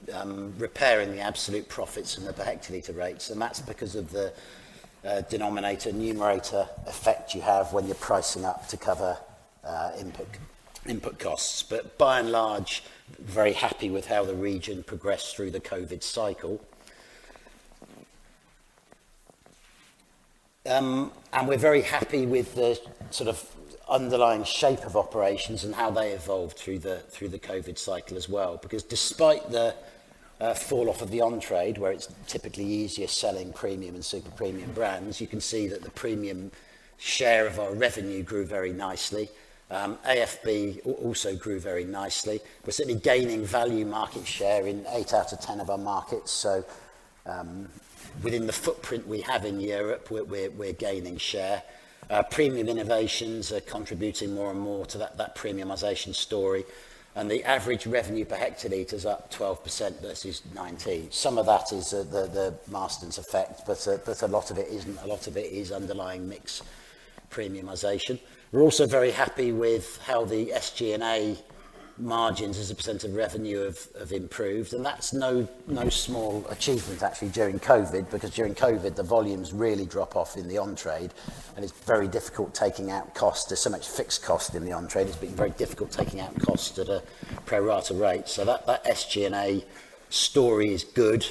repairing the absolute profits and the per hectoliter rates, and that's because of the denominator and numerator effect you have when you're pricing up to cover input costs. By and large, very happy with how the region progressed through the COVID cycle. We're very happy with the sort of underlying shape of operations and how they evolved through the COVID cycle as well. Because despite the fall off of the on-trade, where it's typically easier selling premium and super premium brands, you can see that the premium share of our revenue grew very nicely. AFB also grew very nicely. We're certainly gaining value market share in eight out of ten of our markets. Within the footprint we have in Europe, we're gaining share. Our premium innovations are contributing more and more to that premiumization story, and the average revenue per hectoliter is up 12% versus 2019. Some of that is the Marston's effect, but a lot of it isn't. A lot of it is underlying mix premiumization. We're also very happy with how the SG&A margins as a percent of revenue have improved, and that's no small achievement actually during COVID, because during COVID, the volumes really drop off in the on-trade, and it's very difficult taking out cost. There's so much fixed cost in the on-trade, it's been very difficult taking out costs at a pro rata rate. That SG&A story is good.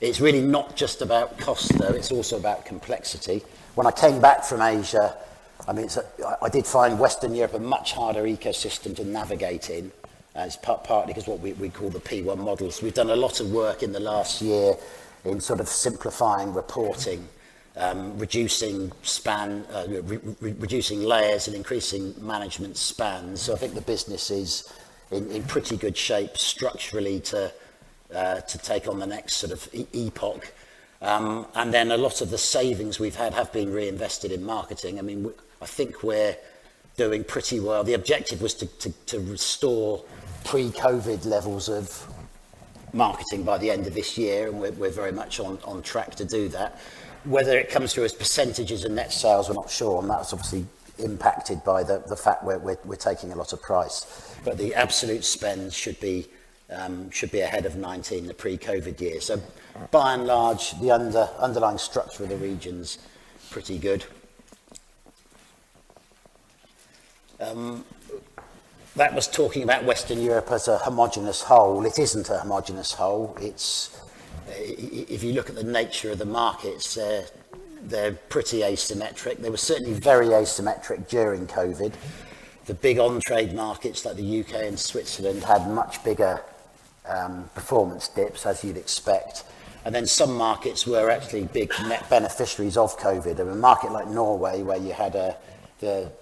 It's really not just about cost though, it's also about complexity. When I came back from Asia, I mean, I did find Western Europe a much harder ecosystem to navigate in, as part, partly 'cause what we call the P&L models. We've done a lot of work in the last year in sort of simplifying reporting, reducing span, reducing layers and increasing management span. I think the business is in pretty good shape structurally to take on the next sort of epoch. Then a lot of the savings we've had have been reinvested in marketing. I mean, I think we're doing pretty well. The objective was to restore pre-COVID levels of marketing by the end of this year, and we're very much on track to do that. Whether it comes through as percentages of net sales, we're not sure, and that's obviously impacted by the fact we're taking a lot of price. The absolute spend should be ahead of 2019, the pre-COVID year. By and large, the underlying structure of the region is pretty good. That was talking about Western Europe as a homogeneous whole. It isn't a homogeneous whole. If you look at the nature of the markets, they're pretty asymmetric. They were certainly very asymmetric during COVID. The big on-trade markets like the U.K. and Switzerland had much bigger performance dips, as you'd expect. Some markets were actually big net beneficiaries of COVID. In a market like Norway, where the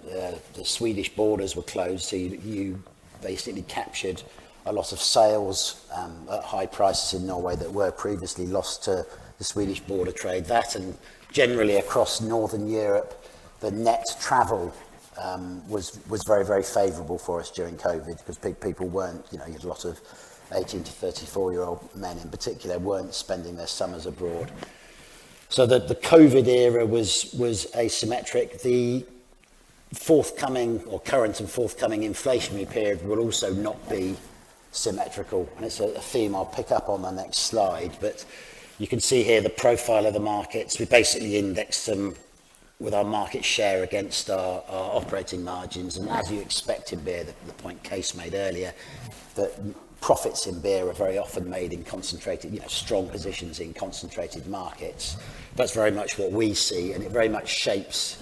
Swedish borders were closed, so you basically captured a lot of sales at high prices in Norway that were previously lost to the Swedish border trade. That and generally across Northern Europe, the net travel was very favorable for us during COVID, 'cause people weren't, you know, you had a lot of 18- to 34-year-old men in particular, weren't spending their summers abroad. The COVID era was asymmetric. The forthcoming or current and forthcoming inflationary period will also not be symmetrical. It's a theme I'll pick up on the next slide. You can see here the profile of the markets. We basically indexed them with our market share against our operating margins. As you expect in beer, the point Cees 't made earlier, that profits in beer are very often made in concentrated, you know, strong positions in concentrated markets. That's very much what we see, and it very much shapes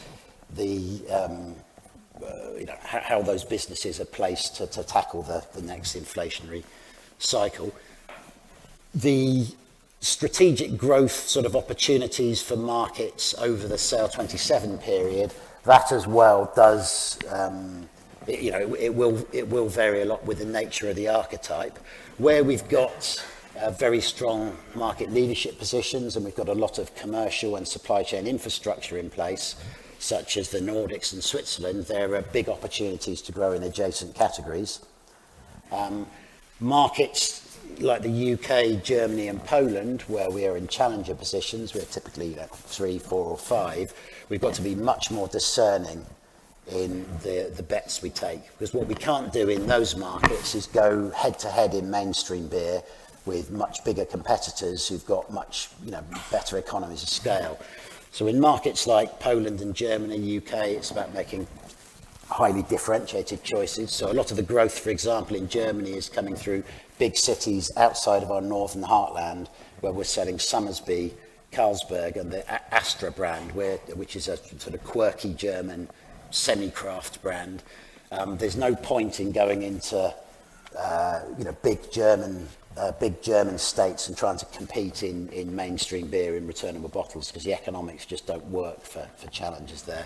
the, you know, how those businesses are placed to tackle the next inflationary cycle. The strategic growth sort of opportunities for markets over the SAIL 2027 period, that as well does, you know, it will vary a lot with the nature of the archetype. Where we've got a very strong market leadership positions and we've got a lot of commercial and supply chain infrastructure in place, such as the Nordics and Switzerland, there are big opportunities to grow in adjacent categories. Markets like the U.K., Germany, and Poland, where we are in challenger positions, we are typically like three, four, or five. We've got to be much more discerning in the bets we take. 'Cause what we can't do in those markets is go head to head in mainstream beer with much bigger competitors who've got much, you know, better economies of scale. In markets like Poland and Germany, U.K., it's about making highly differentiated choices. A lot of the growth, for example, in Germany is coming through big cities outside of our northern heartland, where we're selling Somersby, Carlsberg, and the Astra brand, which is a sort of quirky German semi-craft brand. There's no point in going into, you know, big German states and trying to compete in mainstream beer in returnable bottles 'cause the economics just don't work for challengers there.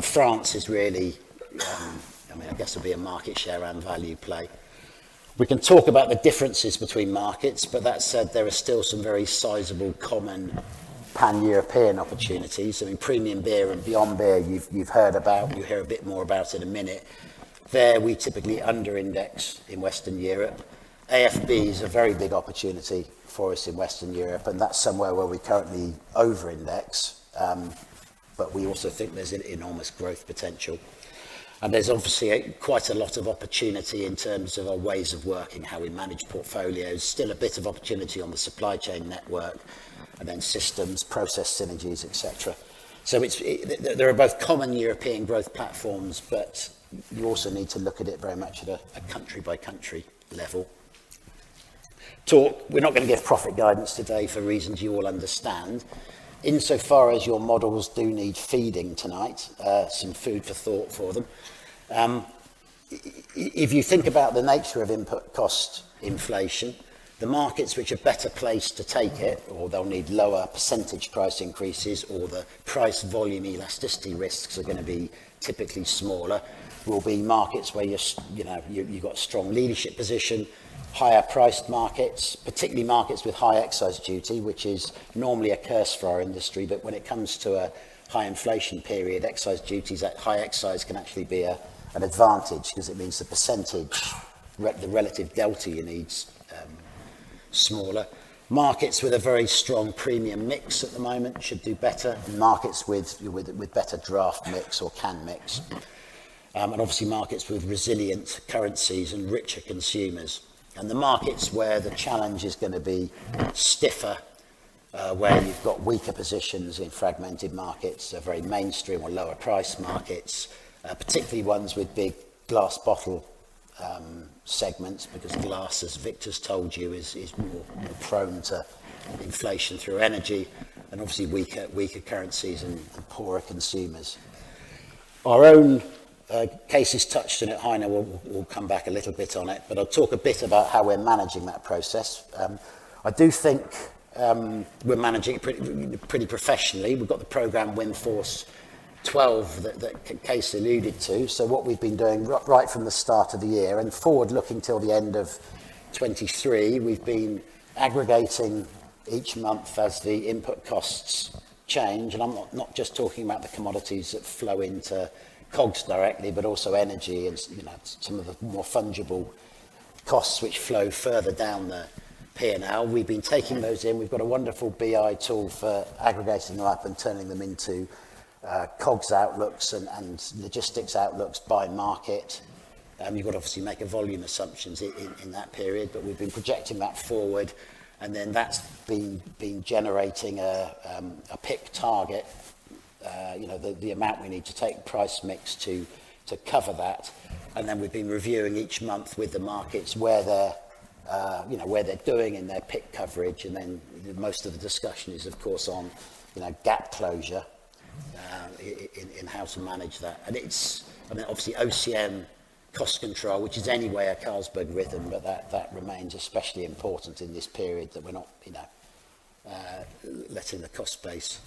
France is really, I mean, I guess it'll be a market share and value play. We can talk about the differences between markets, but that said, there are still some very sizable common Pan-European opportunities. I mean, premium beer and beyond beer, you've heard about, you'll hear a bit more about in a minute. There, we typically under-index in Western Europe. AFB is a very big opportunity for us in Western Europe, and that's somewhere where we currently over-index. We also think there's an enormous growth potential, and there's obviously quite a lot of opportunity in terms of our ways of working, how we manage portfolios, still a bit of opportunity on the supply chain network and then systems, process synergies, et cetera. There are both common European growth platforms, but you also need to look at it very much at a country by country level. We're not gonna give profit guidance today for reasons you all understand. Insofar as your models do need feeding tonight, some food for thought for them. If you think about the nature of input cost inflation, the markets which are better placed to take it or they'll need lower percentage price increases or the price volume elasticity risks are gonna be typically smaller, will be markets where you know, you've got strong leadership position, higher priced markets, particularly markets with high excise duty, which is normally a curse for our industry. But when it comes to a high inflation period, excise duties at high excise can actually be an advantage 'cause it means the percentage the relative delta you need is smaller. Markets with a very strong premium mix at the moment should do better, and markets with better draft mix or can mix, and obviously markets with resilient currencies and richer consumers. The markets where the challenge is gonna be stiffer, where you've got weaker positions in fragmented markets are very mainstream or lower price markets, particularly ones with big glass bottle segments because glass, as Victor's told you, is more prone to inflation through energy and obviously weaker currencies and poorer consumers. Our own Cees 't is touched on [at Heine]. We'll come back a little bit on it, but I'll talk a bit about how we're managing that process. I do think we're managing it pretty professionally. We've got the program Wind Force Twelve that Cees't alluded to. What we've been doing right from the start of the year and forward looking till the end of 2023, we've been aggregating each month as the input costs change. I'm not just talking about the commodities that flow into COGS directly, but also energy and some of the more fungible costs which flow further down the P&L. We've been taking those in. We've got a wonderful BI tool for aggregating them up and turning them into COGS outlooks and logistics outlooks by market. You've got to obviously make volume assumptions in that period, but we've been projecting that forward and then that's been generating a PIC target, the amount we need to take price mix to cover that. We've been reviewing each month with the markets where they're doing in their PIC coverage. Most of the discussion is of course on gap closure in how to manage that. It's, I mean, obviously OCM cost control, which is anyway a Carlsberg rhythm, but that remains especially important in this period that we're not, you know, letting the cost base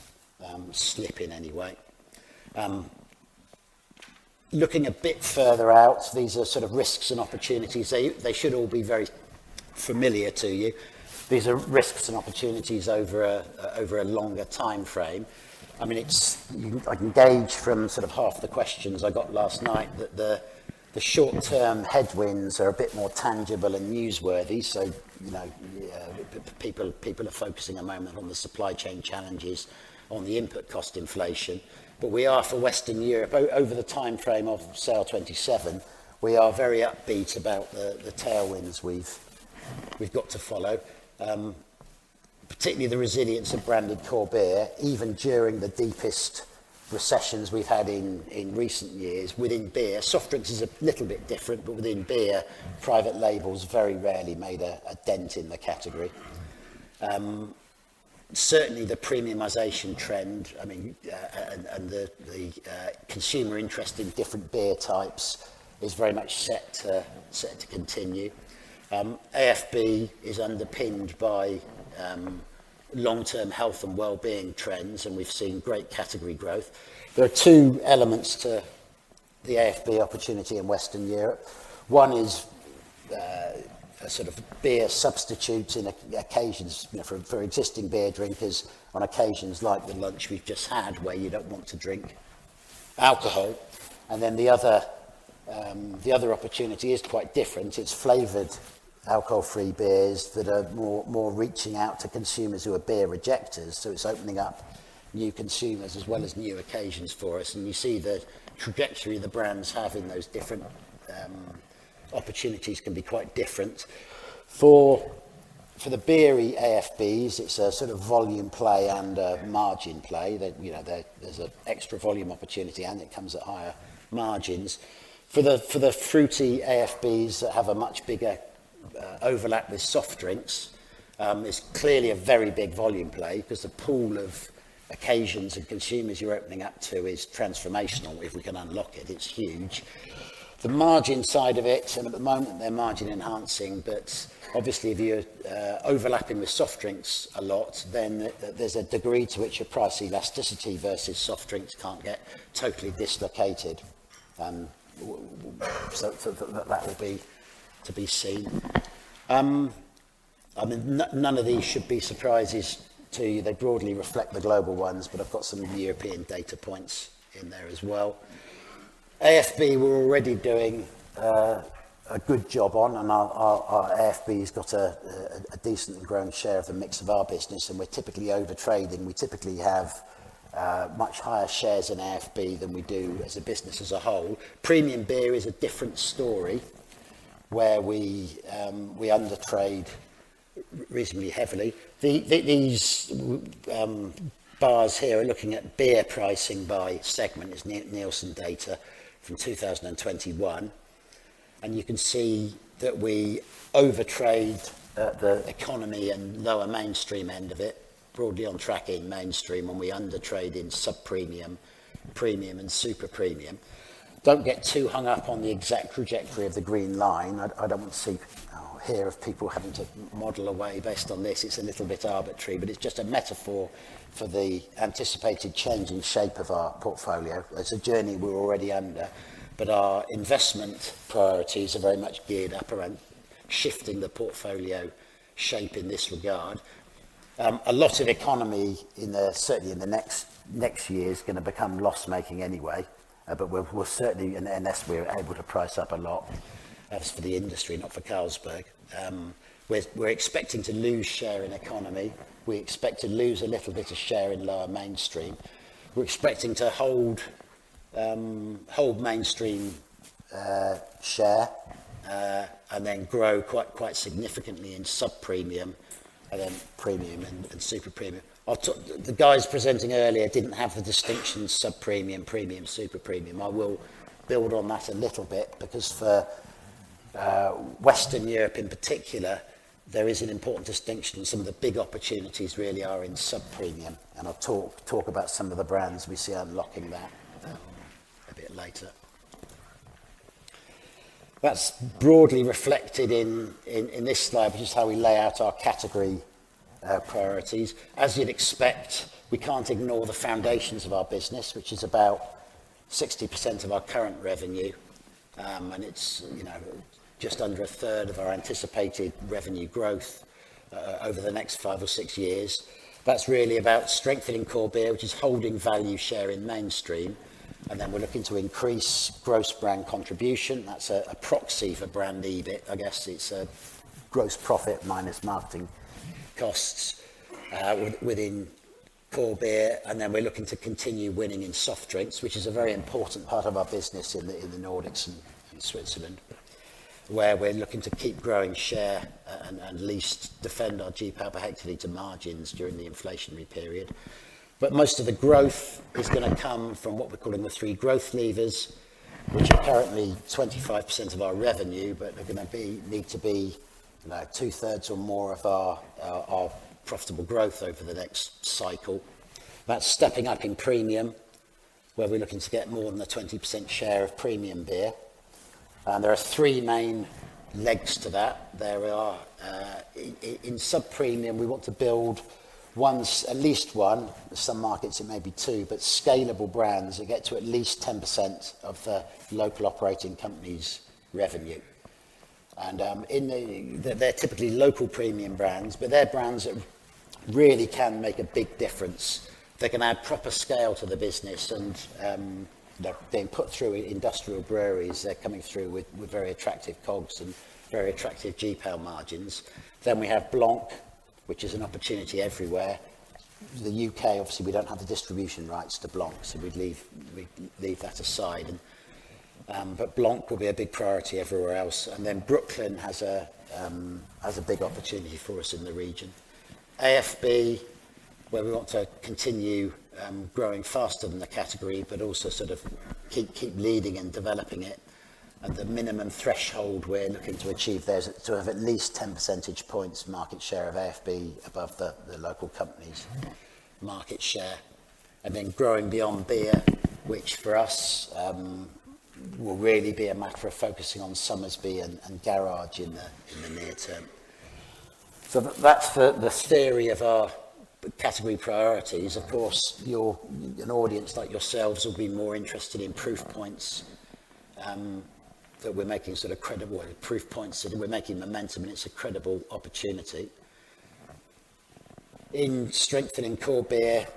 slip in any way. Looking a bit further out, these are sort of risks and opportunities. They should all be very familiar to you. These are risks and opportunities over a longer timeframe. I mean, it's. I can gauge from sort of half the questions I got last night that the short term headwinds are a bit more tangible and newsworthy. So, you know, yeah, people are focusing at the moment on the supply chain challenges on the input cost inflation. But we are for Western Europe, over the timeframe of SAIL 2027, we are very upbeat about the tailwinds we've got to follow. Particularly the resilience of branded core beer, even during the deepest recessions we've had in recent years within beer. Soft drinks is a little bit different, but within beer, private labels very rarely made a dent in the category. Certainly the premiumization trend, I mean, and the consumer interest in different beer types is very much set to continue. AFB is underpinned by long-term health and wellbeing trends, and we've seen great category growth. There are two elements to the AFB opportunity in Western Europe. One is a sort of beer substitute in occasions, you know, for existing beer drinkers on occasions like the lunch we've just had, where you don't want to drink alcohol. The other opportunity is quite different. It's flavored alcohol-free beers that are more reaching out to consumers who are beer rejecters. It's opening up new consumers as well as new occasions for us, and you see the trajectory the brands have in those different opportunities can be quite different. For the beery AFBs, it's a sort of volume play and a margin play that, you know, there's an extra volume opportunity and it comes at higher margins. For the fruity AFBs that have a much bigger overlap with soft drinks, it's clearly a very big volume play 'cause the pool of occasions and consumers you're opening up to is transformational. If we can unlock it's huge. The margin side of it, and at the moment they're margin enhancing, but obviously if you're overlapping with soft drinks a lot, then there's a degree to which your price elasticity versus soft drinks can't get totally dislocated. So that will be to be seen. I mean, none of these should be surprises to you. They broadly reflect the global ones, but I've got some of the European data points in there as well. AFB, we're already doing a good job on and our AFB's got a decently growing share of the mix of our business, and we're typically over-trading. We typically have much higher shares in AFB than we do as a business as a whole. Premium beer is a different story, where we under-trade reasonably heavily. These bars here are looking at beer pricing by segment. It's Nielsen data from 2021, and you can see that we over-trade the economy and lower mainstream end of it, broadly on track in mainstream and we under-trade in sub-premium, premium and super premium. Don't get too hung up on the exact trajectory of the green line. I don't want to see or hear of people having to model away based on this. It's a little bit arbitrary, but it's just a metaphor for the anticipated change in shape of our portfolio. It's a journey we're already under, but our investment priorities are very much geared up around shifting the portfolio shape in this regard. A lot of economy in the certainly in the next year is gonna become loss-making anyway. We're certainly, unless we're able to price up a lot, that's for the industry, not for Carlsberg. We're expecting to lose share in economy. We expect to lose a little bit of share in lower mainstream. We're expecting to hold mainstream share, and then grow quite significantly in sub-premium and then premium and super premium. I'll talk. The guys presenting earlier didn't have the distinction sub-premium, premium, super premium. I will build on that a little bit because for Western Europe in particular, there is an important distinction. Some of the big opportunities really are in sub-premium, and I'll talk about some of the brands we see unlocking that a bit later. That's broadly reflected in this slide, which is how we lay out our category priorities. As you'd expect, we can't ignore the foundations of our business, which is about 60% of our current revenue, and it's, you know, just under a third of our anticipated revenue growth over the next five or six years. That's really about strengthening core beer, which is holding value share in mainstream, and then we're looking to increase gross brand contribution. That's a proxy for brand EBIT. I guess it's gross profit minus marketing costs within core beer, and then we're looking to continue winning in soft drinks, which is a very important part of our business in the Nordics and Switzerland, where we're looking to keep growing share and at least defend our GP per hectoliter margins during the inflationary period. Most of the growth is gonna come from what we're calling the three growth levers, which are currently 25% of our revenue, but they're gonna be, need to be, you know, 2/3 or more of our profitable growth over the next cycle. That's stepping up in premium, where we're looking to get more than a 20% share of premium beer. There are three main legs to that. There are in sub-premium, we want to build ones, at least one, in some markets it may be two, but scalable brands that get to at least 10% of the local operating company's revenue. They're typically local premium brands, but they're brands that really can make a big difference. They can add proper scale to the business and they're being put through industrial breweries. They're coming through with very attractive COGS and very attractive GP margins. We have Blanc, which is an opportunity everywhere. The U.K., obviously, we don't have the distribution rights to Blanc, so we'd leave that aside. Blanc will be a big priority everywhere else. Brooklyn has a big opportunity for us in the region. AFB, where we want to continue growing faster than the category, but also sort of keep leading and developing it. At the minimum threshold, we're looking to achieve there is to have at least 10 percentage points market share of AFB above the local company's market share. Growing beyond beer, which for us, will really be a matter of focusing on Somersby and Garage in the near term. That's the theory of our category priorities. Of course, an audience like yourselves will be more interested in proof points that we're making sort of credible, or proof points that we're making momentum, and it's a credible opportunity. In strengthening core beer,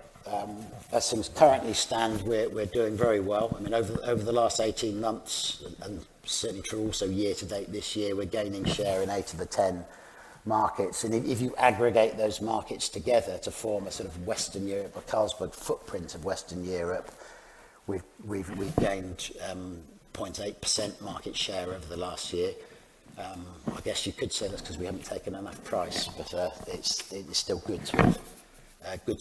as things currently stand, we're doing very well. I mean, over the last 18 months, and certainly true also year to date this year, we're gaining share in eight of the 10 markets. If you aggregate those markets together to form a sort of Western Europe, a Carlsberg footprint of Western Europe, we've gained 0.8% market share over the last year. I guess you could say that's 'cause we haven't taken enough price, but it's still good to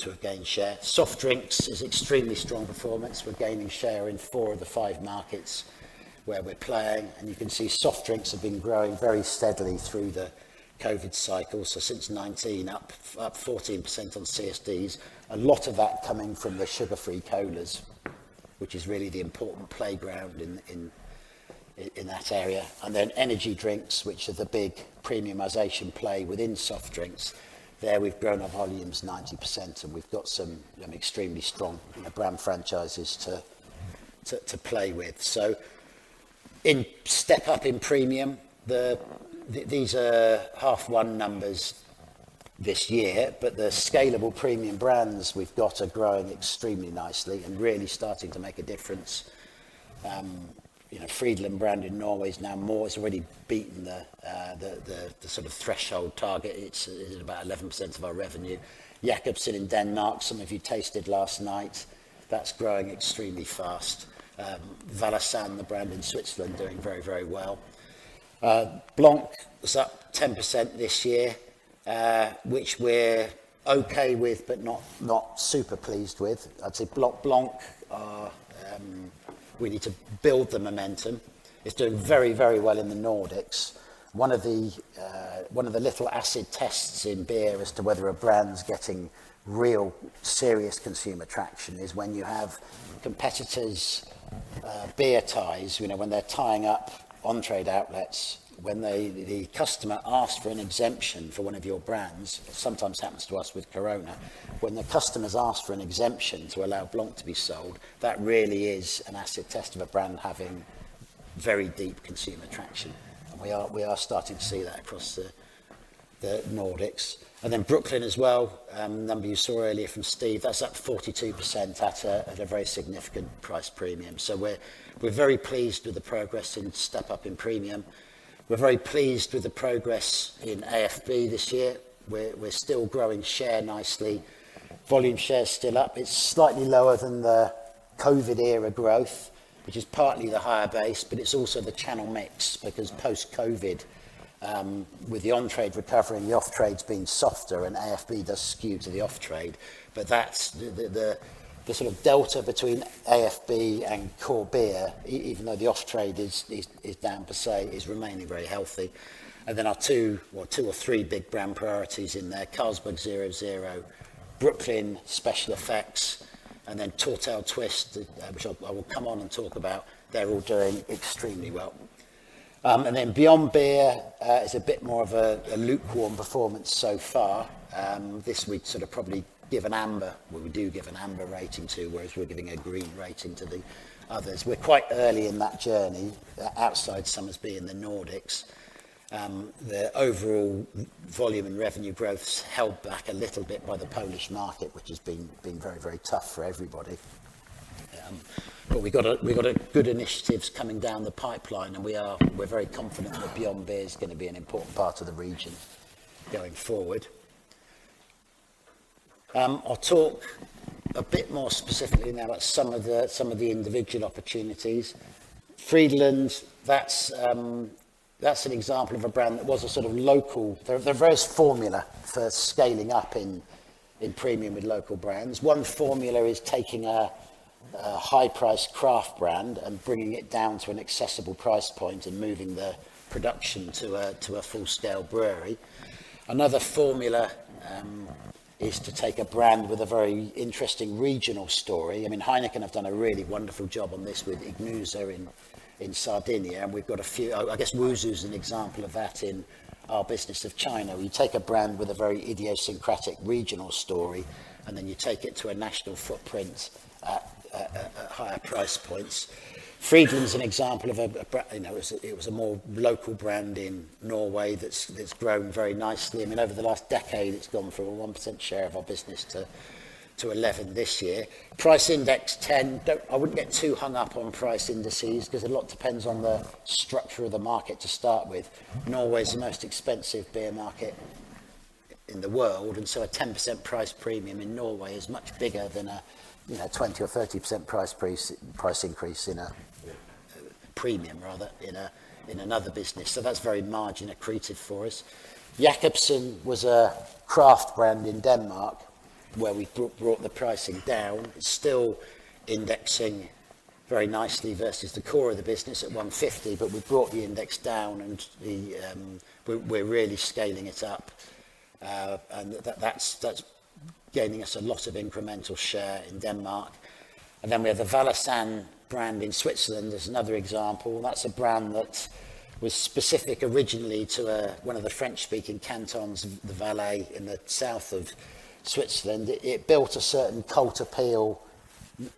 have gained share. Soft drinks is extremely strong performance. We're gaining share in four of the five markets where we're playing, and you can see soft drinks have been growing very steadily through the COVID cycle. Since 2019, up 14% on CSDs. A lot of that coming from the sugar-free colas, which is really the important playground in that area. Then energy drinks, which are the big premiumization play within soft drinks. There, we've grown our volumes 90%, and we've got some extremely strong brand franchises to play with. In step-up in premium, these are H1 numbers this year, but the scalable premium brands we've got are growing extremely nicely and really starting to make a difference. Frydenlund brand in Norway is now more, it's already beaten the sort of threshold target. It's at about 11% of our revenue. Jacobsen in Denmark, some of you tasted last night. That's growing extremely fast. Valaisanne, the brand in Switzerland, doing very, very well. Blanc was up 10% this year, which we're okay with, but not super pleased with. I'd say Blanc are, we need to build the momentum. It's doing very, very well in the Nordics. One of the little acid tests in beer as to whether a brand's getting real serious consumer traction is when you have competitors' beer ties, you know, when they're tying up on-trade outlets, when they, the customer asks for an exemption for one of your brands, sometimes happens to us with Corona. When the customers ask for an exemption to allow Blanc to be sold, that really is an acid test of a brand having very deep consumer traction. We are starting to see that across the Nordics. Then Brooklyn as well, the number you saw earlier from Steve, that's up 42% at a very significant price premium. We're very pleased with the progress in step up in premium. We're very pleased with the progress in AFB this year. We're still growing share nicely. Volume share is still up. It's slightly lower than the COVID era growth, which is partly the higher base, but it's also the channel mix because post-COVID, with the on-trade recovering, the off-trade's been softer and AFB does skew to the off-trade. That's the sort of delta between AFB and core beer, even though the off-trade is down per se, is remaining very healthy. Then our two, well, two or three big brand priorities in there, Carlsberg 0.0, Brooklyn Special Effects, and then Tourtel Twist, which I'll come on and talk about, they're all doing extremely well. Beyond Beer is a bit more of a lukewarm performance so far. This we'd sort of probably give an amber, we do give an amber rating to, whereas we're giving a green rating to the others. We're quite early in that journey, outside Somersby in the Nordics. The overall volume and revenue growth's held back a little bit by the Polish market, which has been very tough for everybody. We got good initiatives coming down the pipeline, and we're very confident that Beyond Beer is gonna be an important part of the region going forward. I'll talk a bit more specifically now about some of the individual opportunities. Frydenlund, that's an example of a brand that was a sort of local. There are various formulas for scaling up in premium with local brands. One formula is taking a high-priced craft brand and bringing it down to an accessible price point and moving the production to a full-scale brewery. Another formula is to take a brand with a very interesting regional story. I mean, Heineken have done a really wonderful job on this with Ichnusa in Sardinia, and we've got a few. I guess, WuSu is an example of that in our business in China. We take a brand with a very idiosyncratic regional story, and then you take it to a national footprint at higher price points. Frydenlund is an example of a B-brand, you know, it was a more local brand in Norway that's grown very nicely. I mean, over the last decade, it's gone from a 1% share of our business to 11 this year. Price index 10. I wouldn't get too hung up on price indices 'cause a lot depends on the structure of the market to start with. Norway is the most expensive beer market in the world, a 10% price premium in Norway is much bigger than a 20% or 30% price premium increase in a premium market, in another business. That's very margin accretive for us. Jacobsen was a craft brand in Denmark, where we brought the pricing down. It's still indexing very nicely versus the core of the business at 150, but we've brought the index down and we're really scaling it up. That's gaining us a lot of incremental share in Denmark. We have the Valaisanne brand in Switzerland. There's another example. That's a brand that was specific originally to one of the French-speaking cantons of the Valais in the south of Switzerland. It built a certain cult appeal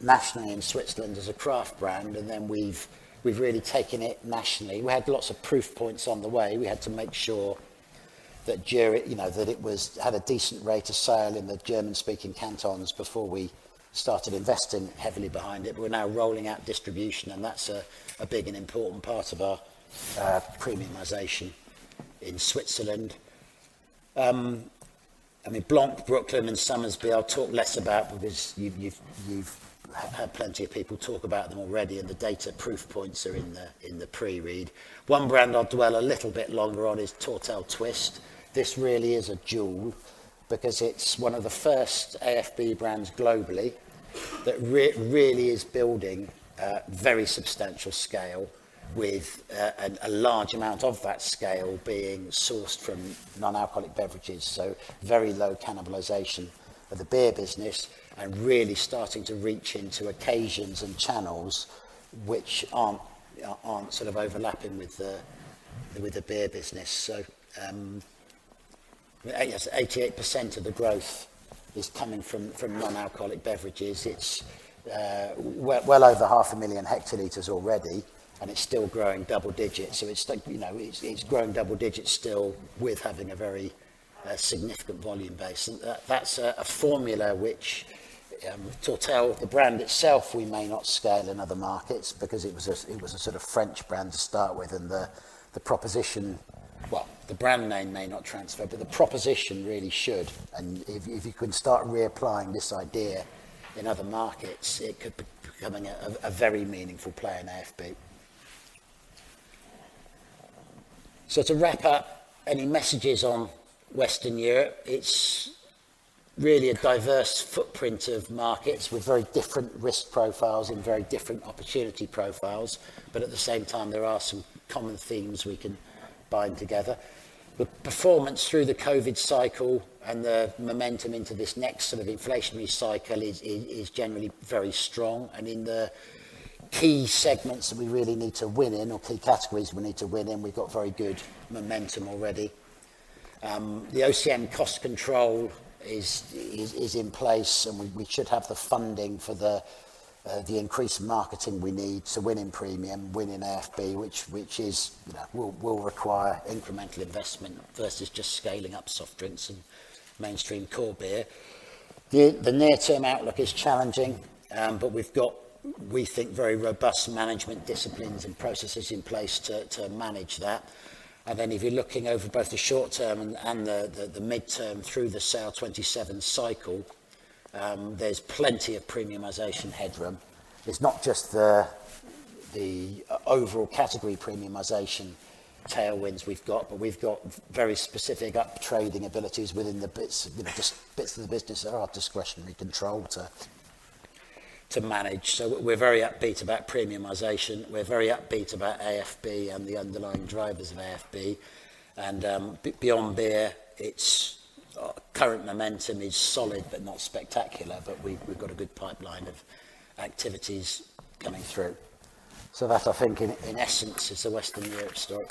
nationally in Switzerland as a craft brand, and then we've really taken it nationally. We had lots of proof points on the way. We had to make sure that you know, that it had a decent rate of sale in the German-speaking cantons before we started investing heavily behind it. We're now rolling out distribution, and that's a big and important part of our premiumization in Switzerland. I mean, Blanc, Brooklyn, and Somersby, I'll talk less about because you've had plenty of people talk about them already, and the data proof points are in the pre-read. One brand I'll dwell a little bit longer on is Tourtel Twist. This really is a jewel because it's one of the first AFB brands globally that really is building a very substantial scale with a large amount of that scale being sourced from non-alcoholic beverages, so very low cannibalization of the beer business and really starting to reach into occasions and channels which aren't sort of overlapping with the beer business. 88% of the growth is coming from non-alcoholic beverages. It's well over 500,000 hl already, and it's still growing double digits. It's still growing double digits with a very significant volume base. That's a formula which, to tell the truth, the brand itself, we may not scale in other markets because it was a sort of French brand to start with. And the proposition. Well, the brand name may not transfer, but the proposition really should. If you can start reapplying this idea in other markets, it could be becoming a very meaningful play in AFB. To wrap up any messages on Western Europe, it's really a diverse footprint of markets with very different risk profiles and very different opportunity profiles. At the same time, there are some common themes we can bind together. The performance through the COVID cycle and the momentum into this next sort of inflationary cycle is generally very strong. In the key segments that we really need to win in or key categories we need to win in, we've got very good momentum already. The OCM cost control is in place, and we should have the funding for the increased marketing we need to win in premium, win in AFB, which, you know, will require incremental investment versus just scaling up soft drinks and mainstream core beer. The near-term outlook is challenging, but we've got, we think, very robust management disciplines and processes in place to manage that. Then if you're looking over both the short term and the midterm through the SAIL 2027 cycle, there's plenty of premiumization headroom. It's not just the overall category premiumization tailwinds we've got, but we've got very specific up-trading abilities within the bits, you know, just bits of the business that are discretionary control to manage. We're very upbeat about premiumization. We're very upbeat about AFB and the underlying drivers of AFB. Beyond beer, its current momentum is solid but not spectacular, but we've got a good pipeline of activities coming through. That, I think in essence, is the Western Europe story.